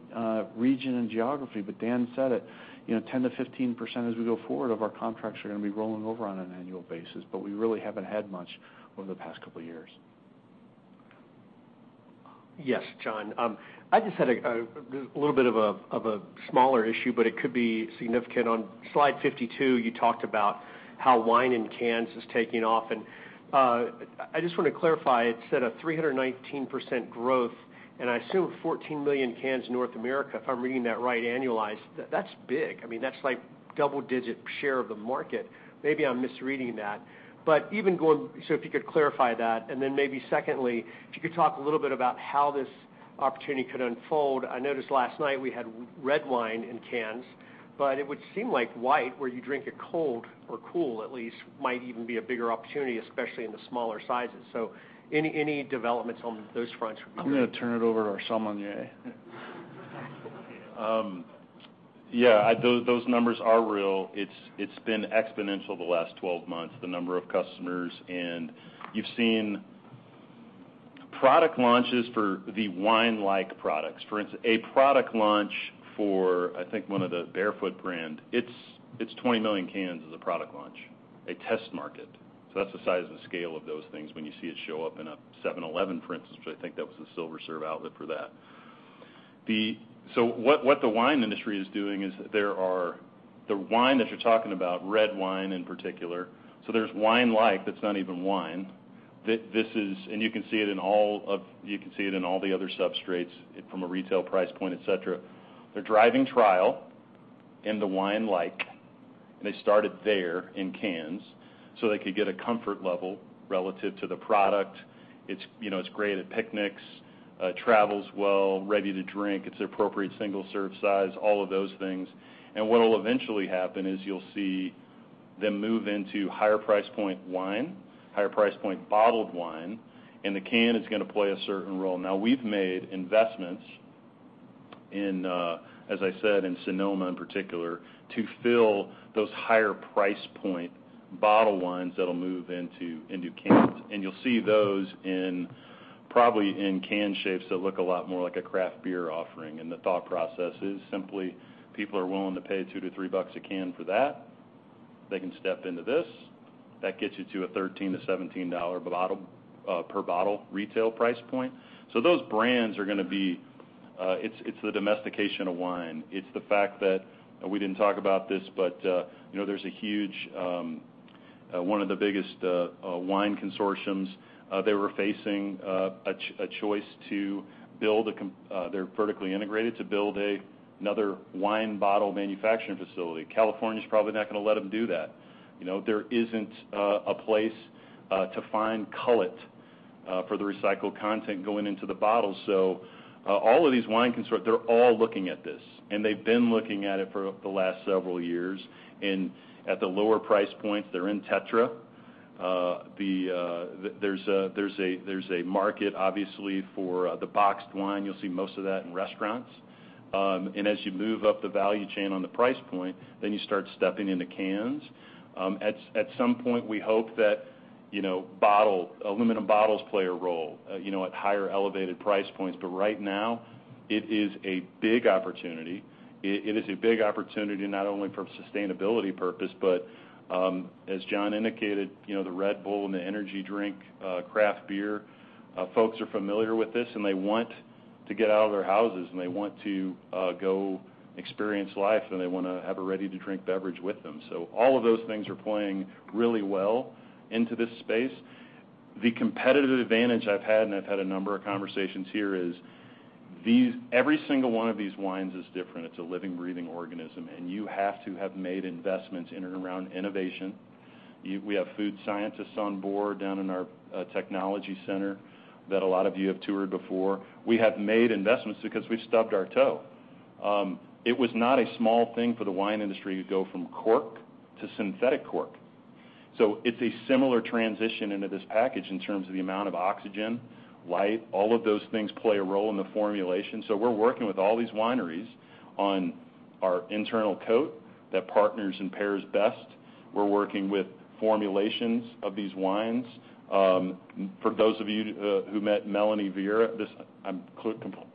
region and geography. Dan said it, 10%-15% as we go forward of our contracts are going to be rolling over on an annual basis, we really haven't had much over the past couple of years. Yes, John. I just had a little bit of a smaller issue, but it could be significant. On slide 52, you talked about how wine in cans is taking off, and I just want to clarify. It said a 319% growth, and I assume 14 million cans North America, if I'm reading that right, annualized. That's big. That's double-digit share of the market. Maybe I'm misreading that. If you could clarify that, then maybe secondly, if you could talk a little bit about how this opportunity could unfold. I noticed last night we had red wine in cans, but it would seem like white, where you drink it cold or cool at least, might even be a bigger opportunity, especially in the smaller sizes. Any developments on those fronts? I'm going to turn it over to our sommelier. Yeah. Those numbers are real. It's been exponential the last 12 months, the number of customers. You've seen product launches for the wine-like products. For instance, a product launch for, I think, one of the Barefoot brand, it's 20 million cans as a product launch, a test market. That's the size and scale of those things when you see it show up in a 7-Eleven, for instance, which I think that was a single serve outlet for that. What the wine industry is doing is there's the wine that you're talking about, red wine in particular, there's wine-like that's not even wine. You can see it in all the other substrates from a retail price point, et cetera. They're driving trial in the wine-like, and they started there in cans, so they could get a comfort level relative to the product. It's great at picnics, travels well, ready to drink. It's appropriate single serve size, all of those things. What'll eventually happen is you'll see them move into higher price point wine, higher price point bottled wine, and the can is going to play a certain role. Now we've made investments in, as I said, in Sonoma in particular, to fill those higher price point bottle wines that'll move into cans. You'll see those probably in can shapes that look a lot more like a craft beer offering, and the thought process is simply people are willing to pay $2 to $3 a can for that. They can step into this. That gets you to a $13 to $17 per bottle retail price point. Those brands are going to be the domestication of wine. It's the fact that we didn't talk about this, but there's a huge, one of the biggest wine consortiums. They were facing a choice to build another wine bottle manufacturing facility. California's probably not going to let them do that. There isn't a place to find cullet for the recycled content going into the bottle. All of these wine They're all looking at this, and they've been looking at it for the last several years. At the lower price points, they're in tetra. There's a market, obviously, for the boxed wine. You'll see most of that in restaurants. As you move up the value chain on the price point, then you start stepping into cans. At some point, we hope that aluminum bottles play a role at higher elevated price points. Right now, it is a big opportunity. It is a big opportunity not only for sustainability purpose, but as John indicated, the Red Bull and the energy drink, craft beer folks are familiar with this, and they want to get out of their houses, and they want to go experience life, and they want to have a ready-to-drink beverage with them. All of those things are playing really well into this space. The competitive advantage I've had, and I've had a number of conversations here, is every single one of these wines is different. It's a living, breathing organism, and you have to have made investments in and around innovation. We have food scientists on board down in our technology center that a lot of you have toured before. We have made investments because we've stubbed our toe. It was not a small thing for the wine industry to go from cork to synthetic cork. It's a similar transition into this package in terms of the amount of oxygen, light, all of those things play a role in the formulation. We're working with all these wineries on our internal coat that partners and pairs best. We're working with formulations of these wines. For those of you who met Melanie Viera, I'm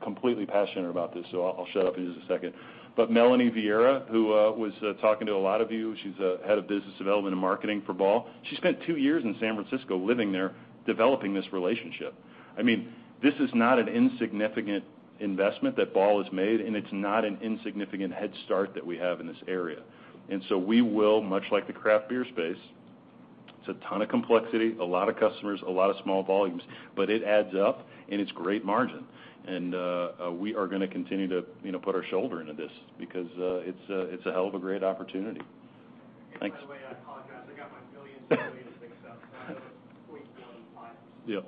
completely passionate about this, so I'll shut up in just a second. Melanie Viera, who was talking to a lot of you, she's a head of business development and marketing for Ball. She spent two years in San Francisco living there, developing this relationship. This is not an insignificant investment that Ball has made, and it's not an insignificant head start that we have in this area. We will, much like the craft beer space, it's a ton of complexity, a lot of customers, a lot of small volumes, but it adds up, and it's great margin. We are going to continue to put our shoulder into this because it's a hell of a great opportunity. Thanks. By the way, I apologize. I got my millions and billions mixed up, so I have a 0.15% market. Yeah.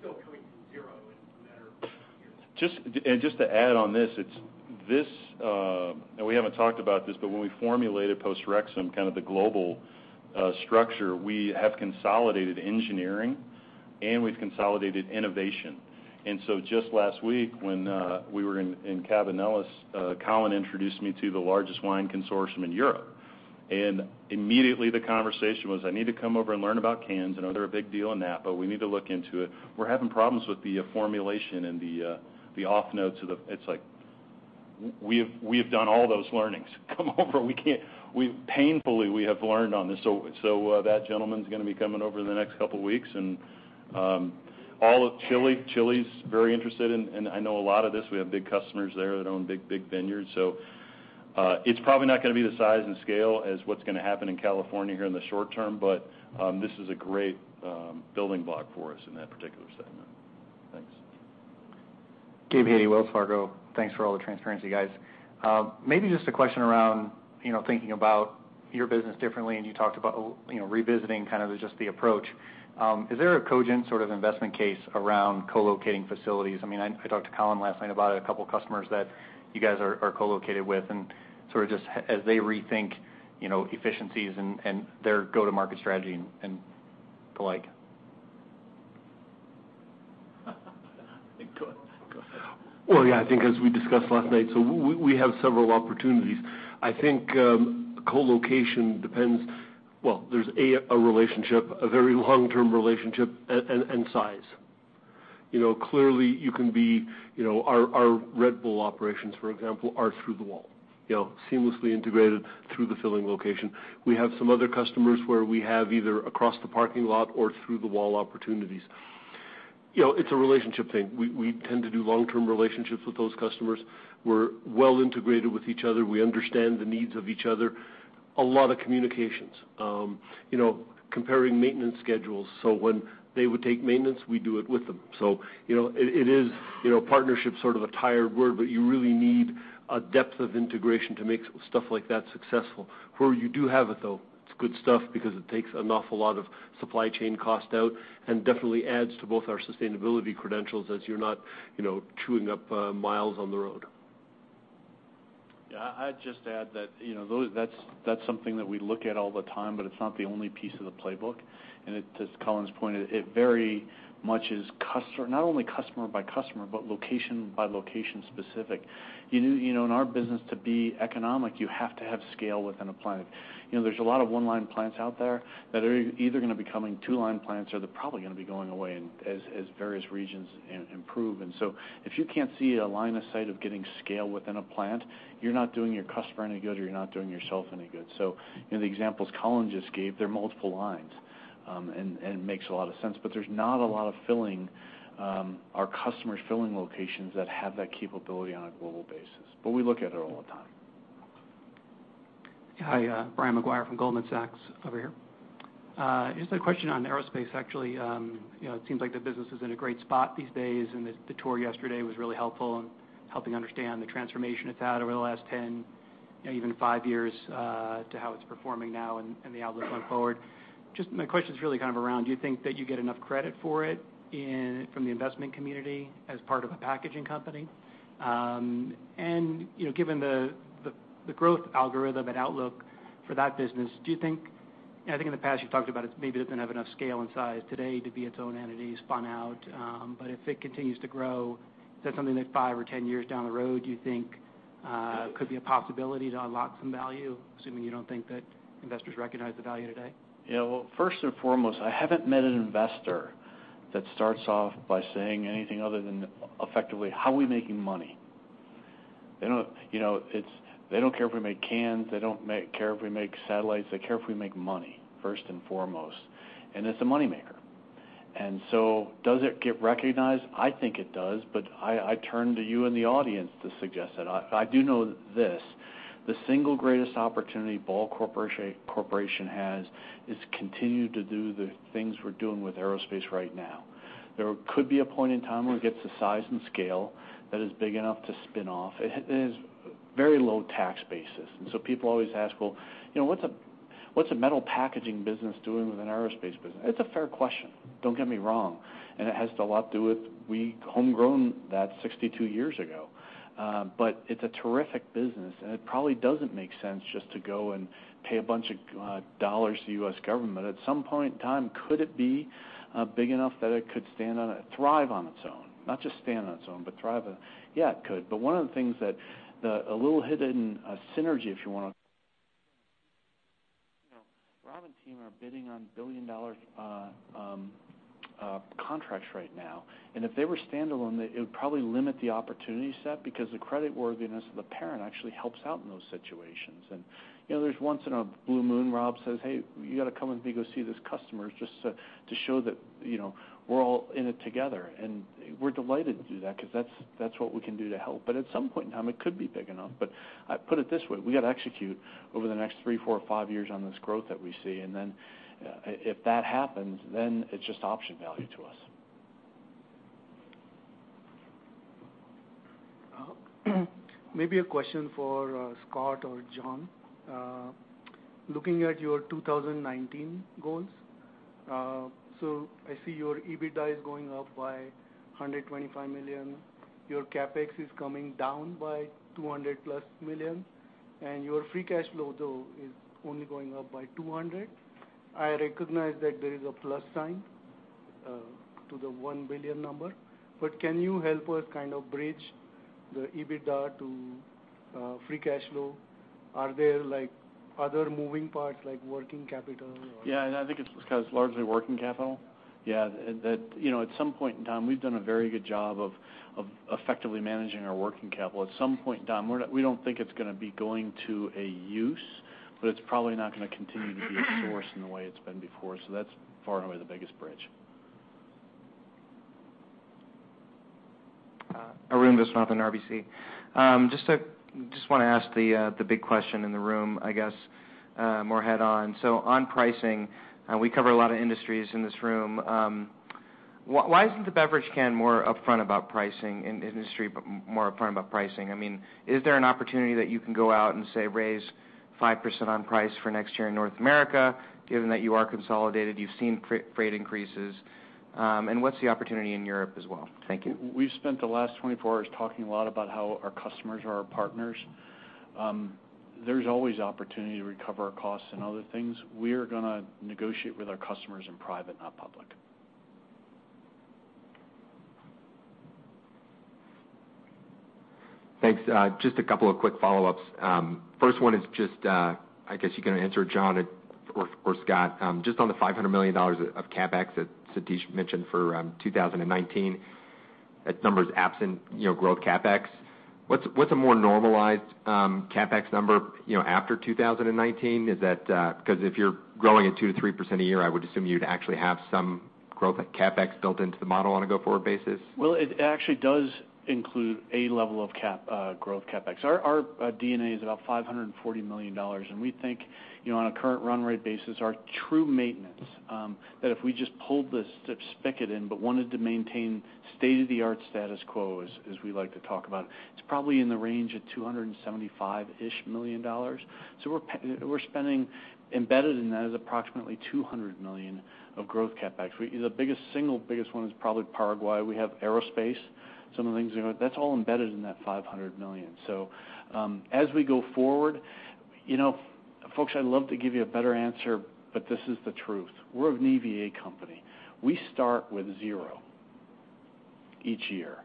Still coming from zero in a matter of years. Just to add on this, and we haven't talked about this, but when we formulated Post Rexam, kind of the global structure, we have consolidated engineering. And we've consolidated innovation. So just last week when we were in Cabanillas, Colin introduced me to the largest wine consortium in Europe. Immediately the conversation was, "I need to come over and learn about cans. I know they're a big deal in Napa. We need to look into it. We're having problems with the formulation and the off notes of the" It's like we have done all those learnings. Come over. We painfully have learned on this. So that gentleman's going to be coming over in the next couple of weeks, and all of Chile. Chile's very interested, and I know a lot of this. We have big customers there that own big vineyards. So, it's probably not going to be the size and scale as what's going to happen in California here in the short term, but this is a great building block for us in that particular segment. Thanks. Gabe Hay, Wells Fargo. Thanks for all the transparency, guys. Maybe just a question around thinking about your business differently, and you talked about revisiting kind of just the approach. Is there a cogent sort of investment case around co-locating facilities? I talked to Colin last night about a couple of customers that you guys are co-located with, and sort of just as they rethink efficiencies and their go-to-market strategy and the like. Go ahead. Well, yeah, I think as we discussed last night, we have several opportunities. I think co-location depends, A, a relationship, a very long-term relationship, and size. Clearly, our Red Bull operations, for example, are through the wall, seamlessly integrated through the filling location. We have some other customers where we have either across the parking lot or through the wall opportunities. It's a relationship thing. We tend to do long-term relationships with those customers. We're well integrated with each other. We understand the needs of each other. A lot of communications comparing maintenance schedules, so when they would take maintenance, we do it with them. It is, partnership's sort of a tired word, but you really need a depth of integration to make stuff like that successful. Where you do have it, though, it's good stuff because it takes an awful lot of supply chain cost out and definitely adds to both our sustainability credentials as you're not chewing up miles on the road. Yeah, I'd just add that that's something that we look at all the time, but it's not the only piece of the playbook. To Colin's point, it very much is not only customer by customer, but location by location specific. In our business, to be economic, you have to have scale within a plant. There's a lot of one-line plants out there that are either going to be coming two-line plants, or they're probably going to be going away as various regions improve. If you can't see a line of sight of getting scale within a plant, you're not doing your customer any good or you're not doing yourself any good. The examples Colin just gave, they're multiple lines, and it makes a lot of sense. There's not a lot of filling, our customers' filling locations that have that capability on a global basis. We look at it all the time. Hi, Brian Maguire from Goldman Sachs over here. Just a question on aerospace, actually. It seems like the business is in a great spot these days, and the tour yesterday was really helpful in helping understand the transformation it's had over the last 10, even five years, to how it's performing now and the outlook going forward. Just my question's really kind of around, do you think that you get enough credit for it from the investment community as part of a packaging company? Given the growth algorithm and outlook for that business, I think in the past you've talked about it maybe doesn't have enough scale and size today to be its own entity spun out. If it continues to grow, is that something that five or 10 years down the road, do you think could be a possibility to unlock some value? Assuming you don't think that investors recognize the value today. Yeah. Well, first and foremost, I haven't met an investor that starts off by saying anything other than effectively, "How are we making money?" They don't care if we make cans. They don't care if we make satellites. They care if we make money, first and foremost, and it's a money maker. Does it get recognized? I think it does. I turn to you in the audience to suggest that. I do know this. The single greatest opportunity Ball Corporation has is to continue to do the things we're doing with aerospace right now. There could be a point in time where it gets to size and scale that is big enough to spin off. It has very low tax basis, and so people always ask, "Well, what's a metal packaging business doing with an aerospace business?" It's a fair question, don't get me wrong. It has a lot to do with we homegrown that 62 years ago. It's a terrific business, and it probably doesn't make sense just to go and pay a bunch of dollars to the U.S. government. At some point in time, could it be big enough that it could stand on and thrive on its own? Not just stand on its own, but thrive. Yeah, it could, but one of the things that a little hidden synergy, if you want to, Rob and team are bidding on billion-dollar contracts right now, if they were standalone, it would probably limit the opportunity set because the creditworthiness of the parent actually helps out in those situations. There's once in a blue moon, Rob says, "Hey, you got to come with me, go see this customer just to show that we're all in it together." We're delighted to do that because that's what we can do to help. At some point in time, it could be big enough. I put it this way, we got to execute over the next three, four, or five years on this growth that we see. If that happens, then it's just option value to us. Maybe a question for Scott or John. Looking at your 2019 goals, I see your EBITDA is going up by $125 million. Your CapEx is coming down by $200+ million. Your free cash flow though is only going up by $200 million. I recognize that there is a plus sign to the $1 billion number, can you help us kind of bridge the EBITDA to free cash flow? Are there other moving parts like working capital? Yeah, I think it's because largely working capital. Yeah. At some point in time, we've done a very good job of effectively managing our working capital. At some point in time, we don't think it's going to be going to a use, but it's probably not going to continue to be a source in the way it's been before, that's far and away the biggest bridge. Arun Viswanathan with RBC. Want to ask the big question in the room, I guess, more head on. On pricing, we cover a lot of industries in this room. Why isn't the beverage can more upfront about pricing in the industry, more upfront about pricing? Is there an opportunity that you can go out and, say, raise 5% on price for next year in North America, given that you are consolidated, you've seen freight increases? What's the opportunity in Europe as well? Thank you. We've spent the last 24 hours talking a lot about how our customers are our partners. There's always opportunity to recover our costs and other things. We are going to negotiate with our customers in private, not public. Thanks. A couple of quick follow-ups. First one is, I guess you can answer, John or Scott, on the $500 million of CapEx that Scott mentioned for 2019. That number's absent growth CapEx. What's a more normalized CapEx number after 2019? If you're growing at 2%-3% a year, I would assume you'd actually have some growth CapEx built into the model on a go-forward basis. Well, it actually does include a level of growth CapEx. Our D&A is about $540 million. We think, on a current run rate basis, our true maintenance, that if we pulled the spigot in wanted to maintain state-of-the-art status quo, as we like to talk about, it's probably in the range of $275 million. We're spending, embedded in that, is approximately $200 million of growth CapEx. The single biggest one is probably Paraguay. We have Aerospace. Some of the things, that's all embedded in that $500 million. As we go forward, folks, I'd love to give you a better answer, this is the truth. We're an EVA company. We start with zero each year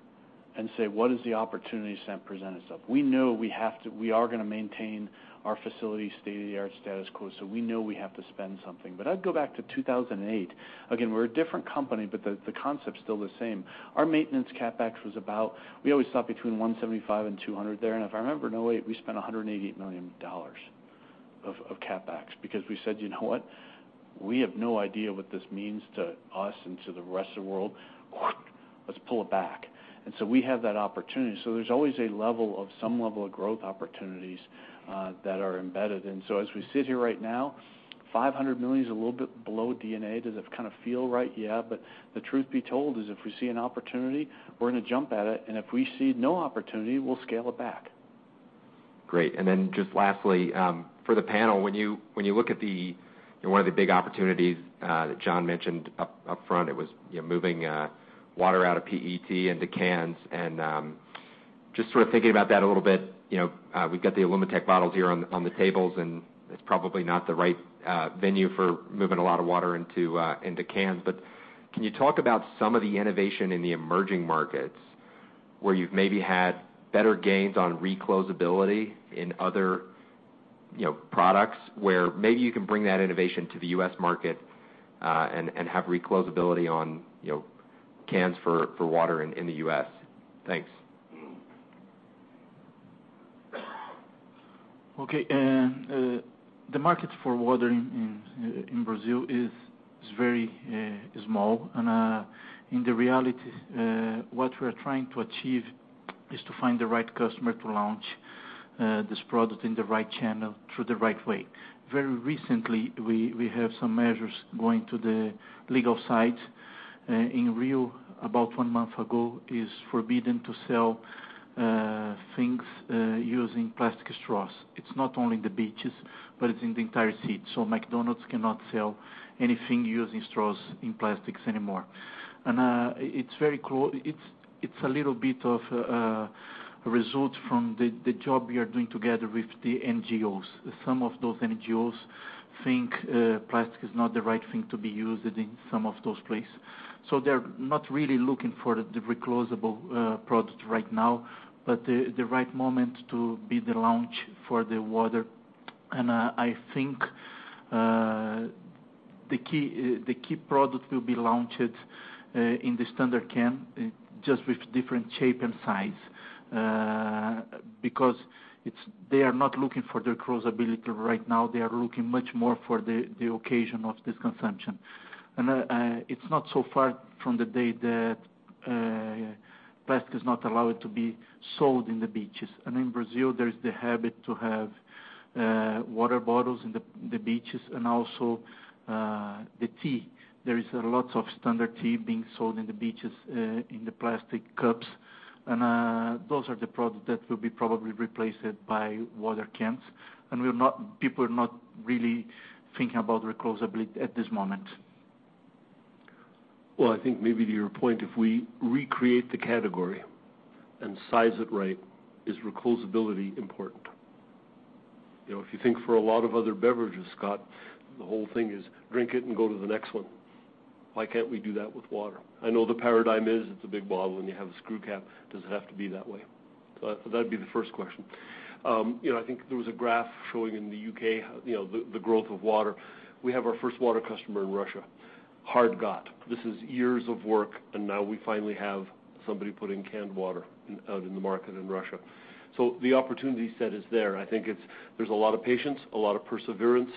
and say, "What is the opportunities that present itself?" We know we are going to maintain our facility's state-of-the-art status quo, we know we have to spend something. I'd go back to 2008. Again, we're a different company, but the concept's still the same. Our maintenance CapEx was about, we always thought between $175 million and $200 million there, and if I remember in 2008, we spent $188 million of CapEx because we said, "You know what? We have no idea what this means to us and to the rest of the world. Let's pull it back." We have that opportunity. There's always some level of growth opportunities that are embedded in. As we sit here right now, $500 million is a little bit below D&A. Does it kind of feel right? Yeah. The truth be told is if we see an opportunity, we're going to jump at it, and if we see no opportunity, we'll scale it back. Great. Just lastly, for the panel, when you look at one of the big opportunities that John mentioned up front, it was moving water out of PET into cans, and just sort of thinking about that a little bit, we've got the Alumi-Tek bottles here on the tables, and it's probably not the right venue for moving a lot of water into cans, but can you talk about some of the innovation in the emerging markets where you've maybe had better gains on recloseability in other products where maybe you can bring that innovation to the U.S. market, and have recloseability on cans for water in the U.S.? Thanks. Okay. The market for water in Brazil is very small and in reality, what we're trying to achieve is to find the right customer to launch this product in the right channel through the right way. Very recently, we have some measures going to the legal side. In Rio about one month ago, it's forbidden to sell things using plastic straws. It's not only the beaches, but it's in the entire city. McDonald's cannot sell anything using straws in plastics anymore. It's a little bit of a result from the job we are doing together with the NGOs. Some of those NGOs think plastic is not the right thing to be used in some of those places. They're not really looking for the recloseable product right now, but the right moment to be the launch for the water. I think the key product will be launched in the standard can, just with different shape and size, because they are not looking for the recloseability right now. They are looking much more for the occasion of this consumption. It's not so far from the day that plastic is not allowed to be sold on the beaches. In Brazil, there is the habit to have water bottles on the beaches, and also the tea. There is lots of standard tea being sold on the beaches in the plastic cups. Those are the products that will be probably replaced by water cans. People are not really thinking about recloseability at this moment. I think maybe to your point, if we recreate the category and size it right, is recloseability important? If you think for a lot of other beverages, Scott, the whole thing is drink it and go to the next one. Why can't we do that with water? I know the paradigm is it's a big bottle and you have a screw cap. Does it have to be that way? That'd be the first question. I think there was a graph showing in the U.K., the growth of water. We have our first water customer in Russia, hard got. This is years of work, now we finally have somebody putting canned water out in the market in Russia. The opportunity set is there. I think there's a lot of patience, a lot of perseverance,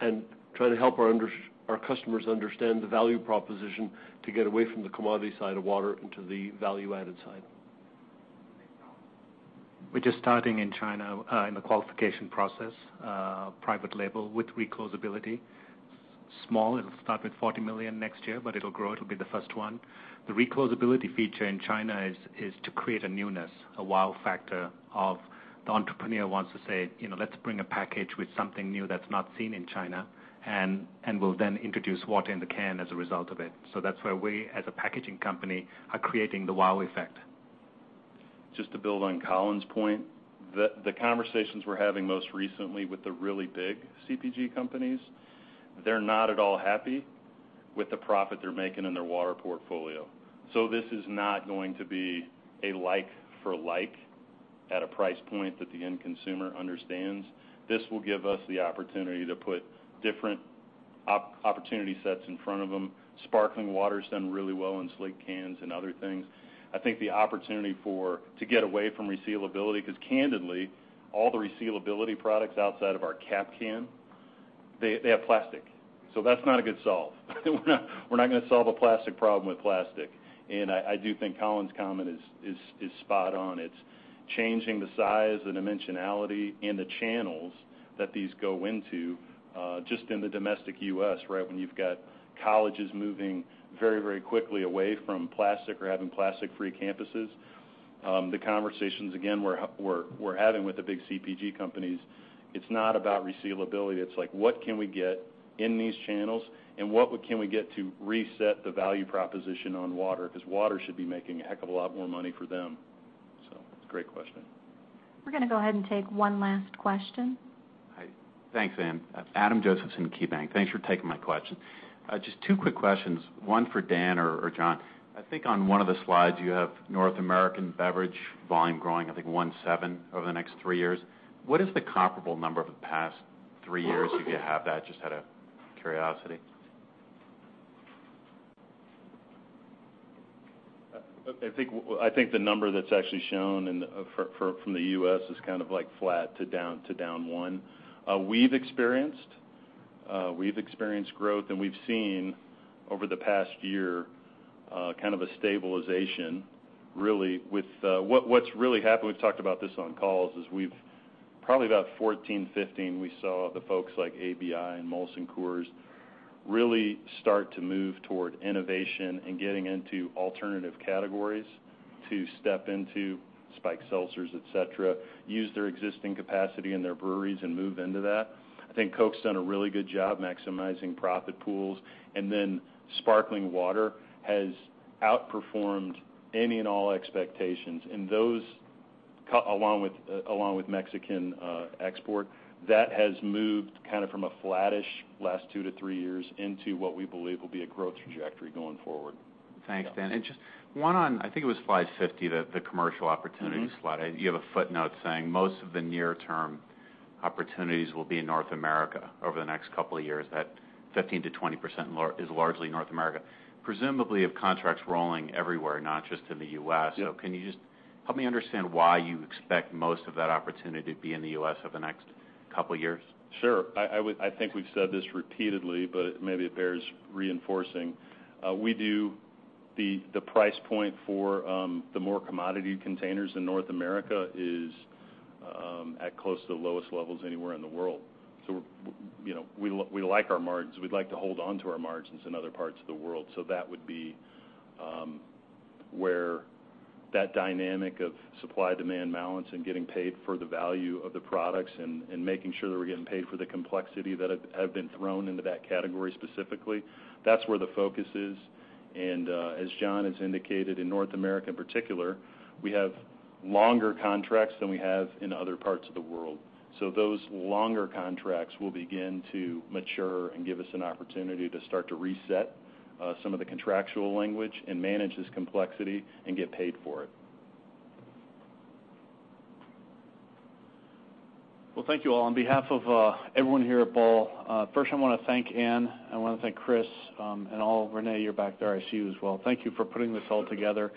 trying to help our customers understand the value proposition to get away from the commodity side of water into the value-added side. We're just starting in China in the qualification process, private label with recloseability. Small, it'll start with $40 million next year, it'll grow. It'll be the first one. The recloseability feature in China is to create a newness, a wow factor of the entrepreneur wants to say, "Let's bring a package with something new that's not seen in China," will then introduce water in the can as a result of it. That's where we, as a packaging company, are creating the wow effect. Just to build on Colin's point, the conversations we're having most recently with the really big CPG companies, they're not at all happy with the profit they're making in their water portfolio. This is not going to be a like for like at a price point that the end consumer understands. This will give us the opportunity to put different opportunity sets in front of them. Sparkling water's done really well in sleek cans and other things. I think the opportunity to get away from recloseability, because candidly, all the recloseability products outside of our Cap Can, they have plastic. That's not a good solve. We're not going to solve a plastic problem with plastic. I do think Colin's comment is spot on. It's changing the size, the dimensionality, and the channels that these go into, just in the domestic U.S., right, when you've got colleges moving very quickly away from plastic or having plastic-free campuses. The conversations, again, we're having with the big CPG companies, it's not about resealability. It's like, what can we get in these channels, and what can we get to reset the value proposition on water? Because water should be making a heck of a lot more money for them. Great question. We're going to go ahead and take one last question. Hi. Thanks, Anne. Adam Josephson, KeyBank. Thanks for taking my question. Just two quick questions, one for Dan or John. I think on one of the slides you have North American beverage volume growing, I think, 1.7 over the next three years. What is the comparable number for the past three years, if you have that? Just out of curiosity. I think the number that's actually shown from the U.S. is kind of flat to down one. We've experienced growth, and we've seen, over the past year, kind of a stabilization. What's really happened, we've talked about this on calls, is probably about 2014, 2015, we saw the folks like ABI and Molson Coors really start to move toward innovation and getting into alternative categories to step into spiked seltzers, et cetera, use their existing capacity in their breweries, and move into that. I think Coke's done a really good job maximizing profit pools. Then sparkling water has outperformed any and all expectations. Those, along with Mexican export, that has moved from a flattish last two to three years into what we believe will be a growth trajectory going forward. Thanks, Dan. Just one on, I think it was slide 50, the commercial opportunity slide. You have a footnote saying most of the near-term opportunities will be in North America over the next couple of years. That 15%-20% is largely North America. Presumably, you have contracts rolling everywhere, not just in the U.S. Yeah. Can you just help me understand why you expect most of that opportunity to be in the U.S. over the next couple of years? Sure. I think we've said this repeatedly, but maybe it bears reinforcing. The price point for the more commodity containers in North America is at close to the lowest levels anywhere in the world. We like our margins. We'd like to hold onto our margins in other parts of the world. That would be where that dynamic of supply-demand balance and getting paid for the value of the products and making sure that we're getting paid for the complexity that have been thrown into that category specifically. That's where the focus is. As John has indicated, in North America in particular, we have longer contracts than we have in other parts of the world. Those longer contracts will begin to mature and give us an opportunity to start to reset some of the contractual language and manage this complexity and get paid for it. Well, thank you all. On behalf of everyone here at Ball, first I want to thank Anne, I want to thank Chris, and all. Renee, you're back there. I see you as well. Thank you for putting this all together.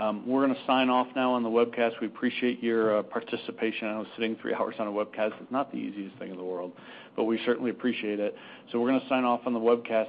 We're going to sign off now on the webcast. We appreciate your participation. I know sitting three hours on a webcast is not the easiest thing in the world, but we certainly appreciate it. We're going to sign off on the webcast